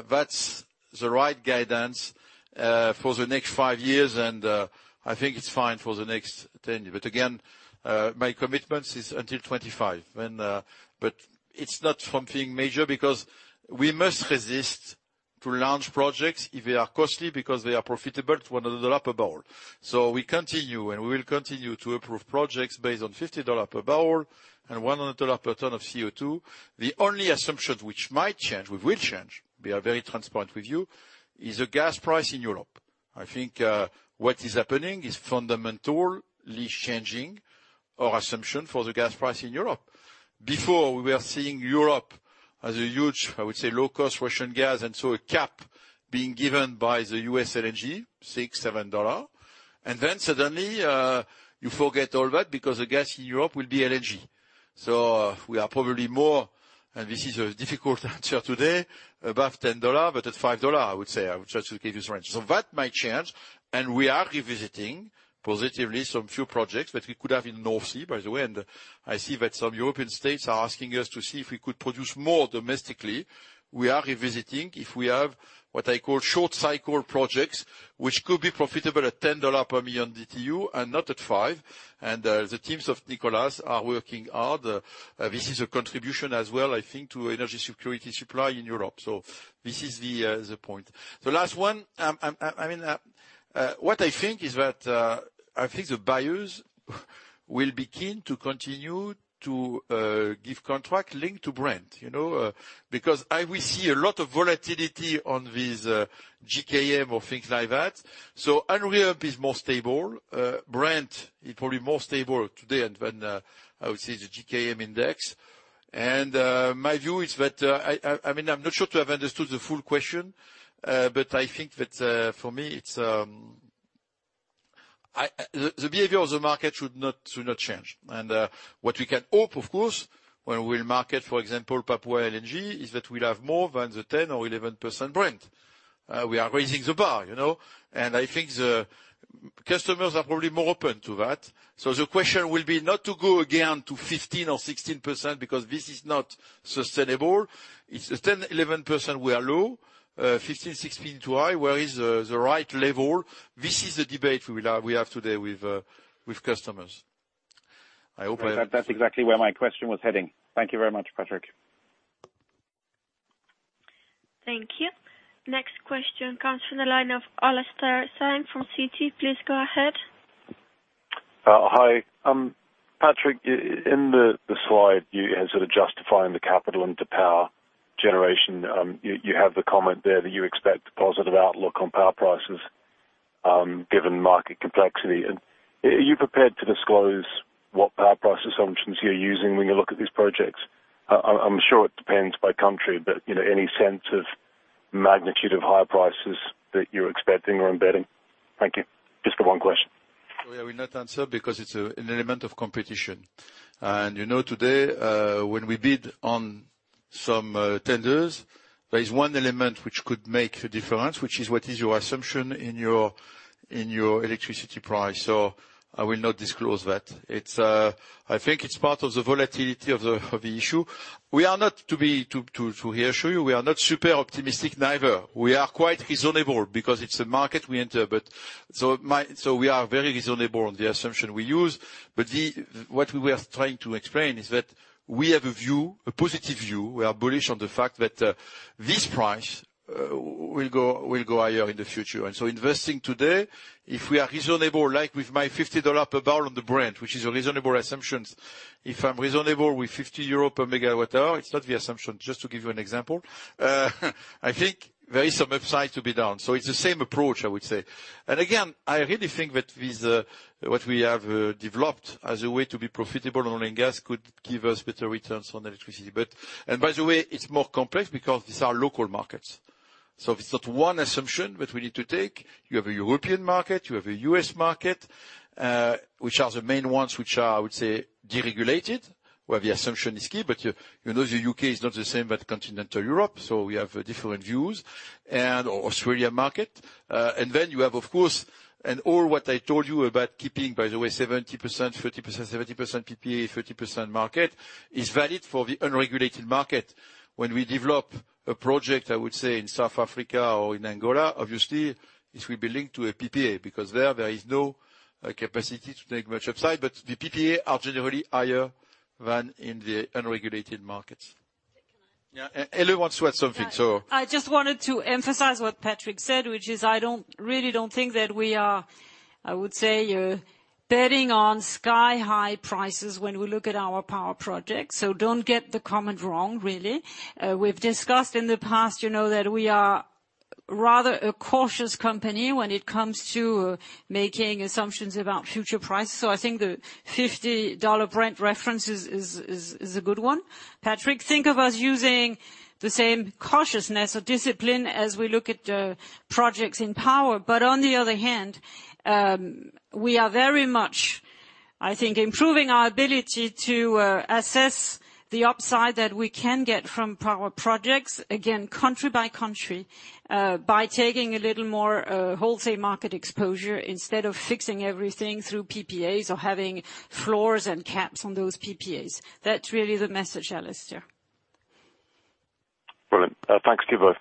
That's the right guidance for the next five years and I think it's fine for the next ten. My commitments is until 2025 when. It's not something major because we must resist to launch projects if they are costly because they are profitable to another dollar per barrel. We continue, and we will continue to approve projects based on $50 per barrel and $1 per ton of CO2. The only assumption which might change, which will change, be very transparent with you, is the gas price in Europe. I think what is happening is fundamentally changing our assumption for the gas price in Europe. Before we were seeing Europe as a huge, I would say, low cost Russian gas, a cap being given by the U.S. LNG, $6-$7. Then suddenly, you forget all that because the gas in Europe will be LNG. We are probably more, and this is a difficult answer today, above $10, but at $5, I would say. I would just give you this range. That might change. We are revisiting positively some few projects that we could have in North Sea, by the way. I see that some European states are asking us to see if we could produce more domestically. We are revisiting if we have what I call short cycle projects, which could be profitable at $10 per million BTU and not at $5. The teams of Nicolas are working hard. This is a contribution as well, I think, to energy security supply in Europe. This is the point. The last one, I mean, what I think is that, I think the buyers will be keen to continue to give contract linked to Brent, you know. Because I will see a lot of volatility on this JKM or things like that. Henry Hub is more stable. Brent is probably more stable today than I would say the JKM index. My view is that, I mean, I'm not sure to have understood the full question, but I think that, for me, it's the behavior of the market should not change. What we can hope, of course, when we'll market, for example, Papua LNG, is that we'll have more than the 10% or 11% Brent. We are raising the bar, you know. I think the customers are probably more open to that. The question will be not to go again to 15% or 16% because this is not sustainable. It's 10%, 11%, we are low, 15%, 16% too high. Where is the right level? This is the debate we will have, we have today with customers. I hope I have-- That's exactly where my question was heading. Thank you very much, Patrick. Thank you. Next question comes from the line of Alastair Syme from Citi. Please go ahead. Hi, Patrick. In the slide, you are sort of justifying the capital into power generation. You have the comment there that you expect a positive outlook on power prices, given market complexity. Are you prepared to disclose what power price assumptions you're using when you look at these projects? I'm sure it depends by country, but you know, any sense of magnitude of higher prices that you're expecting or embedding? Thank you. Just the one question. I will not answer because it's an element of competition. You know, today, when we bid on some tenders. There is one element which could make a difference, which is what is your assumption in your electricity price. I will not disclose that. It's, I think, part of the volatility of the issue. We are not to reassure you, we are not super optimistic neither. We are quite reasonable because it's a market we enter, but we are very reasonable on the assumption we use. What we are trying to explain is that we have a view, a positive view. We are bullish on the fact that this price will go higher in the future. Investing today, if we are reasonable, like with my $50 per barrel on the Brent, which is a reasonable assumption, if I'm reasonable with 50 euros per megawatt hour, it's not the assumption, just to give you an example. I think there is some upside to be done. It's the same approach, I would say. I really think that with what we have developed as a way to be profitable on gas could give us better returns on electricity. By the way, it's more complex because these are local markets. It's not one assumption that we need to take. You have a European market, you have a U.S. market, which are the main ones, I would say, deregulated, where the assumption is key. You know, the U.K. is not the same with continental Europe, so we have different views. Australian market. Then you have, of course, and all what I told you about keeping, by the way, 70%, 30%, 70% PPA, 30% market, is valid for the unregulated market. When we develop a project, I would say, in South Africa or in Angola, obviously, it will be linked to a PPA, because there is no capacity to take much upside. The PPA are generally higher than in the unregulated markets. Patrick, can I? Yeah. Helle wants to add something. Yeah. I just wanted to emphasize what Patrick said, which is, I really don't think that we are, I would say, betting on sky-high prices when we look at our power projects. Don't get the comment wrong, really. We've discussed in the past, you know, that we are rather a cautious company when it comes to making assumptions about future prices. I think the $50 Brent reference is a good one. Patrick, think of us using the same cautiousness or discipline as we look at projects in power. On the other hand, we are very much, I think, improving our ability to assess the upside that we can get from power projects, again, country by country, by taking a little more, wholesale market exposure instead of fixing everything through PPAs or having floors and caps on those PPAs. That's really the message, Alistair. Brilliant. Thanks to you both.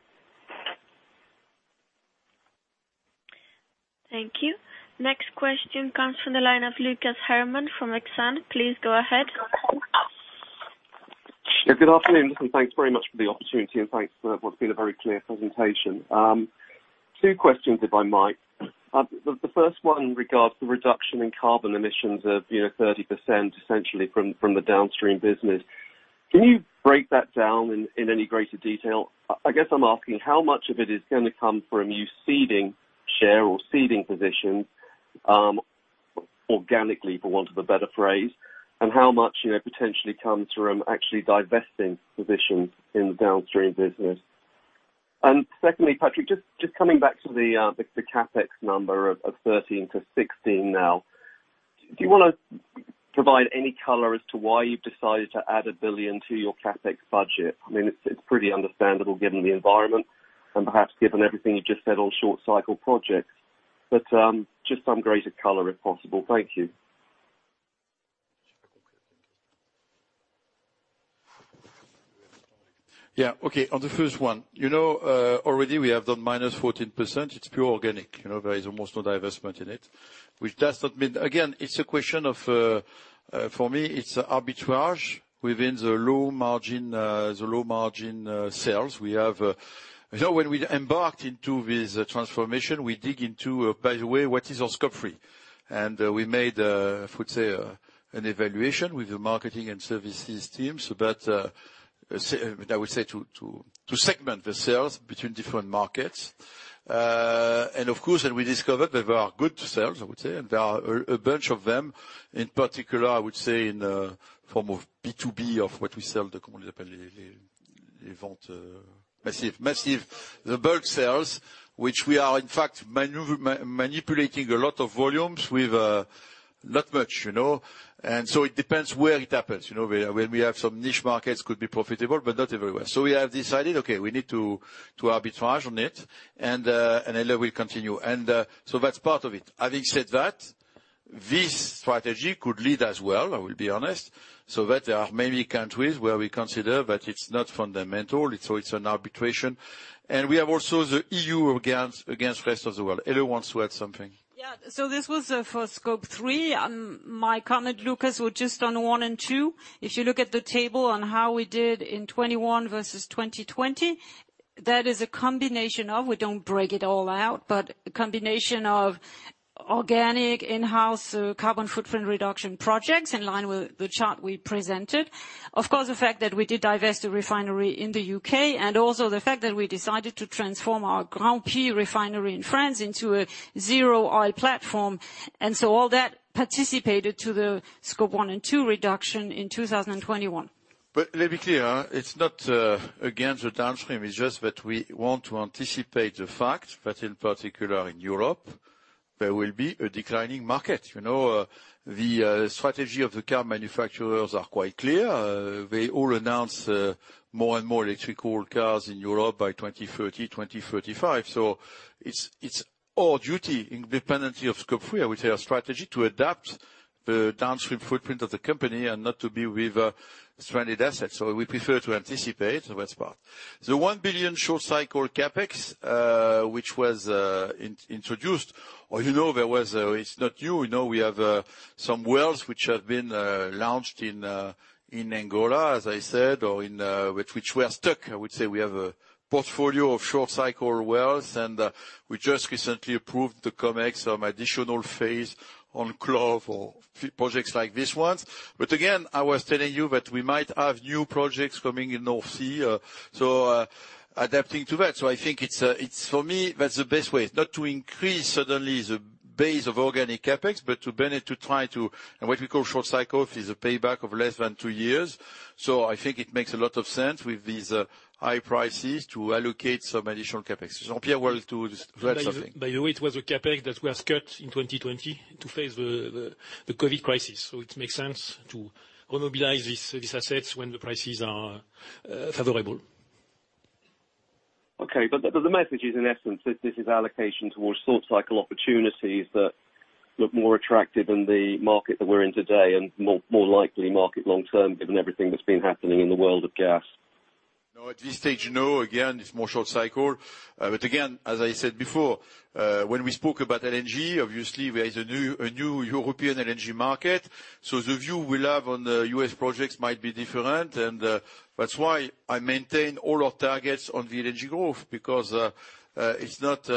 Thank you. Next question comes from the line of Lucas Herrmann from Exane. Please go ahead. Yeah, good afternoon. Listen, thanks very much for the opportunity, and thanks for what's been a very clear presentation. Two questions, if I might. The first one regards the reduction in carbon emissions of 30% essentially from the downstream business. Can you break that down in any greater detail? I guess I'm asking how much of it is gonna come from you ceding share or ceding positions organically, for want of a better phrase, and how much potentially come from actually divesting positions in the downstream business? Secondly, Patrick, just coming back to the CapEx number of 13 billion-16 billion now. Do you wanna provide any color as to why you've decided to add 1 billion to your CapEx budget? I mean, it's pretty understandable given the environment and perhaps given everything you just said on short cycle projects. Just some greater color if possible. Thank you. Yeah. Okay. On the first one, you know, already we have done -14%. It's pure organic. You know, there is almost no divestment in it. Which does not mean. Again, it's a question of, for me, it's arbitrage within the low margin sales. We have, you know, when we embarked into this transformation, we dig into, by the way, what is our Scope 3. We made, I would say, an evaluation with the marketing and services teams about, I would say to segment the sales between different markets. Of course, then we discovered there were good sales, I would say, and there are a bunch of them. In particular, I would say in the form of B2B of what we sell en masse. The bulk sales, which we are in fact manipulating a lot of volumes with, not much, you know? It depends where it happens, you know. Where we have some niche markets could be profitable, but not everywhere. We have decided, okay, we need to arbitrage on it and Helle will continue. That's part of it. Having said that, this strategy could lead as well, I will be honest, so that there are many countries where we consider that it's not fundamental, it's an arbitrage. We have also the EU against rest of the world. Helle wants to add something. Yeah. This was for Scope 3. My comment, Lucas, were just on 1 and 2. If you look at the table on how we did in 2021 versus 2020, that is a combination of, we don't break it all out, but a combination of organic in-house carbon footprint reduction projects, in line with the chart we presented. Of course, the fact that we did divest a refinery in the U.K. and also the fact that we decided to transform our Grandpuits refinery in France into a zero oil platform all participated to the Scope 1 and 2 reduction in 2021. Let me be clear, it's not against the downstream, it's just that we want to anticipate the fact that in particular in Europe there will be a declining market. You know, the strategy of the car manufacturers are quite clear. They all announce more and more electric cars in Europe by 2030, 2045. It's our duty independently of Scope 3. I would say our strategy to adapt the downstream footprint of the company and not to be with a stranded asset. We prefer to anticipate that part. The 1 billion short cycle CapEx, which was introduced or, you know, there was. It's not new. You know, we have some wells which have been launched in Angola, as I said, or in with which we are stuck. I would say we have a portfolio of short cycle wells, and we just recently approved the COMEX, some additional phase on CLOV or projects like these ones. But again, I was telling you that we might have new projects coming in North Sea. Adapting to that. I think it's for me, that's the best way. It's not to increase suddenly the base of organic CapEx, but to benefit, to try to. What we call short cycle is a payback of less than two years. I think it makes a lot of sense with these high prices to allocate some additional CapEx. Jean-Pierre will just add something. By the way, it was a CapEx that was cut in 2020 to face the COVID crisis. It makes sense to remobilize these assets when the prices are favorable. Okay. The message is, in essence, this is allocation towards short cycle opportunities that look more attractive than the market that we're in today and more likely market long term, given everything that's been happening in the world of gas. No. At this stage, no. Again, it's more short cycle. Again, as I said before, when we spoke about LNG, obviously there is a new European LNG market. The view we'll have on the U.S. projects might be different. That's why I maintain all our targets on the LNG growth, because it's not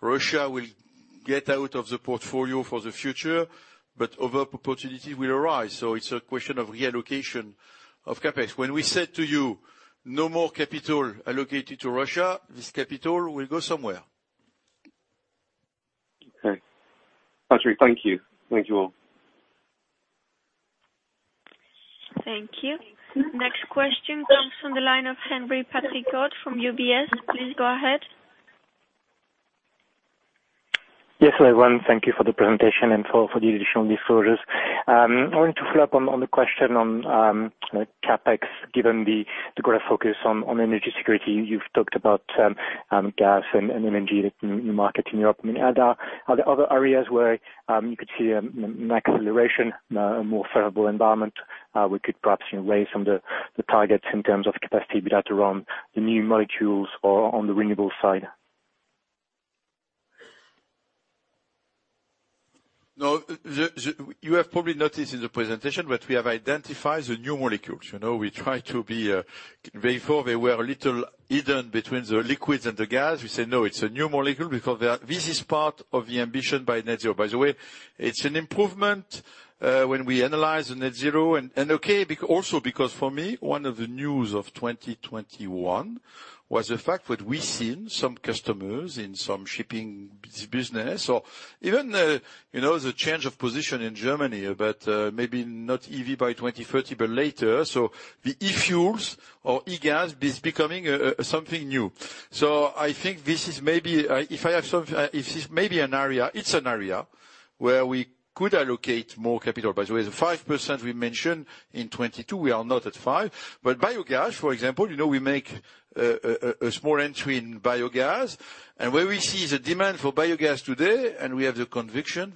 Russia will get out of the portfolio for the future, but other opportunity will arise. It's a question of reallocation of CapEx. When we said to you, no more capital allocated to Russia, this capital will go somewhere. Okay. Patrick, thank you. Thank you all. Thank you. Next question comes from the line of Henri Patricot from UBS. Please go ahead. Yes, everyone, thank you for the presentation and the additional disclosures. I want to follow up on the question on CapEx, given the greater focus on energy security. You've talked about gas and LNG, the new market in Europe. I mean, are there other areas where you could see an acceleration, a more favorable environment, we could perhaps raise some of the targets in terms of capacity built around the new molecules or on the renewable side? No. You have probably noticed in the presentation that we have identified the new molecules. You know, we try to be before they were a little hidden between the liquids and the gas. We say, "No, it's a new molecule," because they are. This is part of the ambition by net zero. By the way, it's an improvement when we analyze the net zero and okay, also because for me, one of the news of 2021 was the fact that we've seen some customers in some shipping business or even you know, the change of position in Germany, but maybe not EV by 2030, but later. The e-fuels or e-gas is becoming something new. I think this is maybe an area where we could allocate more capital. By the way, the 5% we mentioned in 2022, we are not at 5%. Biogas, for example, we make a small entry in biogas where we see the demand for biogas today, we have the conviction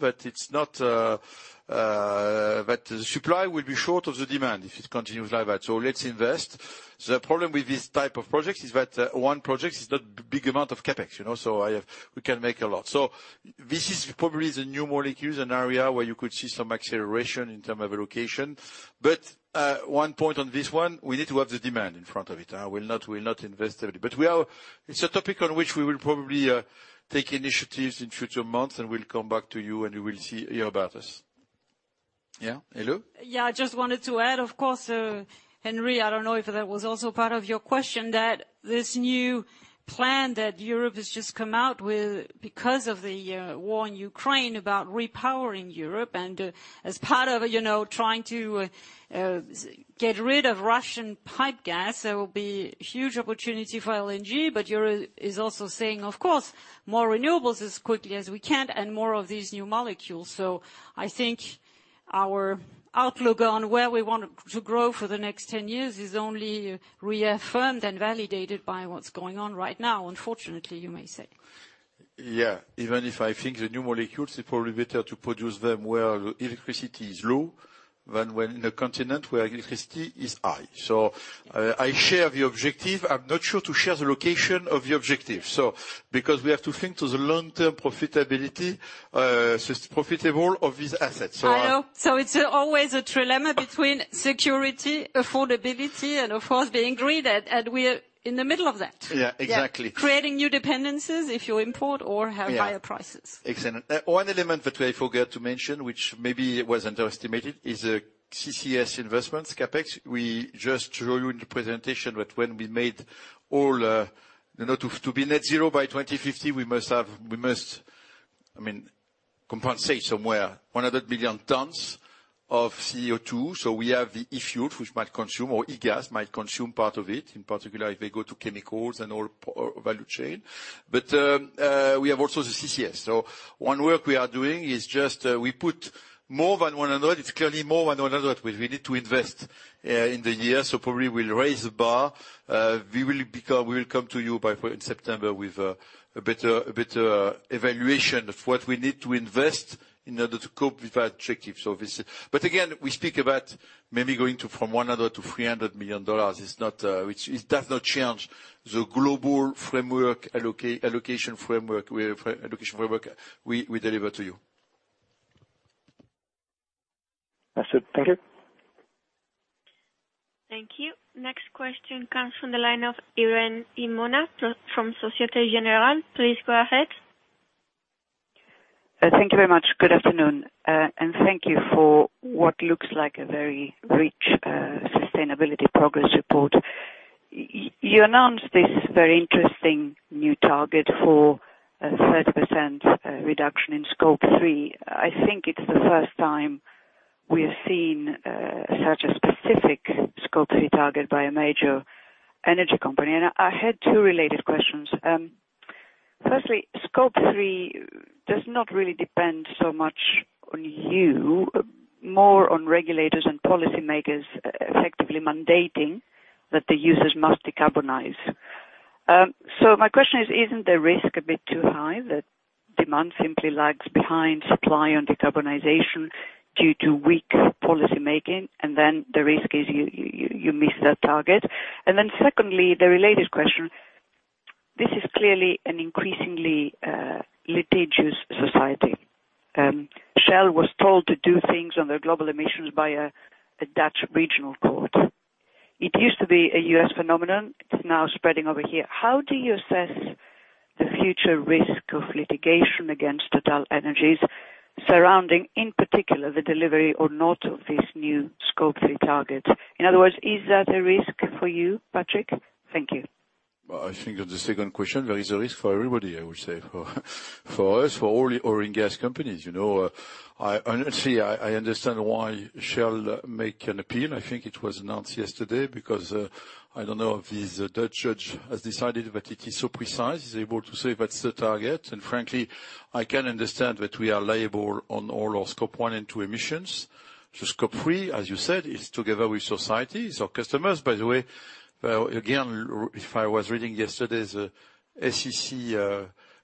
that the supply will be short of the demand if it continues like that. Let's invest. The problem with this type of project is that one project is not big amount of CapEx, we can make a lot. This is probably the new molecules, an area where you could see some acceleration in terms of allocation. One point on this one, we need to have the demand in front of it. I will not invest everything. It's a topic on which we will probably take initiatives in future months, and we'll come back to you and we will see, hear about this. Yeah, Hello? Yeah, I just wanted to add, of course, Henry, I don't know if that was also part of your question, that this new plan that Europe has just come out with because of the war in Ukraine about repowering Europe. As part of, you know, trying to get rid of Russian pipe gas, there will be huge opportunity for LNG, but Europe is also saying, of course, more renewables as quickly as we can and more of these new molecules. I think our outlook on where we want to grow for the next 10 years is only reaffirmed and validated by what's going on right now, unfortunately, you may say. Yeah. Even if I think the new molecules, it's probably better to produce them where electricity is low than when in a continent where electricity is high. I share the objective. I'm not sure to share the location of the objective. Because we have to think to the long-term profitability, profitable of this asset. I know. It's always a trilemma between security, affordability, and of course, being green. We're in the middle of that. Yeah, exactly. Creating new dependencies if you import or have higher prices. Yeah. Exactly. One element that I forgot to mention, which maybe it was underestimated, is the CCS investments CapEx. We just show you in the presentation that when we made all to be net zero by 2050, we must compensate somewhere 100 billion tons of CO2. We have the e-fuels which might consume, or e-gas might consume part of it, in particular if they go to chemicals and all value chain. We have also the CCS. One work we are doing is just we put more than 100 billion, it's clearly more than 100 billion we need to invest in the year, so probably we'll raise the bar. We will come to you by September with a better evaluation of what we need to invest in order to cope with that objective service. Again, we speak about maybe going from $100 million-$300 million. It does not change the global allocation framework. We have allocation framework we deliver to you. That's it. Thank you. Thank you. Next question comes from the line of Irene Himona from Société Générale. Please go ahead. Thank you very much. Good afternoon. And thank you for what looks like a very rich sustainability progress report. You announced this very interesting new target for a 30% reduction in Scope 3. I think it's the first time we've seen such a specific Scope 3 target by a major energy company. I had two related questions. Firstly, Scope 3 does not really depend so much on you, more on regulators and policymakers effectively mandating that the users must decarbonize. So my question is, isn't the risk a bit too high that demand simply lags behind supply on decarbonization due to weak policy making? And then the risk is you miss that target. And then secondly, the related question, this is clearly an increasingly litigious society. Shell was told to do things on their global emissions by a Dutch regional court. It used to be a U.S. phenomenon. It's now spreading over here. How do you assess the future risk of litigation against TotalEnergies surrounding, in particular, the delivery or not of this new Scope 3 target? In other words, is that a risk for you, Patrick? Thank you. Well, I think on the second question, there is a risk for everybody, I would say. For us, for all the oil and gas companies, you know, I honestly understand why Shell make an appeal. I think it was announced yesterday because I don't know if this Dutch judge has decided that it is so precise, he's able to say that's the target. Frankly, I can understand that we are liable on all our Scope 1 and 2 emissions. Scope 3, as you said, is together with societies or customers. By the way, again, if I was reading yesterday's SEC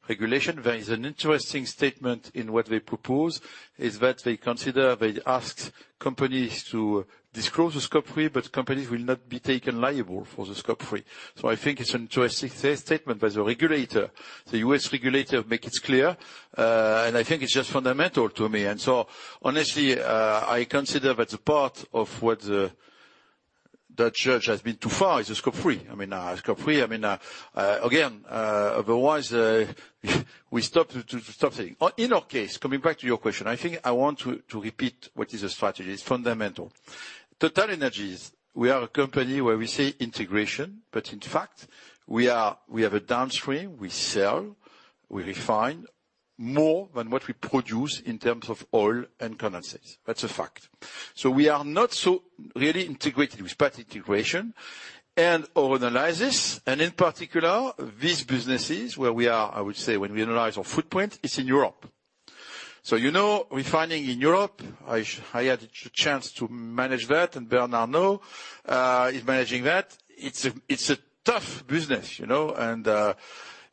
regulation, there is an interesting statement in what they propose, is that they consider, they ask companies to disclose the Scope 3, but companies will not be taken liable for the Scope 3. I think it's an interesting statement by the regulator. The U.S. regulator make it clear, and I think it's just fundamental to me. Honestly, I consider that the part of what the Dutch judge has gone too far is the Scope 3. I mean, Scope 3. I mean, again, otherwise we have to stop saying. In our case, coming back to your question, I think I want to repeat what is the strategy. It's fundamental. TotalEnergies, we are a company where we say integration, but in fact, we have a downstream. We sell. We refine more than what we produce in terms of oil and condensates. That's a fact. We are not so really integrated with part integration and/or analysis. In particular, these businesses where we are, I would say, when we analyze our footprint, it's in Europe. You know, refining in Europe, I had the chance to manage that, and Bernard, now is managing that. It's a tough business, you know.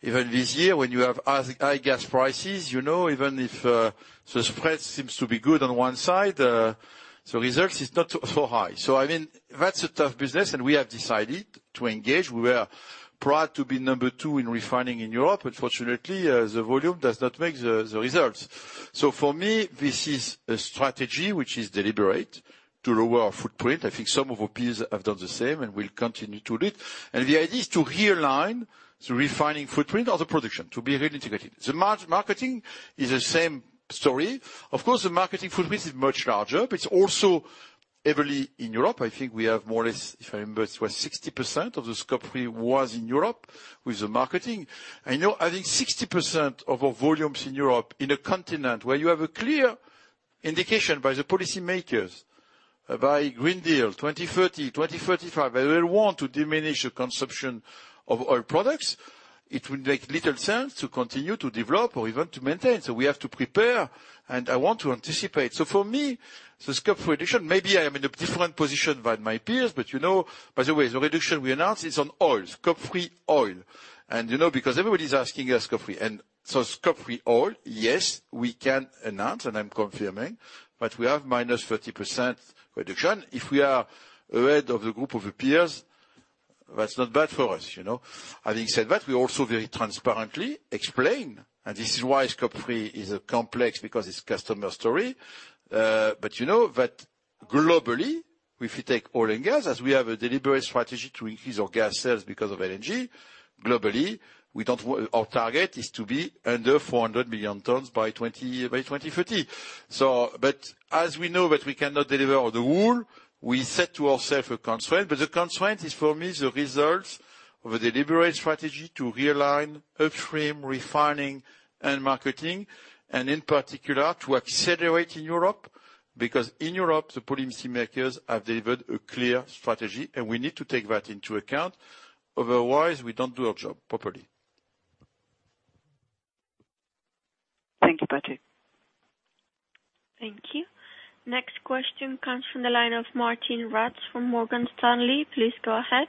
Even this year, when you have such high gas prices, you know, even if the spread seems to be good on one side, the results is not so high. I mean, that's a tough business and we have decided to engage. We are proud to be number two in refining in Europe. Unfortunately, the volume does not make the results. For me, this is a strategy which is deliberate to lower our footprint. I think some of our peers have done the same and will continue to do it. The idea is to realign the refining footprint of the production to be really integrated. The marketing is the same story. Of course, the marketing footprint is much larger, but it's also heavily in Europe. I think we have more or less, if I remember, it was 60% of the Scope 3 was in Europe with the marketing. I know having 60% of our volumes in Europe in a continent where you have a clear indication by the policymakers, by European Green Deal 2030, 2035, they will want to diminish the consumption of oil products. It will make little sense to continue to develop or even to maintain. We have to prepare, and I want to anticipate. For me, the Scope 3 reduction, maybe I am in a different position than my peers, but you know, by the way, the reduction we announced is on oil, Scope 3 oil. You know, because everybody's asking us Scope 3. Scope 3 oil, yes, we can announce and I'm confirming, but we have -30% reduction. If we are ahead of the group of peers, that's not bad for us, you know. Having said that, we also very transparently explain, and this is why Scope 3 is complex because it's customer story. But you know that globally, if you take oil and gas, as we have a deliberate strategy to increase our gas sales because of LNG, globally, our target is to be under 400 million tons by 2030. As we know that we cannot deliver on the whole, we set to ourselves a constraint. The constraint is for me, the results of a deliberate strategy to realign upstream refining and marketing, and in particular, to accelerate in Europe. Because in Europe, the policymakers have delivered a clear strategy, and we need to take that into account. Otherwise, we don't do our job properly. Thank you so much. Thank you. Next question comes from the line of Martijn Rats from Morgan Stanley. Please go ahead.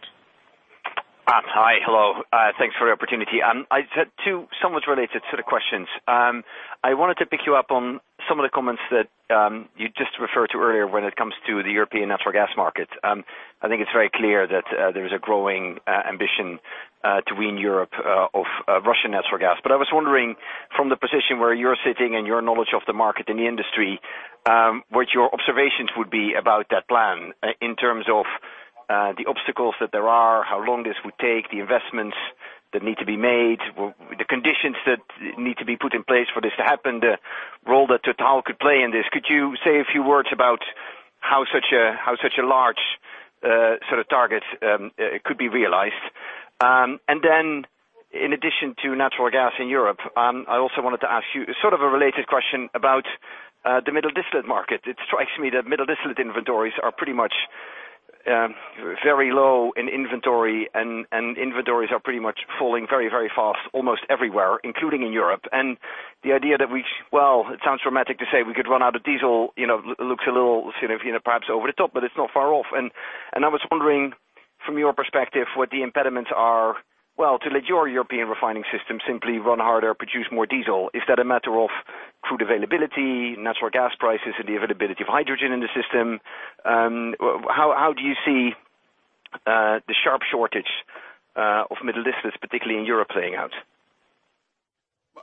Hi. Hello. Thanks for the opportunity. I had two somewhat related sort of questions. I wanted to pick you up on some of the comments that you just referred to earlier when it comes to the European natural gas market. I think it's very clear that there is a growing ambition to wean Europe off Russian natural gas. I was wondering, from the position where you're sitting and your knowledge of the market and the industry, what your observations would be about that plan in terms of the obstacles that there are, how long this would take, the investments that need to be made, what the conditions that need to be put in place for this to happen, the role that Total could play in this. Could you say a few words about how such a large sort of target could be realized? Then in addition to natural gas in Europe, I also wanted to ask you sort of a related question about the middle distillate market. It strikes me that middle distillate inventories are pretty much very low in inventory and inventories are pretty much falling very fast almost everywhere, including in Europe. The idea that we could run out of diesel, well, it sounds dramatic to say, you know, looks a little sort of, you know, perhaps over the top, but it's not far off. I was wondering from your perspective what the impediments are, well, to let your European refining system simply run harder, produce more diesel. Is that a matter of crude availability, natural gas prices, or the availability of hydrogen in the system? How do you see the sharp shortage of middle distillates, particularly in Europe, playing out?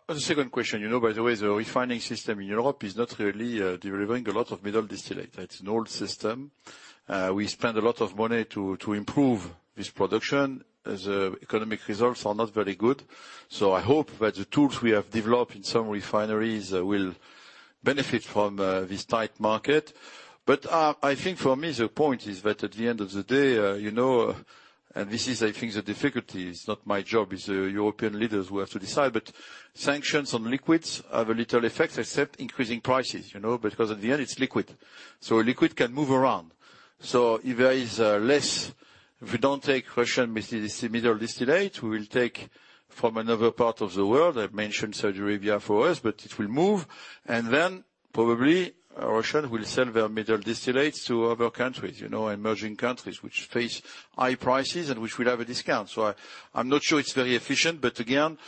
The second question. You know, by the way, the refining system in Europe is not really delivering a lot of middle distillate. It's an old system. We spend a lot of money to improve this production. The economic results are not very good. I hope that the tools we have developed in some refineries will benefit from this tight market. I think for me, the point is that at the end of the day, you know, and this is I think the difficulty, it's not my job, it's the European leaders who have to decide. Sanctions on liquids have a little effect except increasing prices, you know, because at the end it's liquid. Liquid can move around. If we don't take Russian middle distillate, we will take from another part of the world. I've mentioned Saudi Arabia for us, but it will move. Then probably Russia will sell their middle distillates to other countries, you know, emerging countries which face high prices and which will have a discount. I'm not sure it's very efficient, but again.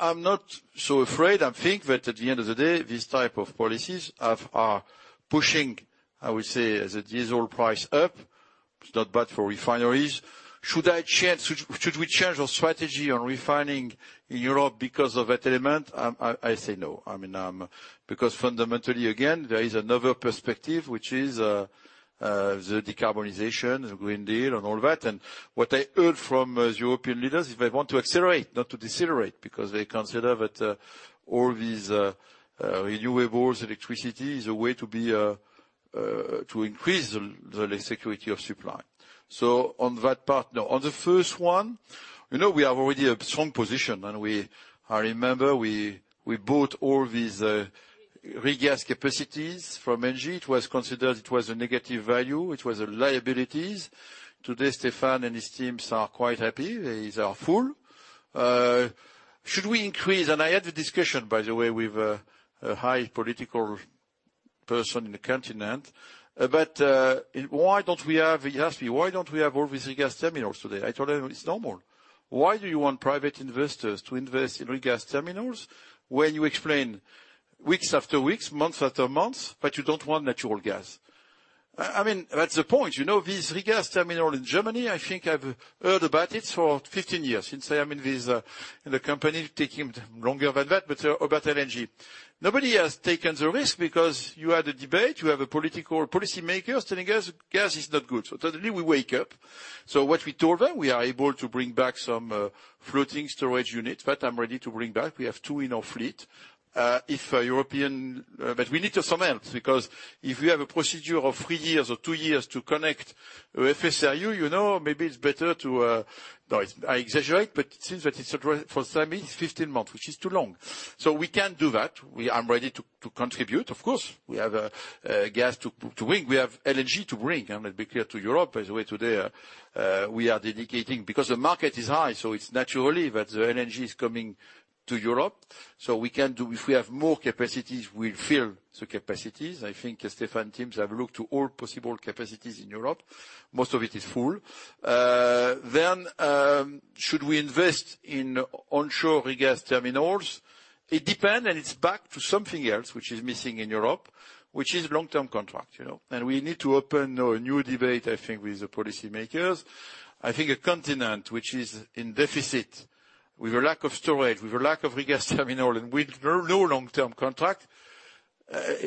I'm not so afraid. I think that at the end of the day, these type of policies are pushing, I would say, the diesel price up. It's not bad for refineries. Should we change our strategy on refining in Europe because of that element? I say no. I mean, because fundamentally, again, there is another perspective, which is, the decarbonization, the Green Deal and all that. What I heard from the European leaders is they want to accelerate, not to decelerate, because they consider that all these renewables, electricity is a way to increase the security of supply. So on that part, no. On the first one, you know, we have already a strong position, and we I remember we bought all these regas capacities from ENGIE. It was considered a negative value. It was liabilities. Today, Stéphane and his teams are quite happy. These are full. Should we increase? I had a discussion, by the way, with a high political person in the continent about why don't we have. He asked me, "Why don't we have all these regas terminals today?" I told him, "It's normal. Why do you want private investors to invest in regas terminals when you explain weeks after weeks, months after months, that you don't want natural gas?" I mean, that's the point. You know, this regas terminal in Germany, I think I've heard about it for 15 years, since I am in this in the company taking longer than that, but about LNG. Nobody has taken the risk because you had a debate, you have a political policymaker telling us gas is not good. Suddenly we wake up. What we told them, we are able to bring back some floating storage unit that I'm ready to bring back. We have two in our fleet. If European. But we need to commit, because if we have a procedure of three years or two years to connect FSRU you know, maybe it's better to-- No, it's, I exaggerate, but it seems that it's, for some it's 15 months, which is too long. We can do that. I'm ready to contribute, of course. We have gas to bring. We have LNG to bring. Let's be clear to Europe, by the way, today, we are dedicating because the market is high, so it's naturally that the LNG is coming to Europe. We can do. If we have more capacities, we'll fill the capacities. I think Stéphane's teams have looked to all possible capacities in Europe. Most of it is full. Should we invest in onshore regas terminals? It depends, and it's back to something else which is missing in Europe, which is long-term contract, you know. We need to open a new debate, I think, with the policymakers. I think a continent which is in deficit with a lack of storage, with a lack of regas terminal and with no long-term contract,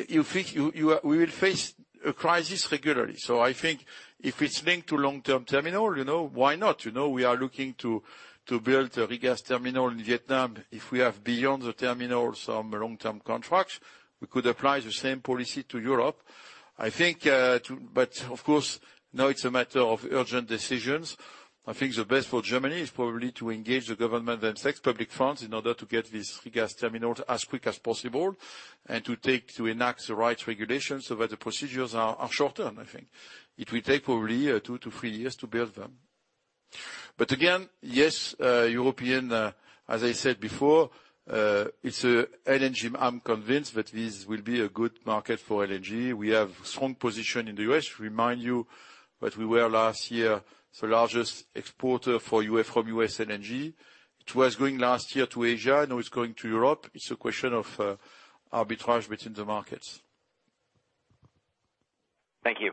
we will face a crisis regularly. I think if it's linked to long-term terminal, you know, why not? You know, we are looking to build a regas terminal in Vietnam. If we have beyond the terminal some long-term contracts, we could apply the same policy to Europe. I think. Of course, now it's a matter of urgent decisions. I think the best for Germany is probably to engage the government and seek public funds in order to get these regas terminals as quick as possible and to take, to enact the right regulations so that the procedures are shorter, and I think it will take probably two-three years to build them. Again, yes, European, as I said before, it's a LNG. I'm convinced that this will be a good market for LNG. We have strong position in the U.S. Remind you that we were last year the largest exporter from U.S. LNG. It was going last year to Asia, now it's going to Europe. It's a question of arbitrage between the markets. Thank you.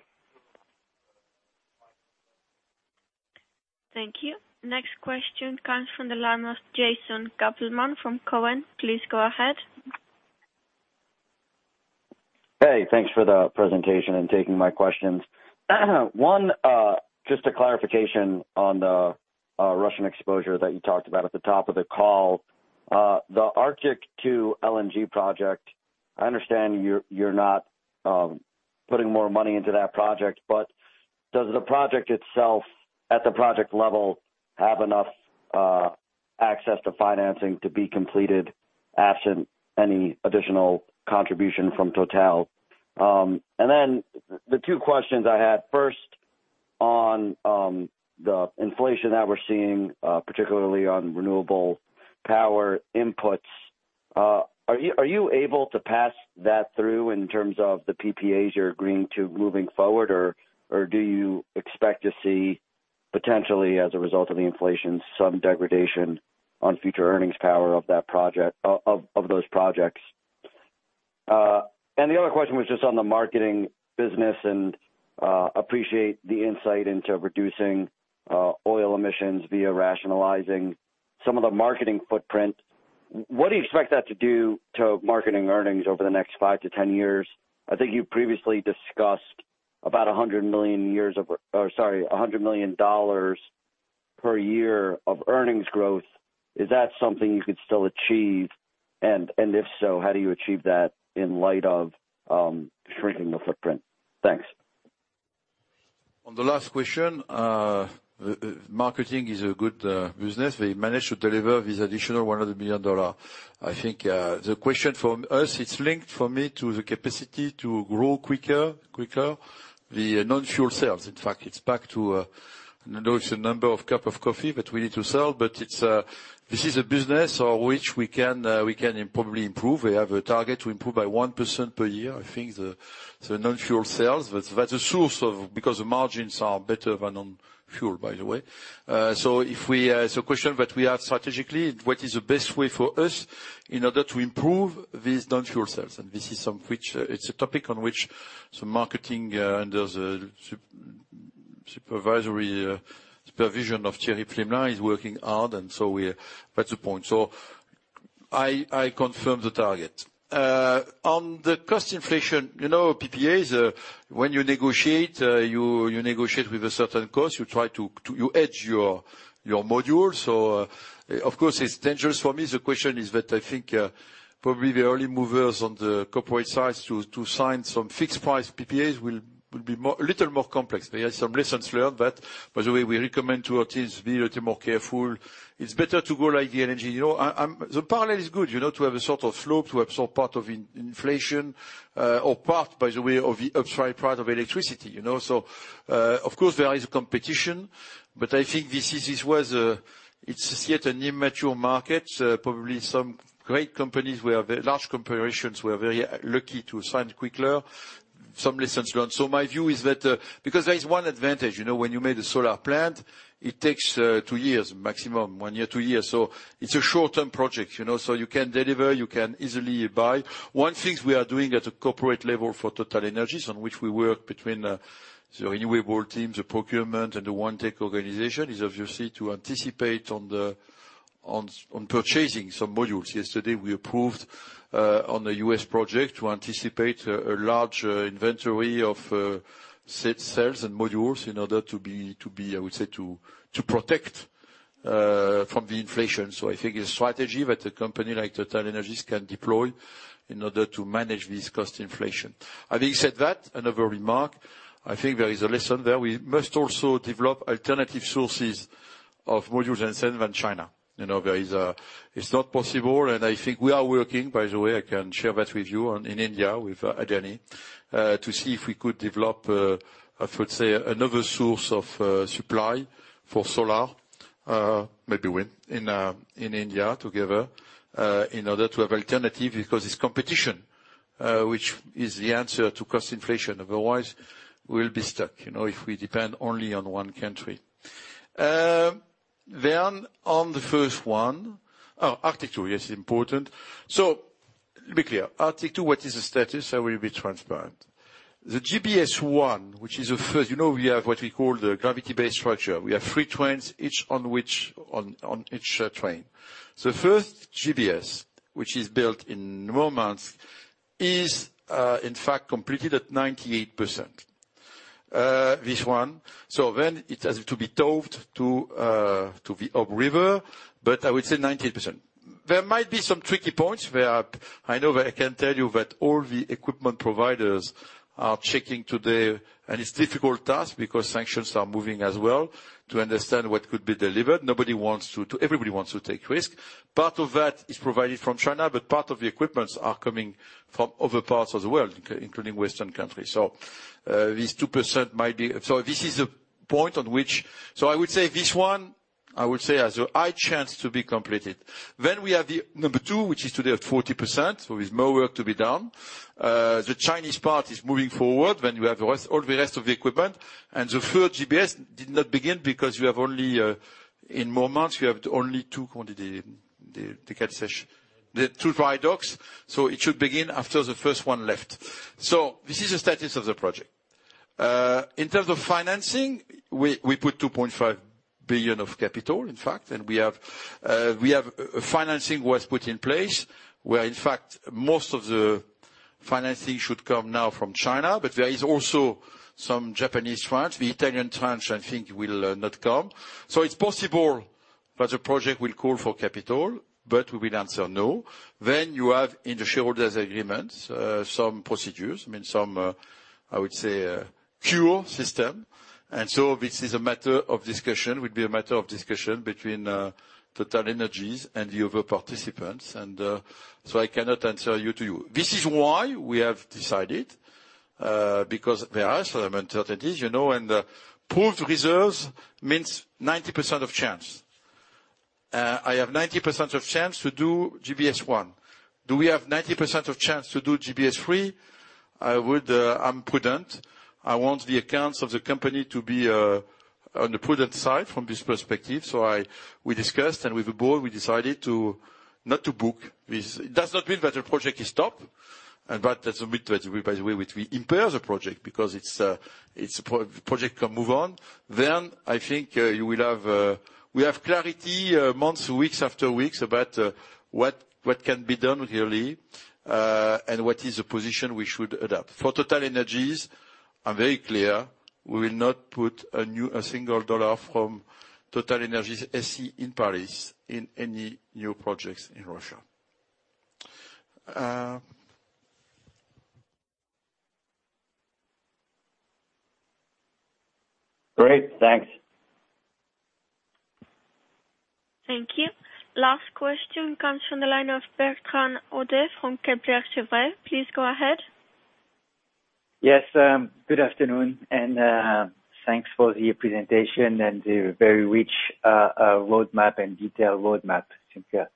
Thank you. Next question comes from the line of Jason Gabelman from Cowen. Please go ahead. Hey, thanks for the presentation and taking my questions. One, just a clarification on the Russian exposure that you talked about at the top of the call. The Arctic LNG 2 project, I understand you're not putting more money into that project, but does the project itself, at the project level, have enough access to financing to be completed absent any additional contribution from Total? Then the two questions I had, first on the inflation that we're seeing, particularly on renewable power inputs. Are you able to pass that through in terms of the PPAs you're agreeing to moving forward? Or do you expect to see, potentially as a result of the inflation, some degradation on future earnings power of those projects? The other question was just on the marketing business. I appreciate the insight into reducing oil emissions via rationalizing some of the marketing footprint. What do you expect that to do to marketing earnings over the next 5-10 years? I think you previously discussed about $100 million per year of earnings growth. Is that something you could still achieve? If so, how do you achieve that in light of shrinking the footprint? Thanks. On the last question, marketing is a good business. We managed to deliver this additional $100 million. I think the question from us, it's linked for me to the capacity to grow quicker the non-fuel sales. In fact, it's back to, I don't know if it's a number of cup of coffee that we need to sell, but it's this is a business on which we can probably improve. We have a target to improve by 1% per year. I think the non-fuel sales, that's a source of because the margins are better than on fuel, by the way. It's a question that we have strategically, what is the best way for us in order to improve these non-fuel sales? This is something which it's a topic on which some marketing and there's a supervision of Thierry Pflimlin is working hard, and so we're at a point. I confirm the target. On the cost inflation, you know, PPAs, when you negotiate, you negotiate with a certain cost. You try to edge your modules. Of course, it's dangerous for me. The question is that I think probably the early movers on the corporate side to sign some fixed price PPAs will be a little more complex. There are some lessons learned that, by the way, we recommend to our teams to be a little more careful. It's better to go like the LNG. The parallel is good, you know, to have a sort of slope, to absorb part of inflation, or part, by the way, of the upside part of electricity, you know? Of course there is competition, but I think this is yet an immature market. Probably large corporations were very lucky to sign quicker. Some lessons learned. My view is that because there is one advantage. You know, when you make a solar plant, it takes two years maximum. One year, two years. It's a short-term project, you know? You can deliver, you can easily buy. One thing we are doing at a corporate level for TotalEnergies, on which we work between the renewable team, the procurement, and the OneTech organization, is obviously to anticipate purchasing some modules. Yesterday, we approved on a U.S. project to anticipate a large inventory of solar cells and modules in order to protect from the inflation. I think a strategy that a company like TotalEnergies can deploy in order to manage this cost inflation. Having said that, another remark. I think there is a lesson there. We must also develop alternative sources of modules and cells than China. You know, there is a--It's not possible, and I think we are working, by the way. I can share that with you in India with Adani to see if we could develop, I would say another source of supply for solar, maybe wind in India together, in order to have alternative because it's competition, which is the answer to cost inflation. Otherwise, we'll be stuck, you know, if we depend only on one country. On the first one. Oh, Arctic 2, yes, important. To be clear, Arctic 2, what is the status? I will be transparent. The GBS 1, which is the first, you know, we have what we call the gravity-based structure. We have three twins, each on which on each train. The first GBS, which is built in Murmansk, is in fact completed at 98%. This one. It has to be towed to the Ob River, but I would say 98%. There might be some tricky points where I know that I can tell you that all the equipment providers are checking today, and it's a difficult task because sanctions are moving as well to understand what could be delivered. Nobody wants to, everybody wants to take risk. Part of that is provided from China, but part of the equipment is coming from other parts of the world, including Western countries. This 2% might be. This is a point on which. I would say this one has a high chance to be completed. We have the number two, which is today at 40%, so there's more work to be done. The Chinese part is moving forward. You have the rest, all the rest of the equipment. The third GBS did not begin because in a few months you have only two quantity, the construction. The two dry docks, so it should begin after the first one left. This is the status of the project. In terms of financing, we put $2.5 billion of capital, in fact, and we have financing was put in place where, in fact, most of the financing should come now from China, but there is also some Japanese funds. The Italian funds, I think, will not come. It's possible that the project will call for capital, but we will answer no. You have, in the shareholders' agreements, some procedures. I mean, some I would say a cure system. This is a matter of discussion, would be a matter of discussion between TotalEnergies and the other participants. I cannot answer you. This is why we have decided, because there are some uncertainties, you know, and proved reserves means 90% of chance. I have 90% of chance to do GBS 1. Do we have 90% of chance to do GBS 3? I would, I'm prudent. I want the accounts of the company to be on the prudent side from this perspective. We discussed with the board, we decided not to book this. It does not mean that the project is stopped, but that's midway, by the way, which we impaired the project because it's a project that can move on. I think we will have clarity month after month, week after week about what can be done really and what is the position we should adopt. For TotalEnergies, I'm very clear, we will not put a single dollar from TotalEnergies SE in Paris in any new projects in Russia. Great. Thanks. Thank you. Last question comes from the line of Bertrand Hodée from Kepler Cheuvreux. Please go ahead. Yes, good afternoon, and thanks for the presentation and the very rich roadmap and detailed roadmap. I think it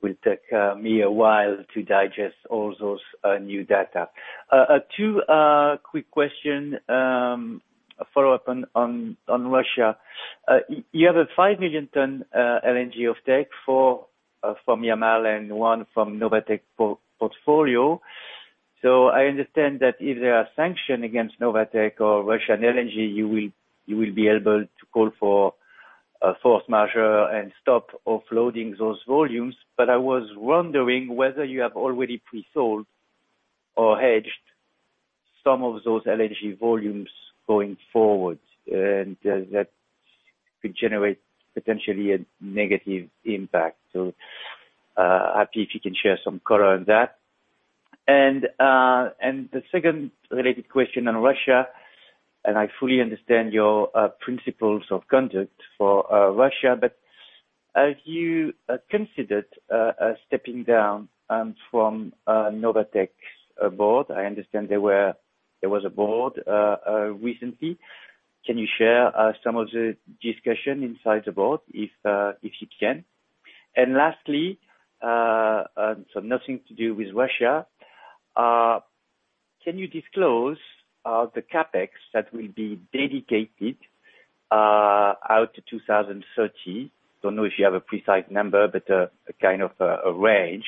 will take me a while to digest all those new data. Two quick questions follow-up on Russia. You have a 5 million ton LNG offtake from Yamal and 1 million from Novatek portfolio. So I understand that if there are sanctions against Novatek or Russian LNG, you will be able to call for a force majeure and stop offloading those volumes. But I was wondering whether you have already pre-sold or hedged some of those LNG volumes going forward, and that could generate potentially a negative impact. Happy if you can share some color on that. The second related question on Russia, and I fully understand your principles of conduct for Russia, but have you considered stepping down from Novatek's board? I understand there was a board recently. Can you share some of the discussion inside the board if you can? Lastly, so nothing to do with Russia, can you disclose the CapEx that will be dedicated out to 2030? Don't know if you have a precise number, but a kind of a range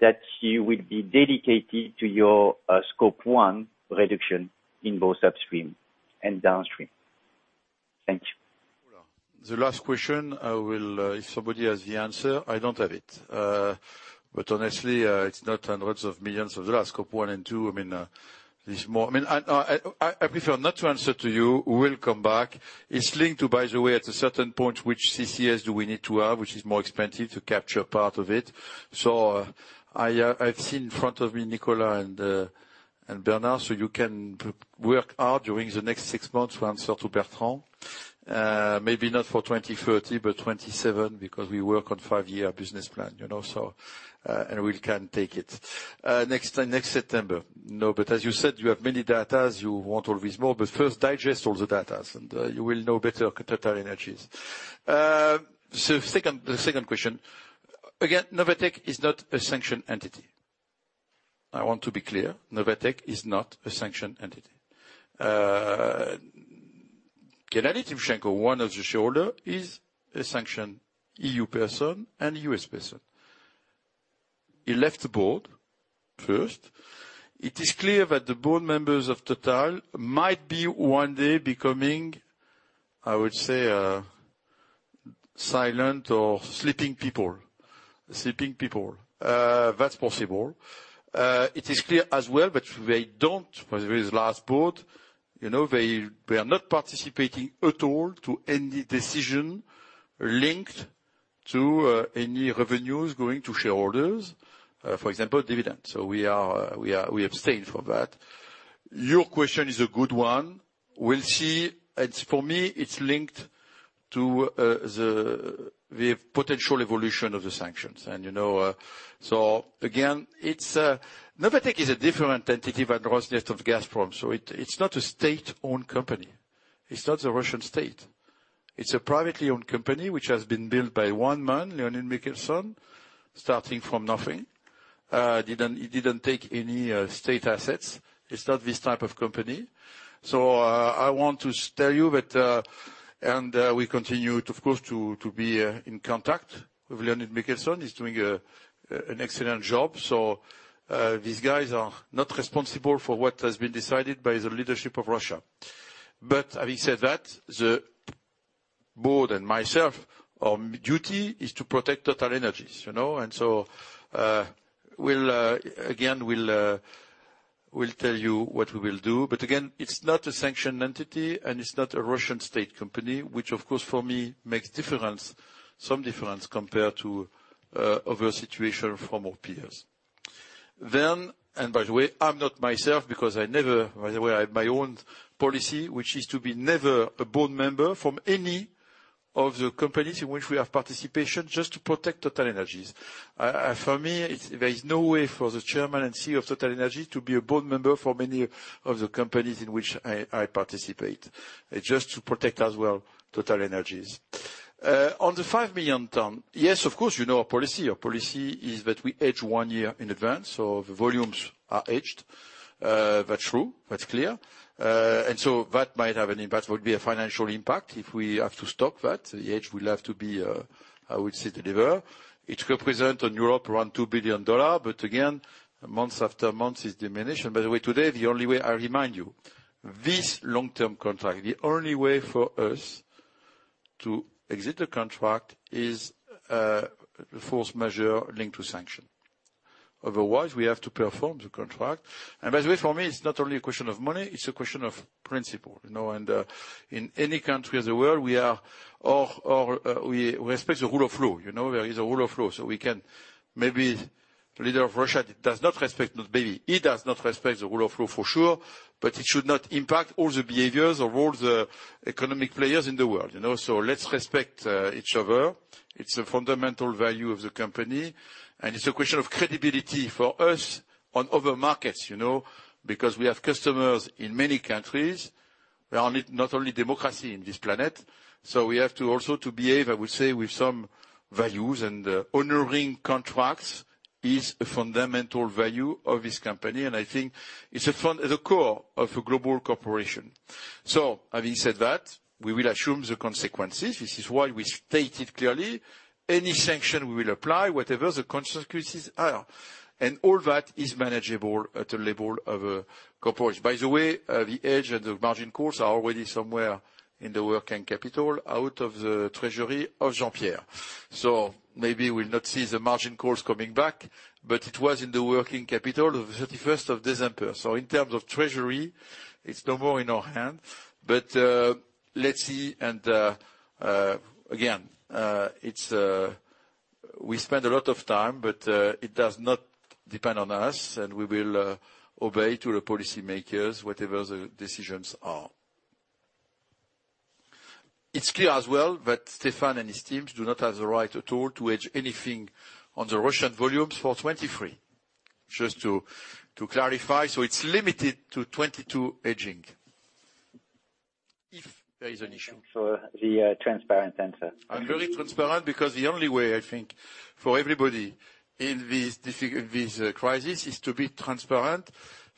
that you will be dedicated to your Scope 1 reduction in both upstream and downstream. Thank you. The last question, if somebody has the answer, I don't have it. But honestly, it's not hundreds of millions of the last Scope 1 and 2. I mean, there's more. I mean, I prefer not to answer to you. We'll come back. It's linked to, by the way, at a certain point, which CCS do we need to have, which is more expensive to capture part of it. I've seen in front of me, Nicolas and Bernard, so you can work hard during the next six months to answer to Bertrand. Maybe not for 2030, but 2027 because we work on five-year business plan, you know. And we can take it next time, next September. No, but as you said, you have many data. You want always more, but first digest all the data and, you will know better TotalEnergies. Second, the second question. Again, Novatek is not a sanctioned entity. I want to be clear. Novatek is not a sanctioned entity. Gennady Timchenko, one of the shareholder, is a sanctioned E.U. person and U.S. person. He left the board first. It is clear that the board members of Total might be one day becoming, I would say, silent or sleeping people. That's possible. It is clear as well that they don't, for this last board, you know, they are not participating at all to any decision linked to, any revenues going to shareholders, for example, dividends. We abstain from that. Your question is a good one. We'll see. It's for me, it's linked to the potential evolution of the sanctions. You know, again, it's Novatek is a different entity than Rosneft or Gazprom. It's not a state-owned company. It's not the Russian state. It's a privately owned company which has been built by one man, Leonid Mikhelson, starting from nothing. He didn't take any state assets. It's not this type of company. I want to tell you that, and we continue of course to be in contact with Leonid Mikhelson. He's doing an excellent job. These guys are not responsible for what has been decided by the leadership of Russia. Having said that, the board and myself, our duty is to protect TotalEnergies, you know? We'll again tell you what we will do. Again, it's not a sanctioned entity and it's not a Russian state company, which of course for me makes difference, some difference compared to other situation from our peers. By the way, I have my own policy, which is to be never a board member from any of the companies in which we have participation, just to protect TotalEnergies. For me, there is no way for the Chairman and CEO of TotalEnergies to be a board member for many of the companies in which I participate. Just to protect as well TotalEnergies. On the 5 million ton. Yes, of course, you know our policy. Our policy is that we hedge one year in advance, so the volumes are hedged. That's true, that's clear. That might have an impact. Would be a financial impact if we have to stop that. The hedge will have to be, I would say, deliver. It represent in Europe around $2 billion. But again, month after month, it's diminishing. By the way, today, the only way, I remind you, this long-term contract, the only way for us to exit the contract is force majeure linked to sanction. Otherwise, we have to perform the contract. By the way, for me, it's not only a question of money, it's a question of principle, you know. In any country of the world, we all respect the rule of law. You know, there is a rule of law. Maybe the leader of Russia does not respect the rule of law for sure, but it should not impact all the behaviors of all the economic players in the world, you know? Let's respect each other. It's a fundamental value of the company, and it's a question of credibility for us on other markets, you know. Because we have customers in many countries. There are not only democracies on this planet. We have to also behave, I would say, with some values. Honoring contracts is a fundamental value of this company, and I think it's the core of a global corporation. Having said that, we will assume the consequences. This is why we state it clearly. Any sanction we will apply, whatever the consequences are. All that is manageable at the level of a corporation. By the way, the hedge and the margin calls are already somewhere in the working capital out of the treasury of Jean-Pierre. Maybe we'll not see the margin calls coming back, but it was in the working capital of 31st of December. In terms of treasury, it's no more in our hand. Let's see and, again, it's, we spend a lot of time, but, it does not depend on us, and we will obey to the policymakers, whatever the decisions are. It's clear as well that Stéphane and his teams do not have the right at all to hedge anything on the Russian volumes for 2023. Just to clarify. It's limited to 2022 hedging if there is an issue. Thank you for the transparent answer. I'm very transparent because the only way, I think, for everybody in this crisis is to be transparent.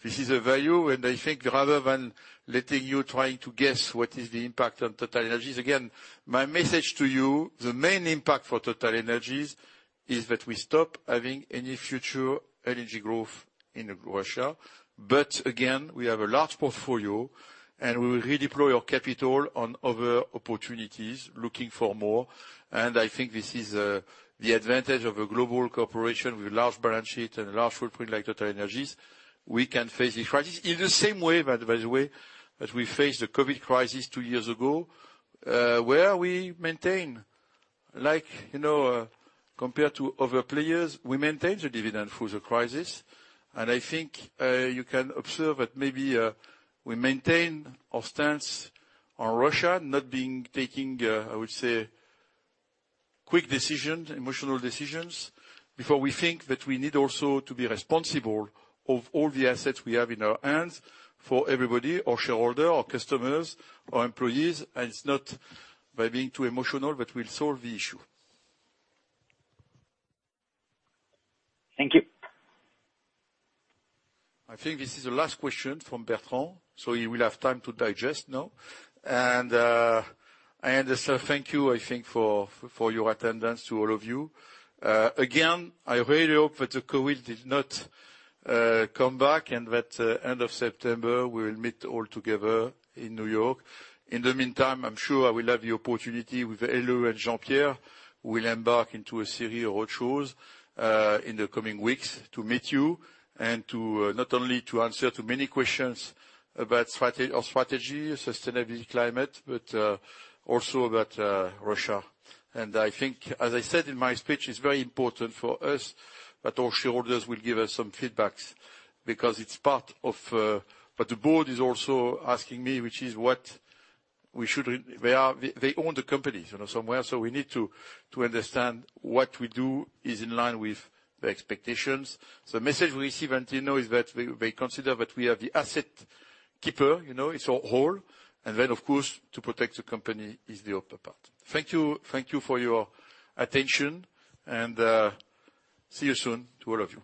This is a value. I think rather than letting you trying to guess what is the impact on TotalEnergies, again, my message to you, the main impact for TotalEnergies is that we stop having any future energy growth in Russia. Again, we have a large portfolio, and we will redeploy our capital on other opportunities, looking for more. I think this is the advantage of a global corporation with large balance sheet and large footprint like TotalEnergies. We can face this crisis in the same way, by the way, as we faced the COVID crisis two years ago, where we maintain, like, you know, compared to other players, we maintained the dividend through the crisis. I think you can observe that maybe we maintain our stance on Russia not taking, I would say, quick decisions, emotional decisions, before we think that we need also to be responsible of all the assets we have in our hands for everybody, our shareholder, our customers, our employees. It's not by being too emotional that we'll solve the issue. Thank you. I think this is the last question from Bertrand, so you will have time to digest now. Thank you, I think, for your attendance to all of you. Again, I really hope that the COVID does not come back, and that end of September we will meet all together in New York. In the meantime, I'm sure I will have the opportunity with Helle and Jean-Pierre. We'll embark into a series of roadshows in the coming weeks to meet you and to not only answer many questions about our strategy, sustainability, climate, but also about Russia. I think, as I said in my speech, it's very important for us that our shareholders will give us some feedbacks because it's part of. The board is also asking me. They own the company, you know, somewhere. We need to understand what we do is in line with the expectations. The message we receive until now is that they consider that we are the asset keeper, you know, it's our role. Then, of course, to protect the company is the other part. Thank you. Thank you for your attention, and see you soon to all of you.